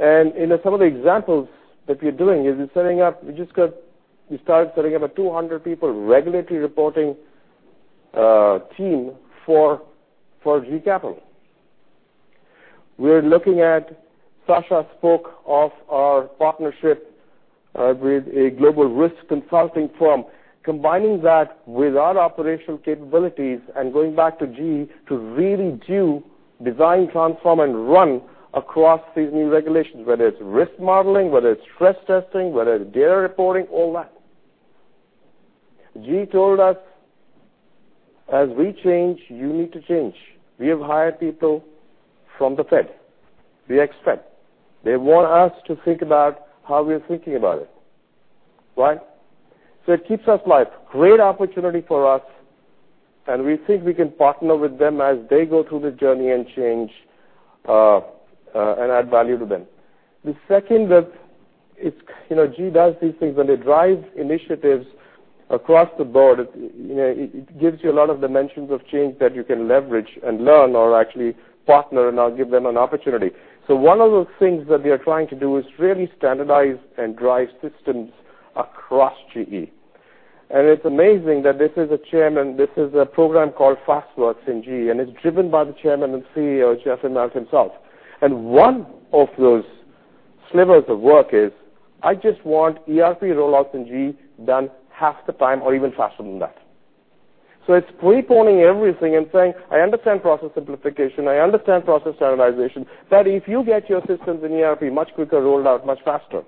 S15: In some of the examples that we're doing is we started setting up a 200 people regulatory reporting team for GE Capital. We're looking at, Sasha spoke of our partnership with a global risk consulting firm, combining that with our operational capabilities and going back to GE to really do Design, transform, and run across these new regulations, whether it's risk modeling, whether it's stress testing, whether it's data reporting, all that. GE told us, "As we change, you need to change." We have hired people from the Fed. We expect. They want us to think about how we're thinking about it. Why? It keeps us live. Great opportunity for us, and we think we can partner with them as they go through the journey and change, and add value to them. The second that GE does these things, when they drive initiatives across the board, it gives you a lot of dimensions of change that you can leverage and learn or actually partner and now give them an opportunity. One of the things that we are trying to do is really standardize and drive systems across GE. It's amazing that this is a chairman, this is a program called FastWorks in GE, and it's driven by the Chairman and CEO, Jeff Immelt himself. One of those slivers of work is, I just want ERP rollouts in GE done half the time or even faster than that. It's pre-pawning everything and saying, I understand process simplification, I understand process standardization. If you get your systems in ERP much quicker, rolled out much faster,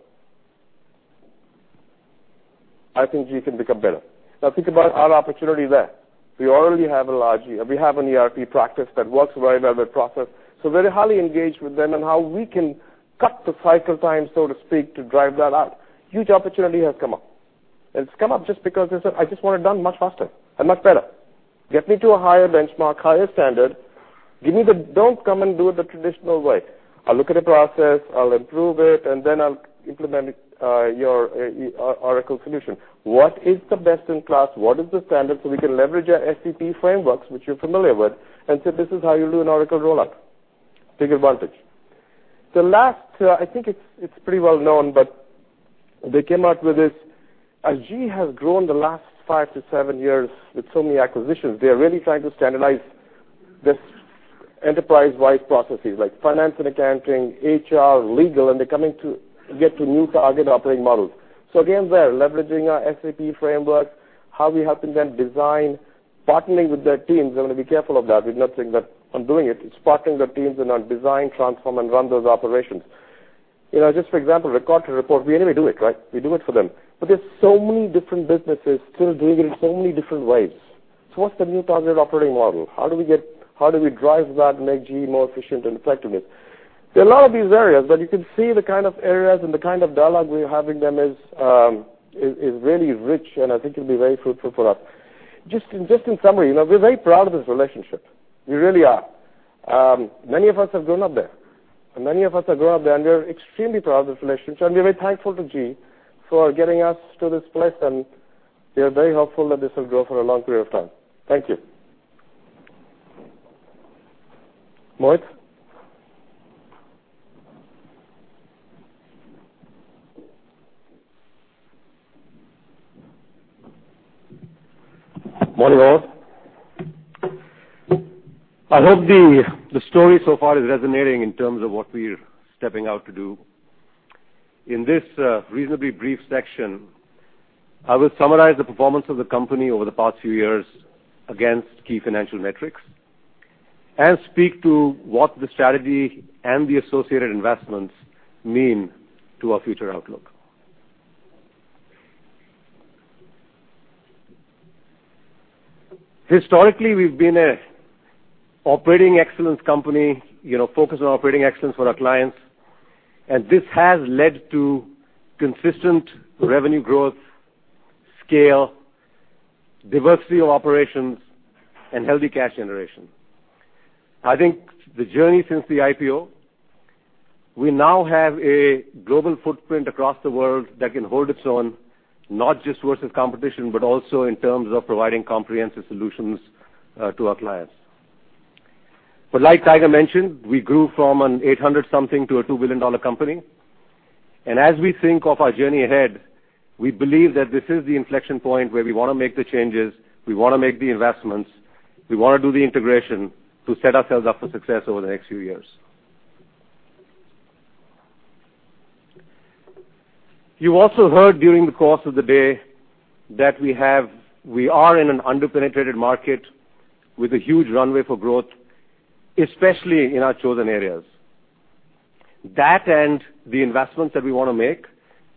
S15: I think GE can become better. Now think about our opportunity there. We have an ERP practice that works very well with process. Very highly engaged with them on how we can cut the cycle time, so to speak, to drive that out. Huge opportunity has come up. It's come up just because they said, "I just want it done much faster and much better. Get me to a higher benchmark, higher standard. Don't come and do it the traditional way." I'll look at a process, I'll improve it, and then I'll implement your Oracle solution. What is the best in class? What is the standard? We can leverage our SAP frameworks, which you're familiar with, and say, "This is how you do an Oracle rollout." Big advantage. The last, I think it's pretty well known, they came out with this. As GE has grown the last five to seven years with so many acquisitions, they're really trying to standardize this enterprise-wide processes like finance and accounting, HR, legal, and they're coming to get to new target operating models. Again, there, leveraging our SAP framework, how we helping them design, partnering with their teams. I want to be careful of that. We're not saying that I'm doing it. It's partnering their teams and on design, transform, and run those operations. Just for example, Record to Report, we anyway do it, right? We do it for them. There's so many different businesses still doing it in so many different ways. What's the new target operating model? How do we drive that and make GE more efficient and effective? There are a lot of these areas, but you can see the kind of areas and the kind of dialogue we're having them is really rich, and I think it'll be very fruitful for us. Just in summary, we're very proud of this relationship. We really are. Many of us have grown up there. Many of us have grown up there, and we are extremely proud of this relationship, and we're very thankful to GE for getting us to this place, and we are very hopeful that this will go for a long period of time. Thank you. Mohit?
S13: Morning, all. I hope the story so far is resonating in terms of what we're stepping out to do. In this reasonably brief section, I will summarize the performance of the company over the past few years against key financial metrics and speak to what the strategy and the associated investments mean to our future outlook. Historically, we've been an operating excellence company, focused on operating excellence for our clients, and this has led to consistent revenue growth, scale, diversity of operations, and healthy cash generation. I think the journey since the IPO, we now have a global footprint across the world that can hold its own, not just versus competition, but also in terms of providing comprehensive solutions to our clients. Like Tiger mentioned, we grew from an 800 something to a $2 billion company. As we think of our journey ahead, we believe that this is the inflection point where we want to make the changes, we want to make the investments, we want to do the integration to set ourselves up for success over the next few years. You also heard during the course of the day that we are in an under-penetrated market with a huge runway for growth, especially in our chosen areas. That and the investments that we want to make,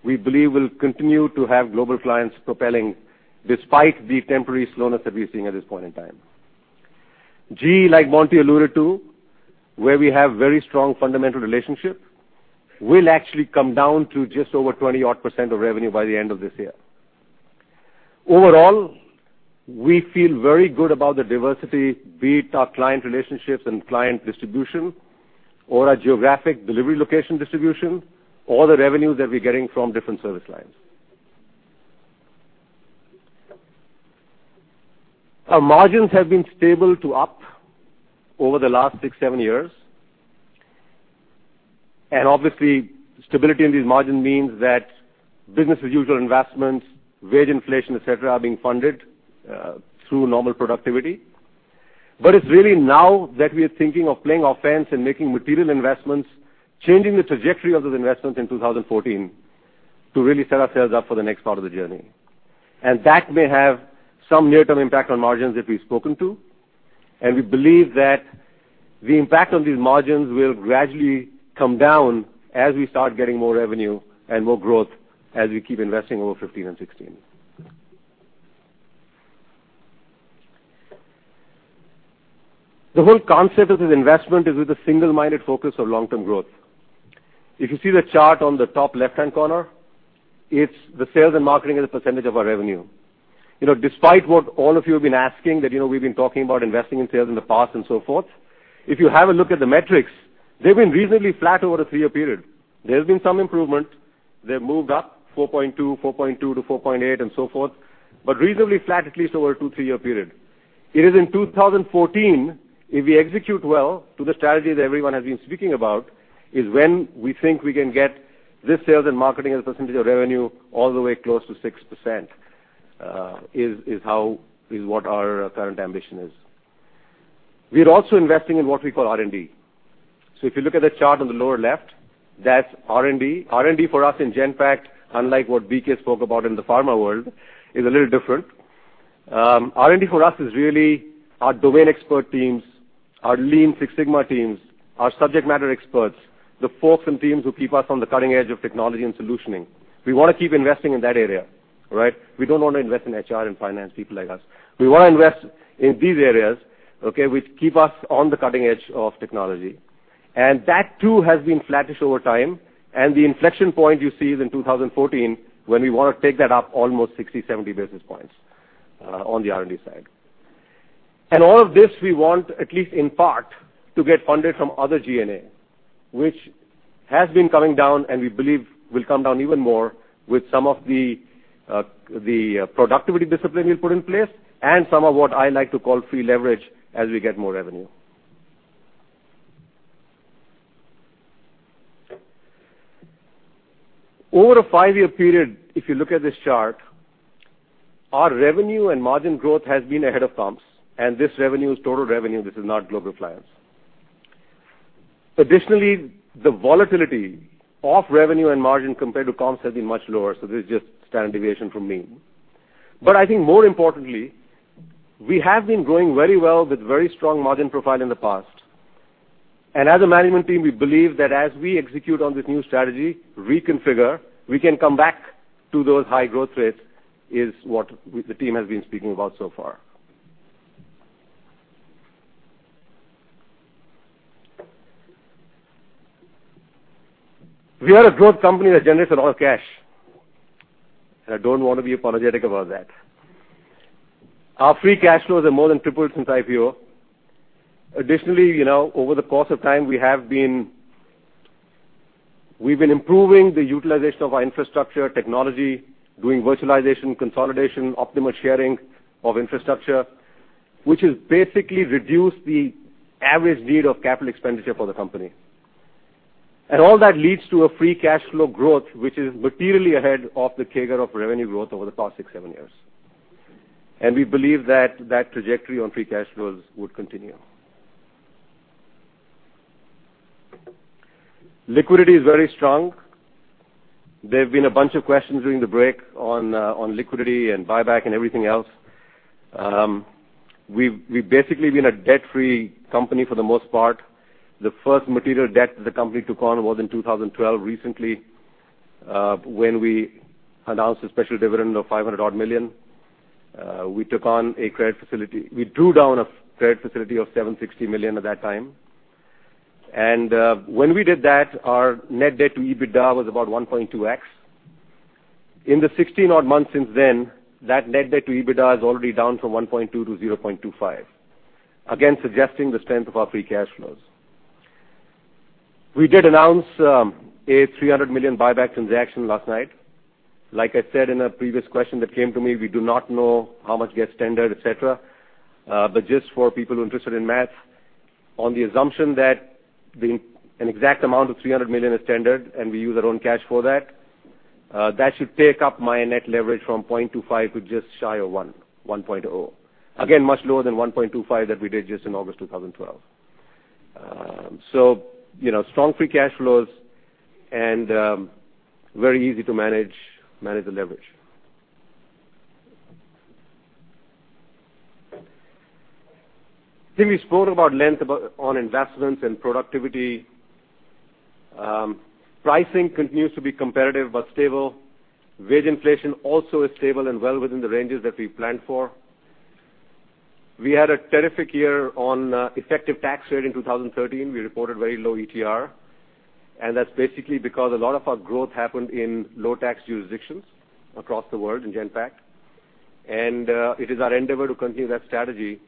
S13: we believe will continue to have global clients propelling despite the temporary slowness that we're seeing at this point in time. GE, like Monty alluded to, where we have very strong fundamental relationship, will actually come down to just over 20 odd % of revenue by the end of this year. Overall, we feel very good about the diversity, be it our client relationships and client distribution, or our geographic delivery location distribution, or the revenue that we're getting from different service lines. Our margins have been stable to up over the last six, seven years. Obviously, stability in these margins means that business as usual investments, wage inflation, et cetera, are being funded through normal productivity. It's really now that we are thinking of playing offense and making material investments, changing the trajectory of those investments in 2014 to really set ourselves up for the next part of the journey. That may have some near-term impact on margins that we've spoken to, and we believe that the impact on these margins will gradually come down as we start getting more revenue and more growth as we keep investing over 2015 and 2016. The whole concept of this investment is with the single-minded focus of long-term growth. If you see the chart on the top left-hand corner, it's the sales and marketing as a % of our revenue. Despite what all of you have been asking, that we've been talking about investing in sales in the past and so forth, if you have a look at the metrics, they've been reasonably flat over a three-year period. There has been some improvement. They've moved up 4.2%-4.8% and so forth, but reasonably flat, at least over a two, three-year period. It is in 2014, if we execute well to the strategies everyone has been speaking about, is when we think we can get this sales and marketing as a % of revenue all the way close to 6%, is what our current ambition is. We are also investing in what we call R&D. If you look at the chart on the lower left, that's R&D. R&D for us in Genpact, unlike what BK spoke about in the pharma world, is a little different. R&D for us is really our domain expert teams, our Lean Six Sigma teams, our subject matter experts, the folks and teams who keep us on the cutting edge of technology and solutioning. We want to keep investing in that area. We don't want to invest in HR and finance, people like us. We want to invest in these areas, which keep us on the cutting edge of technology. That too has been flattish over time, and the inflection point you see is in 2014, when we want to take that up almost 60, 70 basis points on the R&D side. All of this we want, at least in part, to get funded from other G&A, which has been coming down, and we believe will come down even more with some of the productivity discipline we put in place and some of what I like to call free leverage, as we get more revenue. Over a five-year period, if you look at this chart, our revenue and margin growth has been ahead of comps, and this revenue is total revenue. This is not Global Business Services. The volatility of revenue and margin compared to comps has been much lower, so this is just standard deviation from mean. I think more importantly, we have been growing very well with very strong margin profile in the past. As a management team, we believe that as we execute on this new strategy, reconfigure, we can come back to those high growth rates, is what the team has been speaking about so far. We are a growth company that generates a lot of cash, and I don't want to be apologetic about that. Our free cash flows have more than tripled since IPO. Over the course of time, we've been improving the utilization of our infrastructure technology, doing virtualization, consolidation, optimal sharing of infrastructure, which has basically reduced the average need of capital expenditure for the company. All that leads to a free cash flow growth, which is materially ahead of the CAGR of revenue growth over the past six, seven years. We believe that that trajectory on free cash flows would continue. Liquidity is very strong. There have been a bunch of questions during the break on liquidity and buyback and everything else. We've basically been a debt-free company for the most part. The first material debt that the company took on was in 2012, recently, when we announced a special dividend of $500 odd million. We drew down a credit facility of $760 million at that time. When we did that, our net debt to EBITDA was about 1.2x. In the 16 odd months since then, that net debt to EBITDA is already down from 1.2 to 0.25. Again, suggesting the strength of our free cash flows. We did announce a $300 million buyback transaction last night. Like I said in a previous question that came to me, we do not know how much gets tendered, et cetera. Just for people who are interested in math, on the assumption that an exact amount of $300 million is tendered, and we use our own cash for that should take up my net leverage from 0.25 to just shy of 1.0. Again, much lower than 1.25 that we did just in August 2012. Strong free cash flows and very easy to manage the leverage. I think we spoke about length on investments and productivity. Pricing continues to be competitive but stable. Wage inflation also is stable and well within the ranges that we planned for. We had a terrific year on effective tax rate in 2013. We reported very low ETR, and that's basically because a lot of our growth happened in low-tax jurisdictions across the world in Genpact. It is our endeavor to continue that strategy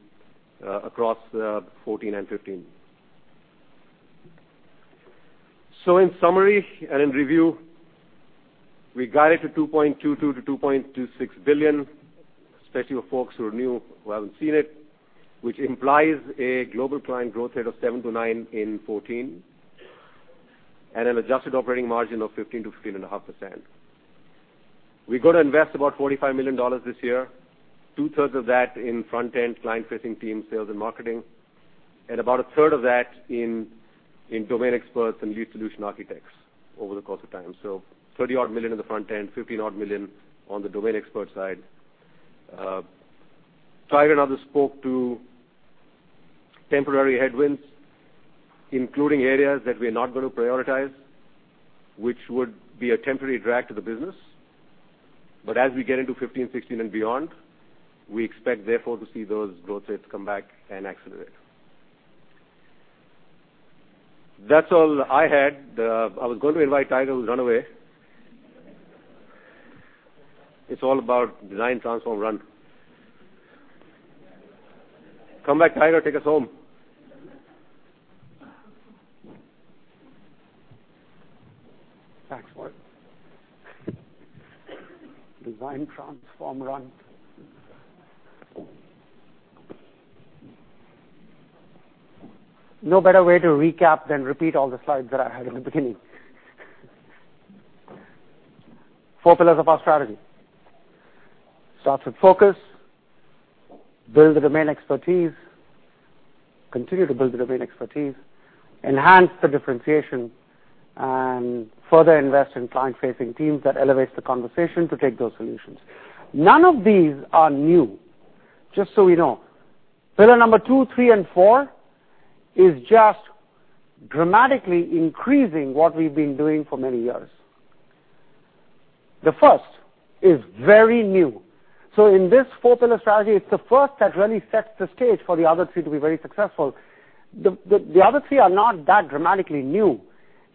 S13: across 2014 and 2015. In summary and in review, we guided to $2.22 billion-$2.26 billion, especially for folks who are new who haven't seen it, which implies a global client growth rate of 7%-9% in 2014, and an adjusted operating margin of 15%-15.5%. We're going to invest about $45 million this year, two-thirds of that in front-end client-facing teams, sales, and marketing, and about a third of that in domain experts and lead solution architects over the course of time. $30-odd million in the front end, $15-odd million on the domain expert side. Tiger and others spoke to temporary headwinds, including areas that we're not going to prioritize, which would be a temporary drag to the business. As we get into 2015, 2016 and beyond, we expect, therefore, to see those growth rates come back and accelerate. That's all I had. I was going to invite Tiger, who's run away. It's all about design, transform, run. Come back, Tiger. Take us home.
S2: Thanks, Roy. Design, transform, run. No better way to recap than repeat all the slides that I had in the beginning. Four pillars of our strategy. Starts with focus, build the domain expertise, continue to build the domain expertise, enhance the differentiation, and further invest in client-facing teams that elevates the conversation to take those solutions. None of these are new. Just so we know, pillar number 2, 3, and 4 is just dramatically increasing what we've been doing for many years. The first is very new. In this four-pillar strategy, it's the first that really sets the stage for the other three to be very successful. The other three are not that dramatically new.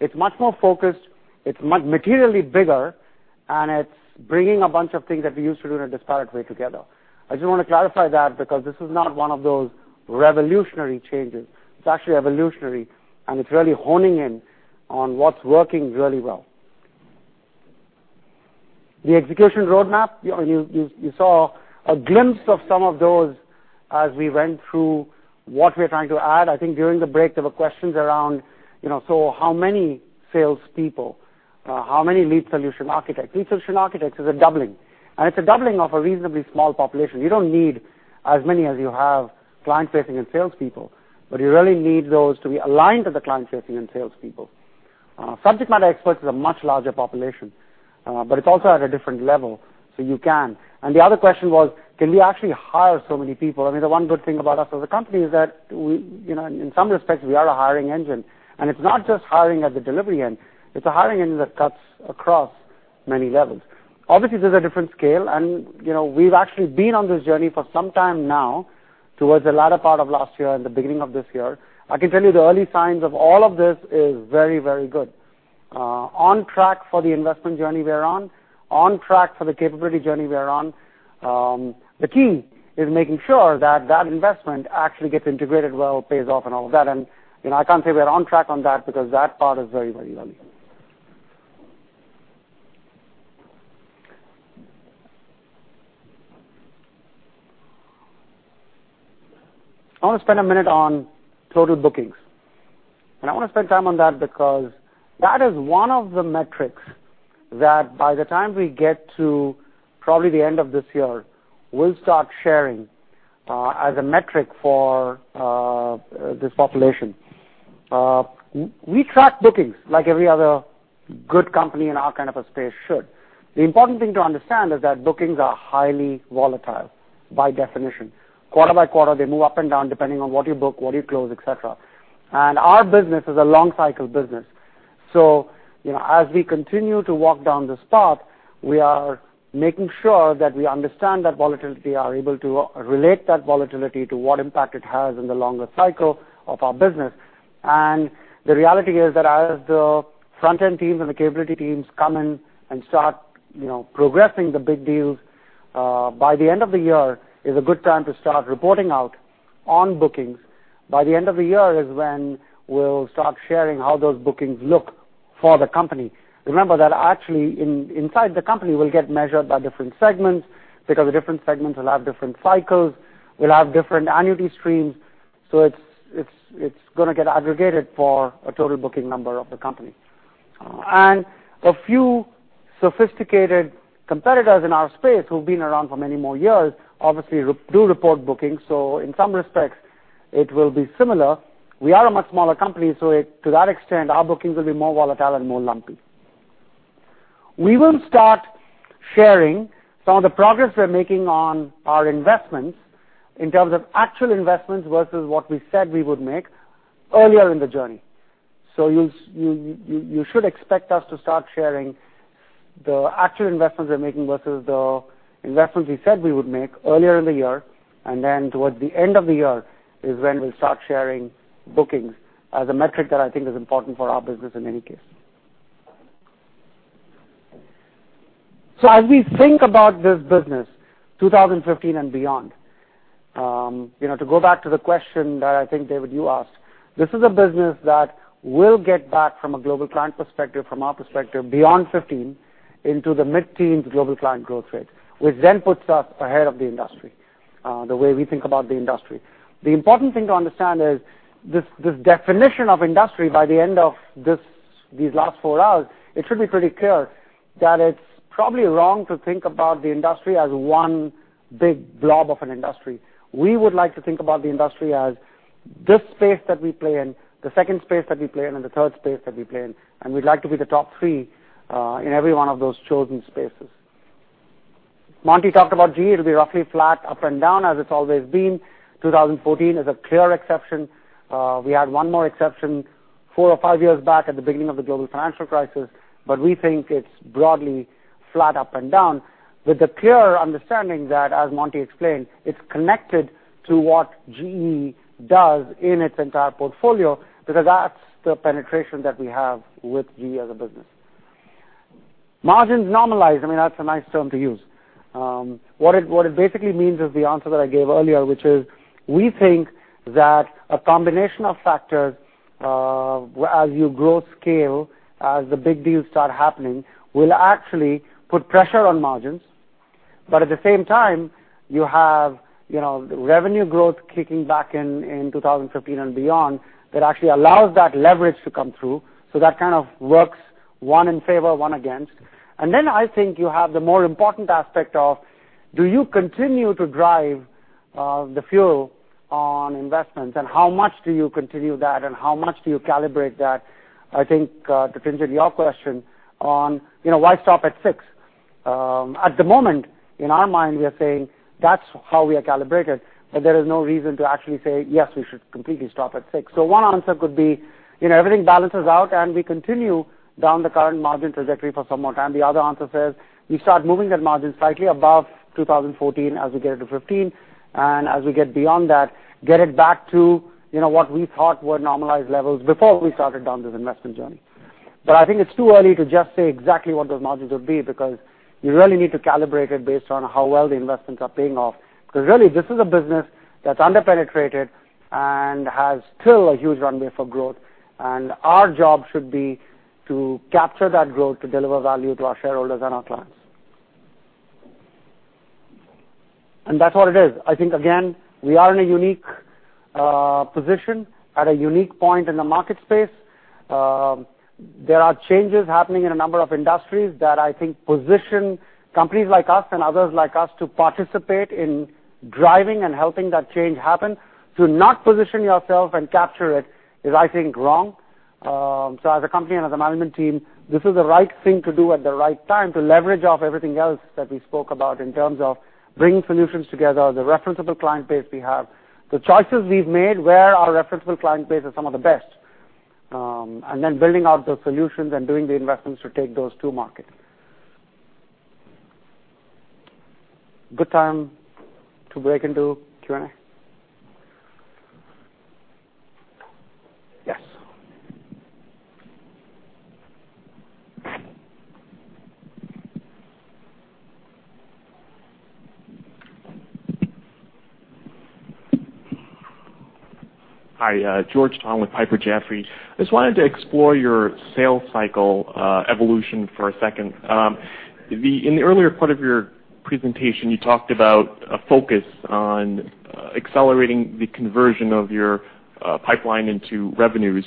S2: It's much more focused, it's materially bigger, and it's bringing a bunch of things that we used to do in a disparate way together. I just want to clarify that because this is not one of those revolutionary changes. It's actually evolutionary, and it's really honing in on what's working really well. The execution roadmap, you saw a glimpse of some of those as we went through what we're trying to add. I think during the break, there were questions around, how many salespeople, how many lead solution architects? Lead solution architects is a doubling, and it's a doubling of a reasonably small population. You don't need as many as you have client-facing and salespeople, but you really need those to be aligned to the client-facing and salespeople. Subject matter experts is a much larger population, but it's also at a different level, so you can. The other question was: Can we actually hire so many people? I mean, the one good thing about us as a company is that, in some respects, we are a hiring engine. It's not just hiring at the delivery end, it's a hiring engine that cuts across many levels. Obviously, this is a different scale, we've actually been on this journey for some time now, towards the latter part of last year and the beginning of this year. I can tell you the early signs of all of this is very, very good. On track for the investment journey we are on. On track for the capability journey we are on. The key is making sure that that investment actually gets integrated well, pays off, and all of that. I can't say we're on track on that because that part is very, very early. I want to spend a minute on total bookings. I want to spend time on that because that is one of the metrics that by the time we get to probably the end of this year, we'll start sharing as a metric for this population. We track bookings like every other good company in our kind of a space should. The important thing to understand is that bookings are highly volatile by definition. Quarter by quarter, they move up and down depending on what you book, what you close, et cetera. Our business is a long cycle business. As we continue to walk down this path, we are making sure that we understand that volatility, are able to relate that volatility to what impact it has in the longer cycle of our business. The reality is that as the front-end teams and the capability teams come in and start progressing the big deals, by the end of the year is a good time to start reporting out on bookings. By the end of the year is when we'll start sharing how those bookings look for the company. Remember that actually inside the company, we'll get measured by different segments because the different segments will have different cycles, will have different annuity streams. It's going to get aggregated for a total booking number of the company. A few sophisticated competitors in our space who've been around for many more years obviously do report bookings. In some respects, it will be similar. We are a much smaller company, so to that extent, our bookings will be more volatile and more lumpy. We will start sharing some of the progress we're making on our investments in terms of actual investments versus what we said we would make earlier in the journey. You should expect us to start sharing the actual investments we're making versus the investments we said we would make earlier in the year, and then towards the end of the year is when we'll start sharing bookings as a metric that I think is important for our business in any case. As we think about this business, 2015 and beyond. To go back to the question that I think, David, you asked. This is a business that will get back from a global client perspective, from our perspective, beyond 2015 into the mid-teens global client growth rate, which then puts us ahead of the industry, the way we think about the industry. The important thing to understand is this definition of industry by the end of these last four hours, it should be pretty clear that it's probably wrong to think about the industry as one big blob of an industry. We would like to think about the industry as this space that we play in, the second space that we play in, and the third space that we play in, and we'd like to be the top three, in every one of those chosen spaces. Monty talked about GE. It'll be roughly flat up and down, as it's always been. 2014 is a clear exception. We had one more exception four or five years back at the beginning of the global financial crisis, we think it's broadly flat up and down with the clear understanding that, as Monty explained, it's connected to what GE does in its entire portfolio because that's the penetration that we have with GE as a business. Margins normalized. I mean, that's a nice term to use. What it basically means is the answer that I gave earlier, which is, we think that a combination of factors, as you grow scale, as the big deals start happening, will actually put pressure on margins. At the same time, you have the revenue growth kicking back in 2015 and beyond that actually allows that leverage to come through. That kind of works one in favor, one against. I think you have the more important aspect of, do you continue to drive the fuel on investments and how much do you continue that and how much do you calibrate that? I think, to answer your question on why stop at six? At the moment, in our mind, we are saying that's how we are calibrated, but there is no reason to actually say, yes, we should completely stop at six. One answer could be, everything balances out and we continue down the current margin trajectory for some more time. The other answer says, we start moving that margin slightly above 2014 as we get into 2015, and as we get beyond that, get it back to what we thought were normalized levels before we started down this investment journey. I think it's too early to just say exactly what those margins would be, because you really need to calibrate it based on how well the investments are paying off. Really, this is a business that's under-penetrated and has still a huge runway for growth. Our job should be to capture that growth to deliver value to our shareholders and our clients. That's what it is. I think, again, we are in a unique position at a unique point in the market space. There are changes happening in a number of industries that I think position companies like us and others like us to participate in driving and helping that change happen. To not position yourself and capture it is, I think, wrong. As a company and as a management team, this is the right thing to do at the right time to leverage off everything else that we spoke about in terms of bringing solutions together, the referenceable client base we have. The choices we've made, where our referenceable client base is some of the best. Building out those solutions and doing the investments to take those to market. Good time to break into Q&A? Yes.
S16: Hi, George Tong with Piper Jaffray. I just wanted to explore your sales cycle evolution for a second. In the earlier part of your presentation, you talked about a focus on accelerating the conversion of your pipeline into revenues.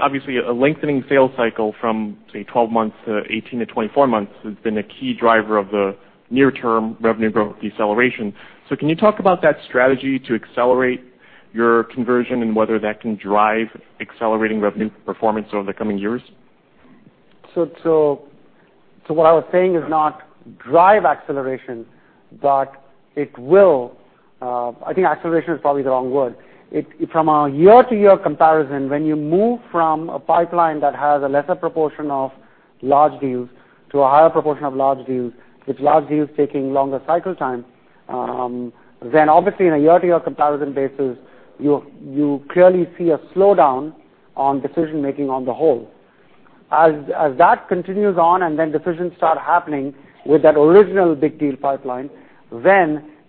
S16: Obviously a lengthening sales cycle from, say, 12 months to 18 to 24 months has been a key driver of the near-term revenue growth deceleration. Can you talk about that strategy to accelerate your conversion and whether that can drive accelerating revenue performance over the coming years?
S2: What I was saying is not drive acceleration, but it will. I think acceleration is probably the wrong word. From a year-to-year comparison, when you move from a pipeline that has a lesser proportion of large deals to a higher proportion of large deals, with large deals taking longer cycle time, obviously in a year-to-year comparison basis, you clearly see a slowdown on decision-making on the whole. As that continues on decisions start happening with that original big deal pipeline,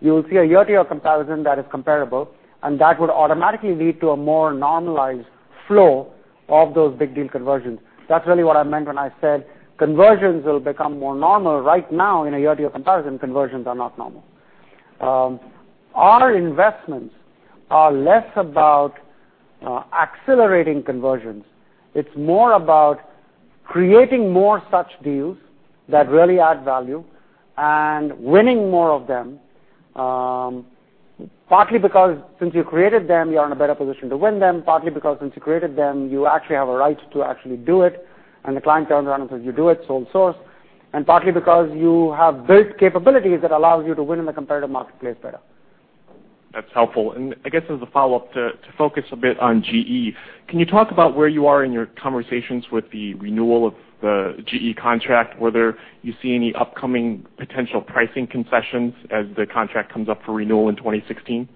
S2: you will see a year-to-year comparison that is comparable, and that would automatically lead to a more normalized flow of those big deal conversions. That's really what I meant when I said conversions will become more normal. Right now, in a year-to-year comparison, conversions are not normal. Our investments are less about accelerating conversions. It's more about creating more such deals that really add value and winning more of them. Partly because since you created them, you are in a better position to win them. Partly because since you created them, you actually have a right to actually do it, and the client turns around and says, you do it sole source. Partly because you have built capabilities that allows you to win in the competitive marketplace better.
S16: That's helpful. I guess as a follow-up, to focus a bit on GE, can you talk about where you are in your conversations with the renewal of the GE contract, whether you see any upcoming potential pricing concessions as the contract comes up for renewal in 2016?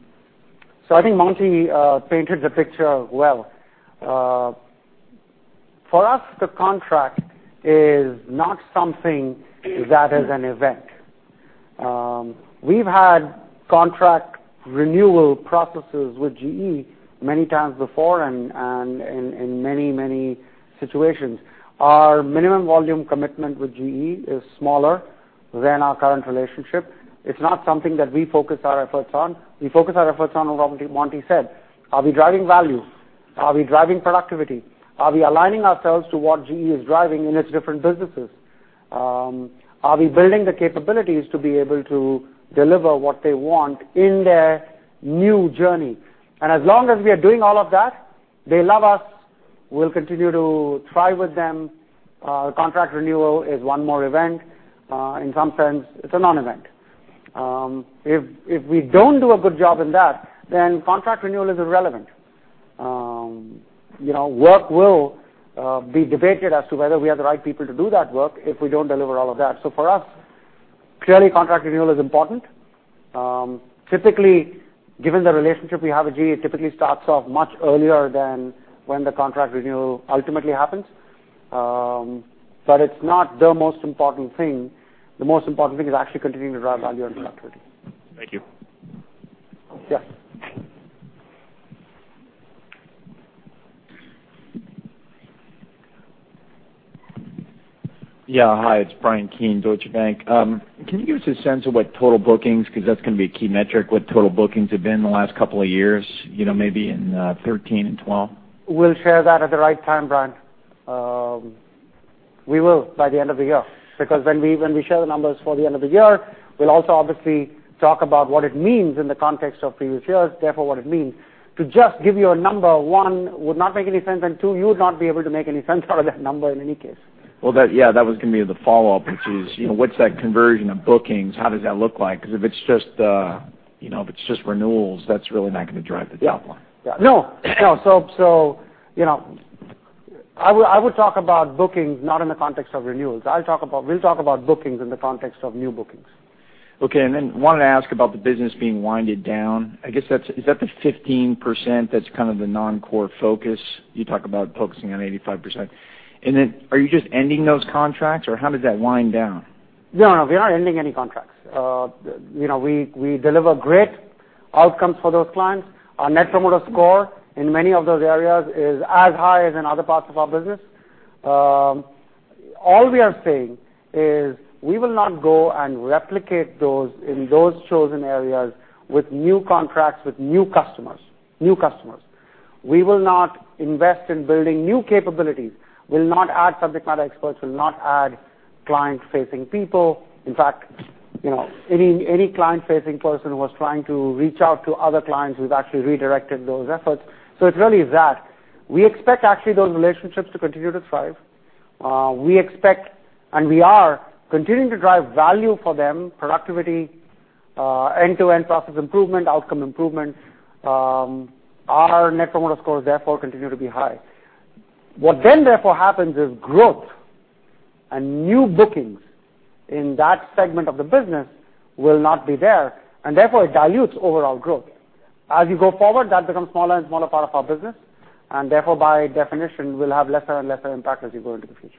S2: I think Monty painted the picture well. For us, the contract is not something that is an event. We've had contract renewal processes with GE many times before and in many situations. Our minimum volume commitment with GE is smaller than our current relationship. It's not something that we focus our efforts on. We focus our efforts on what Monty said. Are we driving value? Are we driving productivity? Are we aligning ourselves to what GE is driving in its different businesses? Are we building the capabilities to be able to deliver what they want in their new journey? As long as we are doing all of that, they love us, we'll continue to thrive with them. Contract renewal is one more event. In some sense, it's a non-event. If we don't do a good job in that, then contract renewal is irrelevant. Work will be debated as to whether we are the right people to do that work if we don't deliver all of that. For us, clearly contract renewal is important. Typically, given the relationship we have with GE, it typically starts off much earlier than when the contract renewal ultimately happens. It's not the most important thing. The most important thing is actually continuing to drive value and productivity.
S16: Thank you.
S2: Yes.
S17: Yeah. Hi, it's Bryan Keane, Deutsche Bank. Can you give us a sense of what total bookings, because that's going to be a key metric, what total bookings have been in the last couple of years, maybe in 2013 and 2012?
S2: We'll share that at the right time, Bryan. We will by the end of the year. When we share the numbers for the end of the year, we'll also obviously talk about what it means in the context of previous years, therefore what it means. To just give you a number, one, would not make any sense, two, you would not be able to make any sense out of that number in any case.
S17: Well, yeah, that was going to be the follow-up, which is, what's that conversion of bookings? How does that look like? If it's just renewals, that's really not going to drive the top line.
S2: Yeah. No. I would talk about bookings not in the context of renewals. We'll talk about bookings in the context of new bookings.
S17: Okay. Then wanted to ask about the business being winded down. I guess, is that the 15% that's kind of the non-core focus? You talk about focusing on 85%. Then are you just ending those contracts or how does that wind down?
S2: No, we aren't ending any contracts. We deliver great outcomes for those clients. Our Net Promoter Score in many of those areas is as high as in other parts of our business. All we are saying is we will not go and replicate those in those chosen areas with new contracts with new customers. We will not invest in building new capabilities. We'll not add subject matter experts. We'll not add client-facing people. In fact, any client-facing person who was trying to reach out to other clients, we've actually redirected those efforts. It's really that. We expect actually those relationships to continue to thrive. We expect, and we are, continuing to drive value for them, productivity, end-to-end process improvement, outcome improvement. Our Net Promoter Scores, therefore, continue to be high. What then therefore happens is growth and new bookings in that segment of the business will not be there. Therefore, it dilutes overall growth. As you go forward, that becomes smaller and smaller part of our business. Therefore, by definition, will have lesser and lesser impact as you go into the future.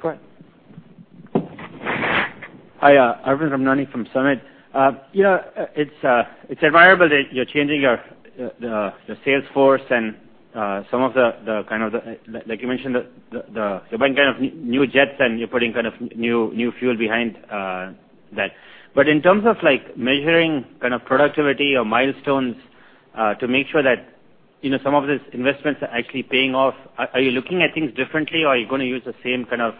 S2: Go ahead.
S18: Hi, Arvind Ramnani from Summit. It's admirable that you're changing your sales force and some of the, like you mentioned, you're buying kind of new jets and you're putting kind of new fuel behind that. In terms of measuring productivity or milestones to make sure that some of these investments are actually paying off, are you looking at things differently or are you going to use the same kind of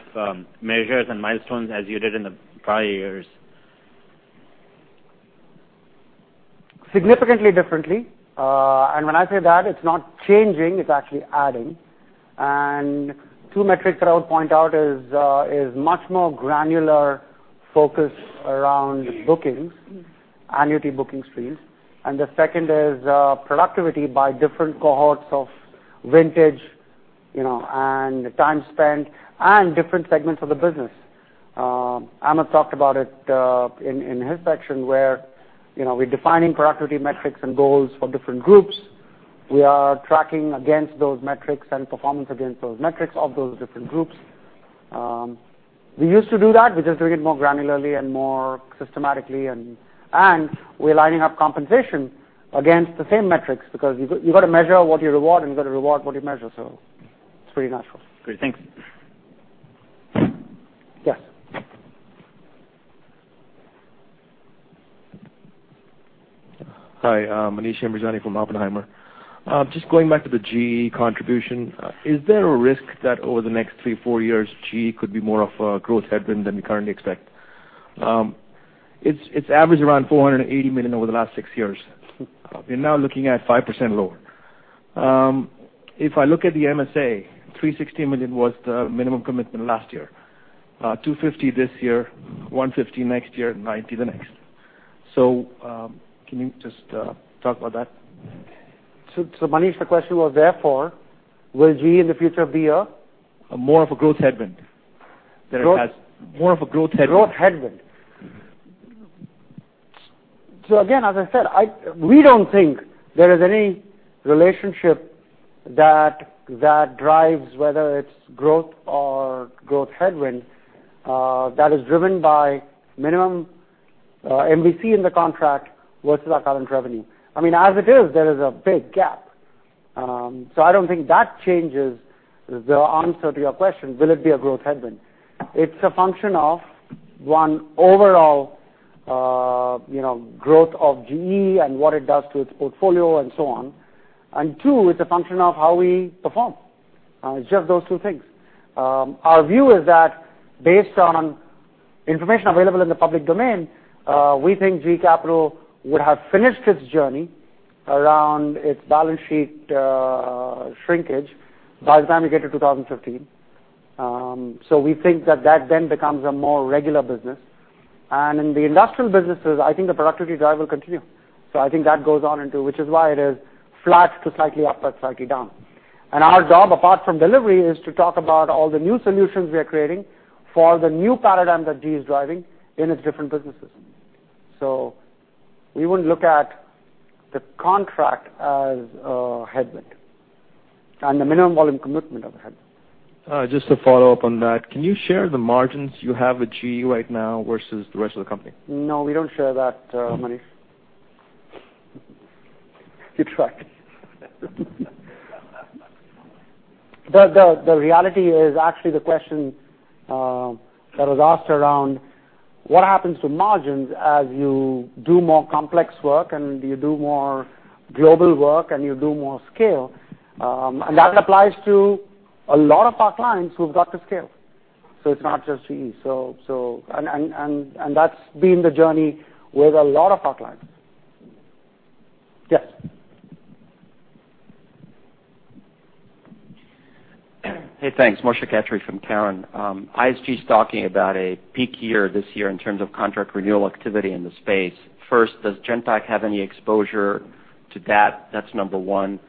S18: measures and milestones as you did in the prior years?
S2: Significantly differently. When I say that, it's not changing, it's actually adding. Two metrics that I would point out is much more granular focus around bookings, annuity booking streams. The second is productivity by different cohorts of vintage, and time spent, and different segments of the business. Amit talked about it in his section where we're defining productivity metrics and goals for different groups. We are tracking against those metrics and performance against those metrics of those different groups. We used to do that. We're just doing it more granularly and more systematically, and we're lining up compensation against the same metrics because you've got to measure what you reward, and you've got to reward what you measure. It's pretty natural.
S18: Great. Thanks.
S2: Yes.
S19: Hi, Maneesh Pyrzanowski from Oppenheimer. Just going back to the GE contribution, is there a risk that over the next three, four years, GE could be more of a growth headwind than we currently expect? It's averaged around $480 million over the last six years. You're now looking at 5% lower. If I look at the MSA, $360 million was the minimum commitment last year, $250 million this year, $150 million next year, and $90 million the next. Can you just talk about that?
S2: Maneesh, the question was therefore, will GE in the future be a?
S19: More of a growth headwind than it has.
S2: Growth- More of a growth headwind. Growth headwind. Again, as I said, we don't think there is any relationship that drives whether it's growth or growth headwind, that is driven by minimum MVC in the contract versus our current revenue. As it is, there is a big gap. I don't think that changes the answer to your question, will it be a growth headwind? It's a function of, one, overall growth of GE and what it does to its portfolio and so on, and two, it's a function of how we perform. It's just those two things. Our view is that based on information available in the public domain, we think GE Capital would have finished its journey around its balance sheet shrinkage by the time we get to 2015. We think that that then becomes a more regular business. In the industrial businesses, I think the productivity drive will continue. I think that goes on into Which is why it is flat to slightly up or slightly down. Our job, apart from delivery, is to talk about all the new solutions we are creating for the new paradigm that GE is driving in its different businesses. We wouldn't look at the contract as a headwind, and the minimum volume commitment of a headwind.
S19: Just to follow up on that, can you share the margins you have with GE right now versus the rest of the company?
S2: No, we don't share that, Maneesh. You tried. The reality is actually the question that was asked around what happens to margins as you do more complex work and you do more global work and you do more scale. That applies to a lot of our clients who've got the scale. It's not just GE. That's been the journey with a lot of our clients. Yes.
S20: Hey, thanks. Moshe Katri from Cowen. ISG's talking about a peak year this year in terms of contract renewal activity in the space. First, does Genpact have any exposure to that? That's number 1.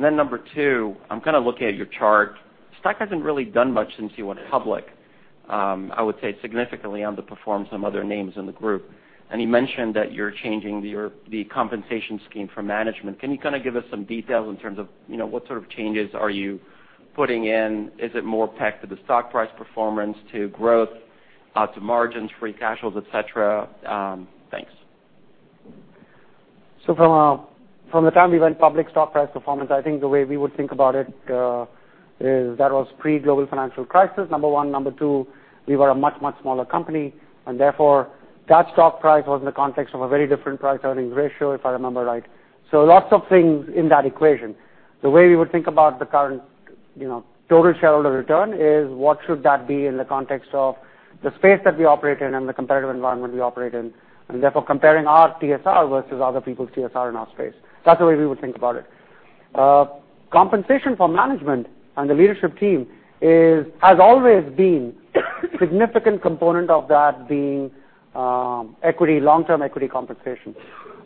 S20: Then number 2, I'm kind of looking at your chart. Stock hasn't really done much since you went public. I would say it significantly underperforms some other names in the group. You mentioned that you're changing the compensation scheme for management. Can you kind of give us some details in terms of what sort of changes are you putting in? Is it more pegged to the stock price performance, to growth, to margins, free cash flows, et cetera? Thanks.
S2: From the time we went public, stock price performance, I think the way we would think about it, is that was pre-global financial crisis, number 1. Number 2, we were a much, much smaller company, and therefore, that stock price was in the context of a very different price earning ratio, if I remember right. Lots of things in that equation. The way we would think about the current total shareholder return is what should that be in the context of the space that we operate in and the competitive environment we operate in, and therefore comparing our TSR versus other people's TSR in our space. That's the way we would think about it. Compensation for management and the leadership team has always been significant component of that being long-term equity compensation.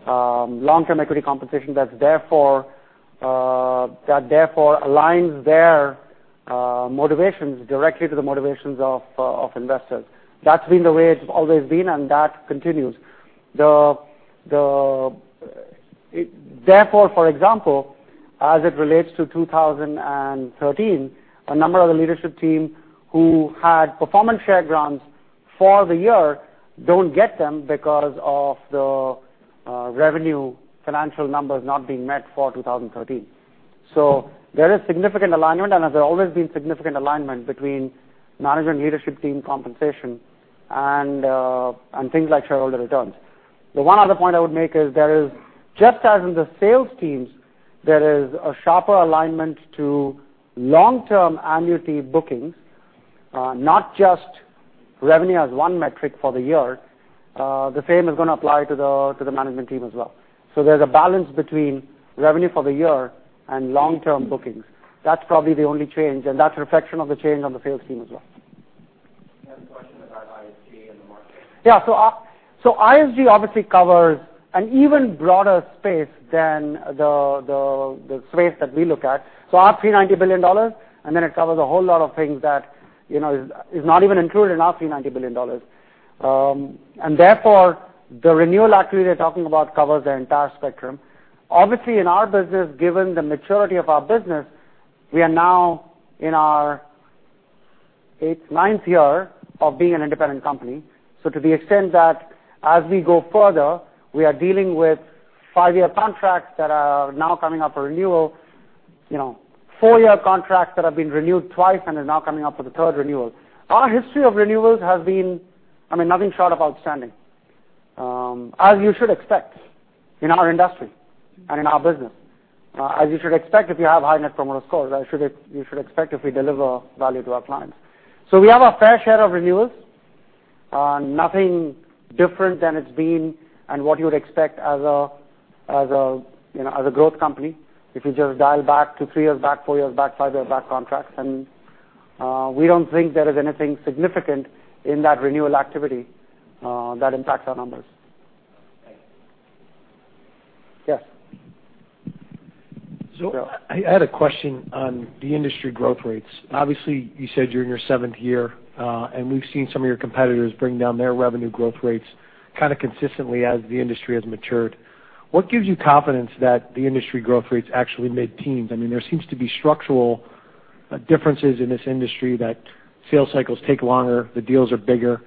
S2: Long-term equity compensation that therefore aligns their motivations directly to the motivations of investors. That's been the way it's always been, and that continues. Therefore, for example, as it relates to 2013, a number of the leadership team who had performance share grants for the year don't get them because of the revenue financial numbers not being met for 2013. There is significant alignment, and has there always been significant alignment between management leadership team compensation and things like shareholder returns. The one other point I would make is just as in the sales teams, there is a sharper alignment to long-term annuity bookings, not just revenue as one metric for the year. The same is going to apply to the management team as well. There's a balance between revenue for the year and long-term bookings. That's probably the only change, and that's a reflection of the change on the sales team as well.
S20: You had a question about ISG and the market.
S2: ISG obviously covers an even broader space than the space that we look at. Our $390 billion, and then it covers a whole lot of things that is not even included in our $390 billion. Therefore, the renewal activity they're talking about covers the entire spectrum. Obviously, in our business, given the maturity of our business, we are now in our ninth year of being an independent company. To the extent that as we go further, we are dealing with five-year contracts that are now coming up for renewal. Four-year contracts that have been renewed twice and are now coming up for the third renewal. Our history of renewals has been nothing short of outstanding. As you should expect in our industry and in our business. As you should expect if you have high Net Promoter Scores, as you should expect if we deliver value to our clients. We have our fair share of renewals. Nothing different than it's been and what you would expect as a growth company. If you just dial back to three years back, four years back, five years back contracts, we don't think there is anything significant in that renewal activity that impacts our numbers.
S20: Thanks.
S2: Yes.
S9: I had a question on the industry growth rates. Obviously, you said you're in your seventh year, and we've seen some of your competitors bring down their revenue growth rates kind of consistently as the industry has matured. What gives you confidence that the industry growth rate's actually mid-teens? There seems to be structural differences in this industry that sales cycles take longer, the deals are bigger.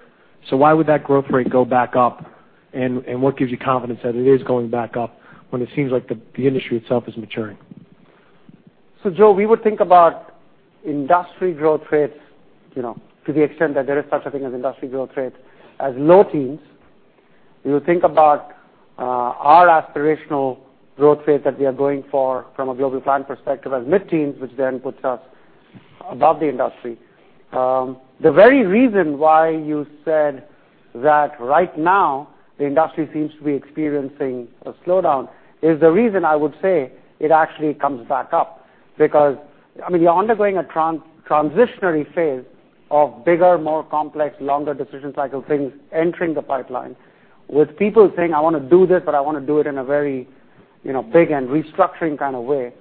S9: Why would that growth rate go back up, and what gives you confidence that it is going back up when it seems like the industry itself is maturing?
S2: Joe, we would think about industry growth rates, to the extent that there is such a thing as industry growth rate, as low teens. We would think about our aspirational growth rates that we are going for from a global plan perspective as mid-teens, which then puts us above the industry. The very reason why you said that right now, the industry seems to be experiencing a slowdown, is the reason I would say it actually comes back up. You're undergoing a transitionary phase of bigger, more complex, longer decision cycle things entering the pipeline with people saying, "I want to do this, but I want to do it in a very big and restructuring kind of way."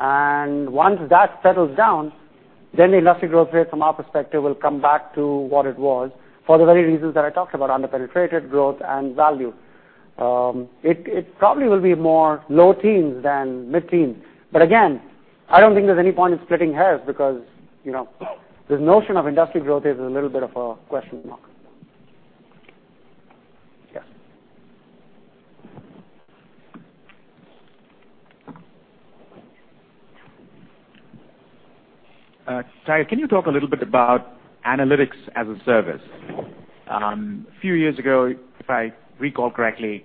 S2: Once that settles down, the industry growth rate from our perspective, will come back to what it was for the very reasons that I talked about, under-penetrated growth and value. It probably will be more low teens than mid-teens. Again, I don't think there's any point in splitting hairs because the notion of industry growth is a little bit of a question mark. Yes.
S11: Ty, can you talk a little bit about analytics as a service? A few years ago, if I recall correctly,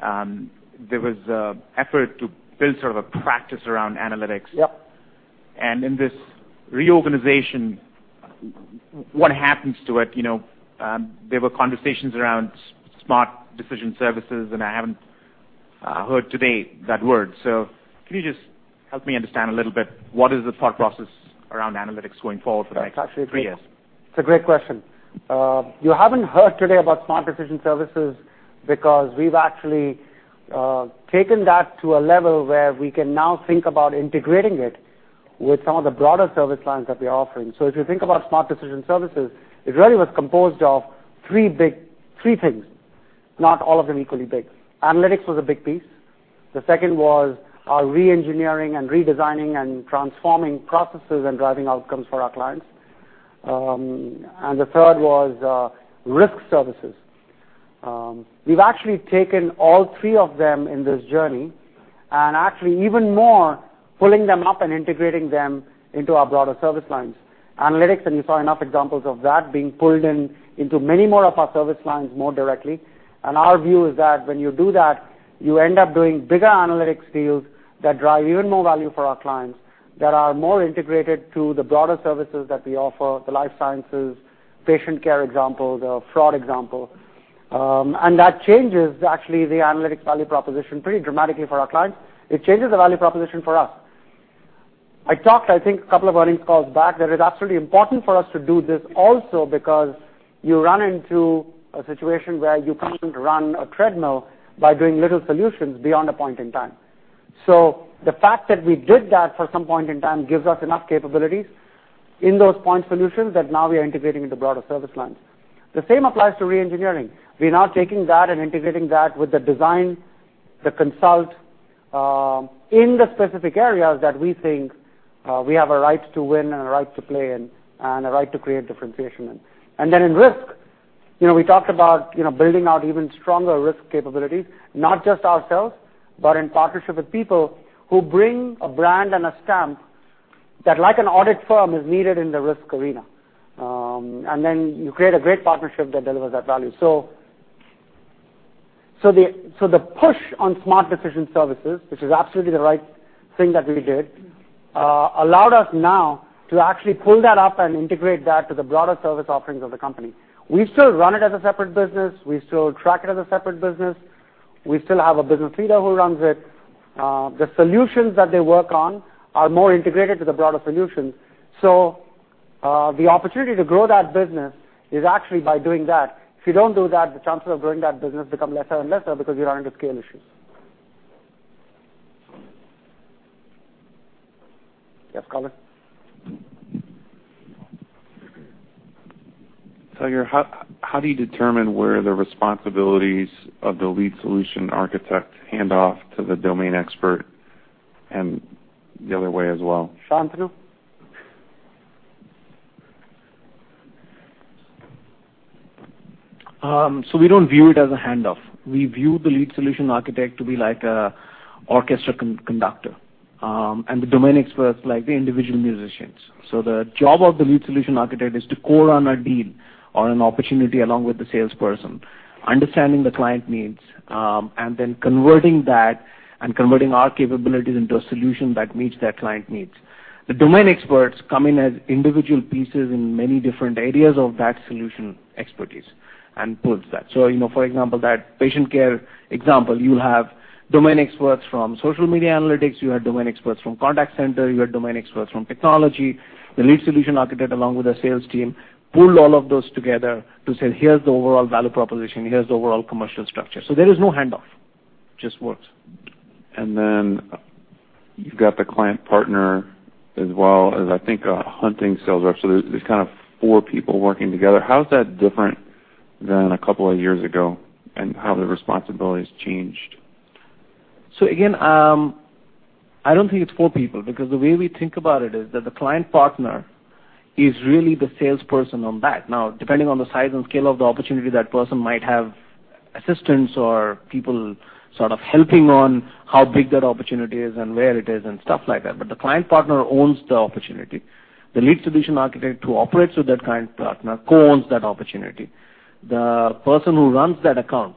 S11: there was an effort to build sort of a practice around analytics.
S2: Yep.
S11: In this reorganization, what happens to it? There were conversations around Smart Decision Services, and I haven't heard to date that word. Can you just help me understand a little bit, what is the thought process around analytics going forward for the next three years?
S2: It's a great question. You haven't heard today about Smart Decision Services because we've actually taken that to a level where we can now think about integrating it with some of the broader service lines that we're offering. If you think about Smart Decision Services, it really was composed of three things, not all of them equally big. Analytics was a big piece. The second was our re-engineering and redesigning and transforming processes and driving outcomes for our clients. The third was risk services. We've actually taken all three of them in this journey, and actually even more, pulling them up and integrating them into our broader service lines. Analytics, you saw enough examples of that being pulled into many more of our service lines more directly. Our view is that when you do that, you end up doing bigger analytics deals that drive even more value for our clients, that are more integrated to the broader services that we offer, the Life Sciences, patient care example, the fraud example. That changes, actually, the analytics value proposition pretty dramatically for our clients. It changes the value proposition for us. I talked, I think, a couple of earnings calls back, that it's absolutely important for us to do this also because you run into a situation where you can't run a treadmill by doing little solutions beyond a point in time. The fact that we did that for some point in time gives us enough capabilities in those point solutions that now we are integrating into broader service lines. The same applies to re-engineering. We're now taking that and integrating that with the design, the consult, in the specific areas that we think we have a right to win and a right to play in, and a right to create differentiation in. In risk, we talked about building out even stronger risk capabilities, not just ourselves, but in partnership with people who bring a brand and a stamp that, like an audit firm, is needed in the risk arena. You create a great partnership that delivers that value. The push on Smart Decision Services, which is absolutely the right thing that we did, allowed us now to actually pull that up and integrate that to the broader service offerings of the company. We still run it as a separate business. We still track it as a separate business. We still have a business leader who runs it. The solutions that they work on are more integrated to the broader solutions. The opportunity to grow that business is actually by doing that. If you don't do that, the chances of growing that business become lesser and lesser because you run into scale issues. Yes, Colin?
S11: Tiger, how do you determine where the responsibilities of the lead solution architect hand off to the domain expert and the other way as well?
S2: Shantanu?
S5: We don't view it as a handoff. We view the lead solution architect to be like an orchestra conductor.
S2: The domain experts, like the individual musicians. The job of the lead solution architect is to quote on a deal or an opportunity along with the salesperson, understanding the client needs, and then converting that and converting our capabilities into a solution that meets that client needs. The domain experts come in as individual pieces in many different areas of that solution expertise and builds that. For example, that patient care example, you'll have domain experts from social media analytics, you have domain experts from contact center, you have domain experts from technology. The lead solution architect, along with the sales team, pulled all of those together to say, "Here's the overall value proposition, here's the overall commercial structure." There is no handoff. It just works.
S11: You've got the client partner as well as, I think, a hunting sales rep. There's kind of four people working together. How is that different than a couple of years ago and how the responsibility's changed?
S2: Again, I don't think it's four people because the way we think about it is that the client partner is really the salesperson on that. Now, depending on the size and scale of the opportunity, that person might have assistants or people sort of helping on how big that opportunity is and where it is and stuff like that. The client partner owns the opportunity. The lead solution architect, who operates with that client partner, co-owns that opportunity. The person who runs that account,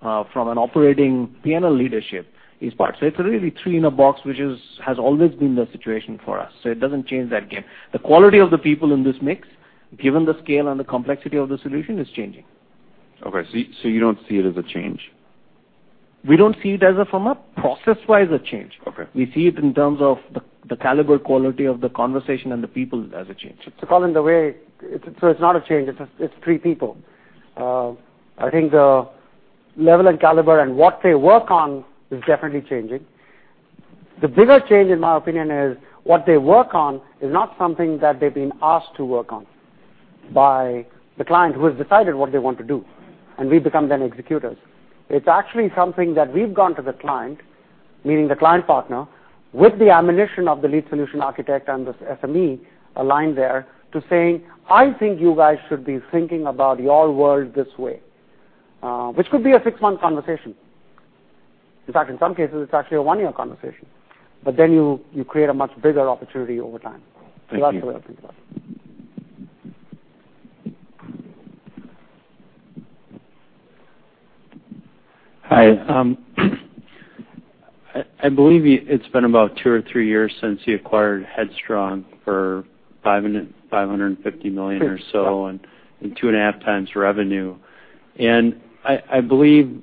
S2: from an operating P&L leadership, is part. It's really three in a box, which has always been the situation for us. It doesn't change that again. The quality of the people in this mix, given the scale and the complexity of the solution, is changing.
S11: Okay, you don't see it as a change?
S2: We don't see it as, from a process-wise, a change.
S11: Okay.
S2: We see it in terms of the caliber, quality of the conversation and the people as a change. It's not a change. It's three people. I think the level and caliber and what they work on is definitely changing. The bigger change, in my opinion, is what they work on is not something that they've been asked to work on by the client who has decided what they want to do, and we become then executors. It's actually something that we've gone to the client, meaning the client partner, with the ammunition of the lead solution architect and the SME aligned there to say, "I think you guys should be thinking about your world this way." Which could be a six-month conversation. In fact, in some cases, it's actually a one-year conversation. You create a much bigger opportunity over time.
S11: Thank you.
S2: That's the way I think about it.
S11: Hi. I believe it's been about 2 or 3 years since you acquired Headstrong for $550 million or so, and 2 and a half times revenue. I believe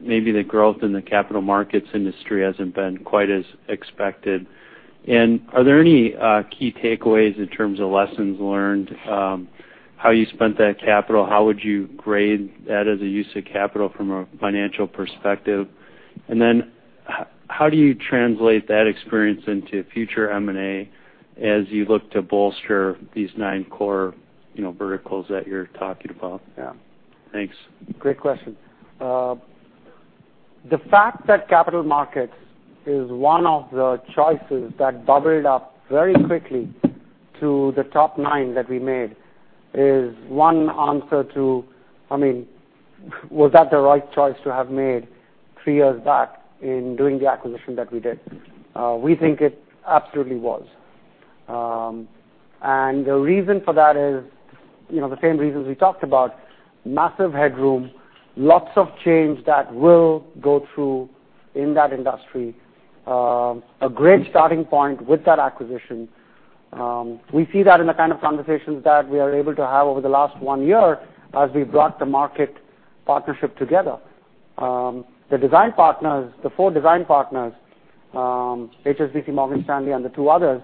S11: maybe the growth in the capital markets industry hasn't been quite as expected. Are there any key takeaways in terms of lessons learned, how you spent that capital? How would you grade that as a use of capital from a financial perspective? How do you translate that experience into future M&A as you look to bolster these 9 core verticals that you're talking about?
S2: Yeah.
S11: Thanks.
S2: Great question. The fact that capital markets is one of the choices that bubbled up very quickly to the top 9 that we made is one answer to, I mean, was that the right choice to have made three years back in doing the acquisition that we did? We think it absolutely was. The reason for that is the same reasons we talked about, massive headroom, lots of change that will go through in that industry, a great starting point with that acquisition. We see that in the kind of conversations that we are able to have over the last one year as we brought the Markit partnership together. The design partners, the 4 design partners, HSBC, Morgan Stanley, and the 2 others,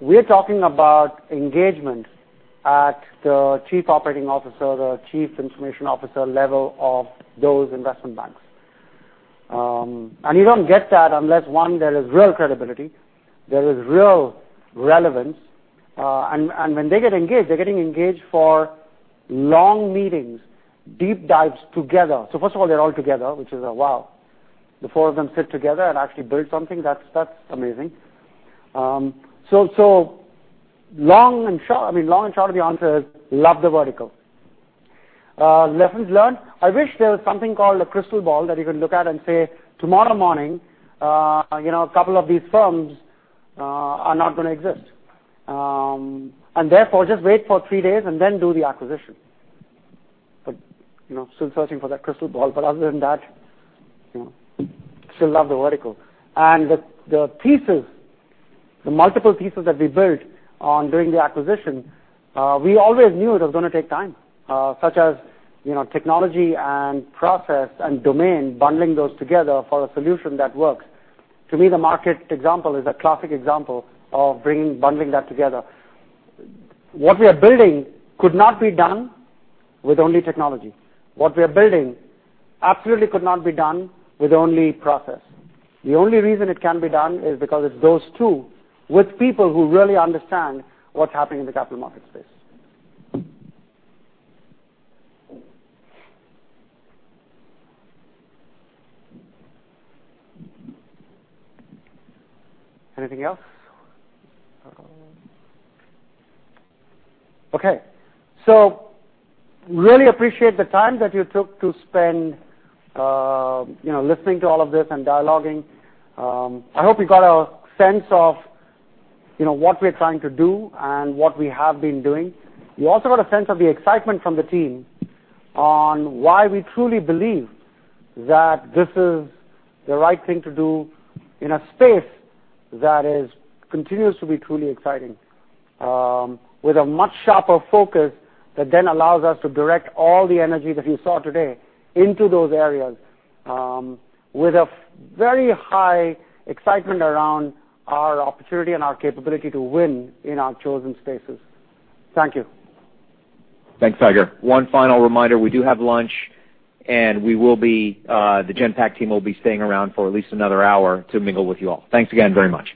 S2: we're talking about engagement at the Chief Operating Officer, the Chief Information Officer level of those investment banks. You don't get that unless, 1, there is real credibility, there is real relevance. When they get engaged, they're getting engaged for long meetings, deep dives together. First of all, they're all together, which is, wow. The 4 of them sit together and actually build something, that's amazing. Long and short of the answer is love the vertical. Lessons learned, I wish there was something called a crystal ball that you can look at and say, tomorrow morning, a couple of these firms are not going to exist. Therefore, just wait for three days and then do the acquisition. Still searching for that crystal ball. Other than that, still love the vertical. The pieces, the multiple pieces that we built on doing the acquisition, we always knew it was going to take time. Such as technology and process and domain, bundling those together for a solution that works. To me, the Markit example is a classic example of bundling that together. What we are building could not be done with only technology. What we are building absolutely could not be done with only process. The only reason it can be done is because it's those 2 with people who really understand what's happening in the capital market space. Anything else? Okay. Really appreciate the time that you took to spend listening to all of this and dialoguing. I hope you got a sense of what we're trying to do and what we have been doing. You also got a sense of the excitement from the team on why we truly believe that this is the right thing to do in a space that continues to be truly exciting, with a much sharper focus that then allows us to direct all the energy that you saw today into those areas, with a very high excitement around our opportunity and our capability to win in our chosen spaces. Thank you.
S1: Thanks, Tiger. One final reminder, we do have lunch, and the Genpact team will be staying around for at least another hour to mingle with you all. Thanks again very much.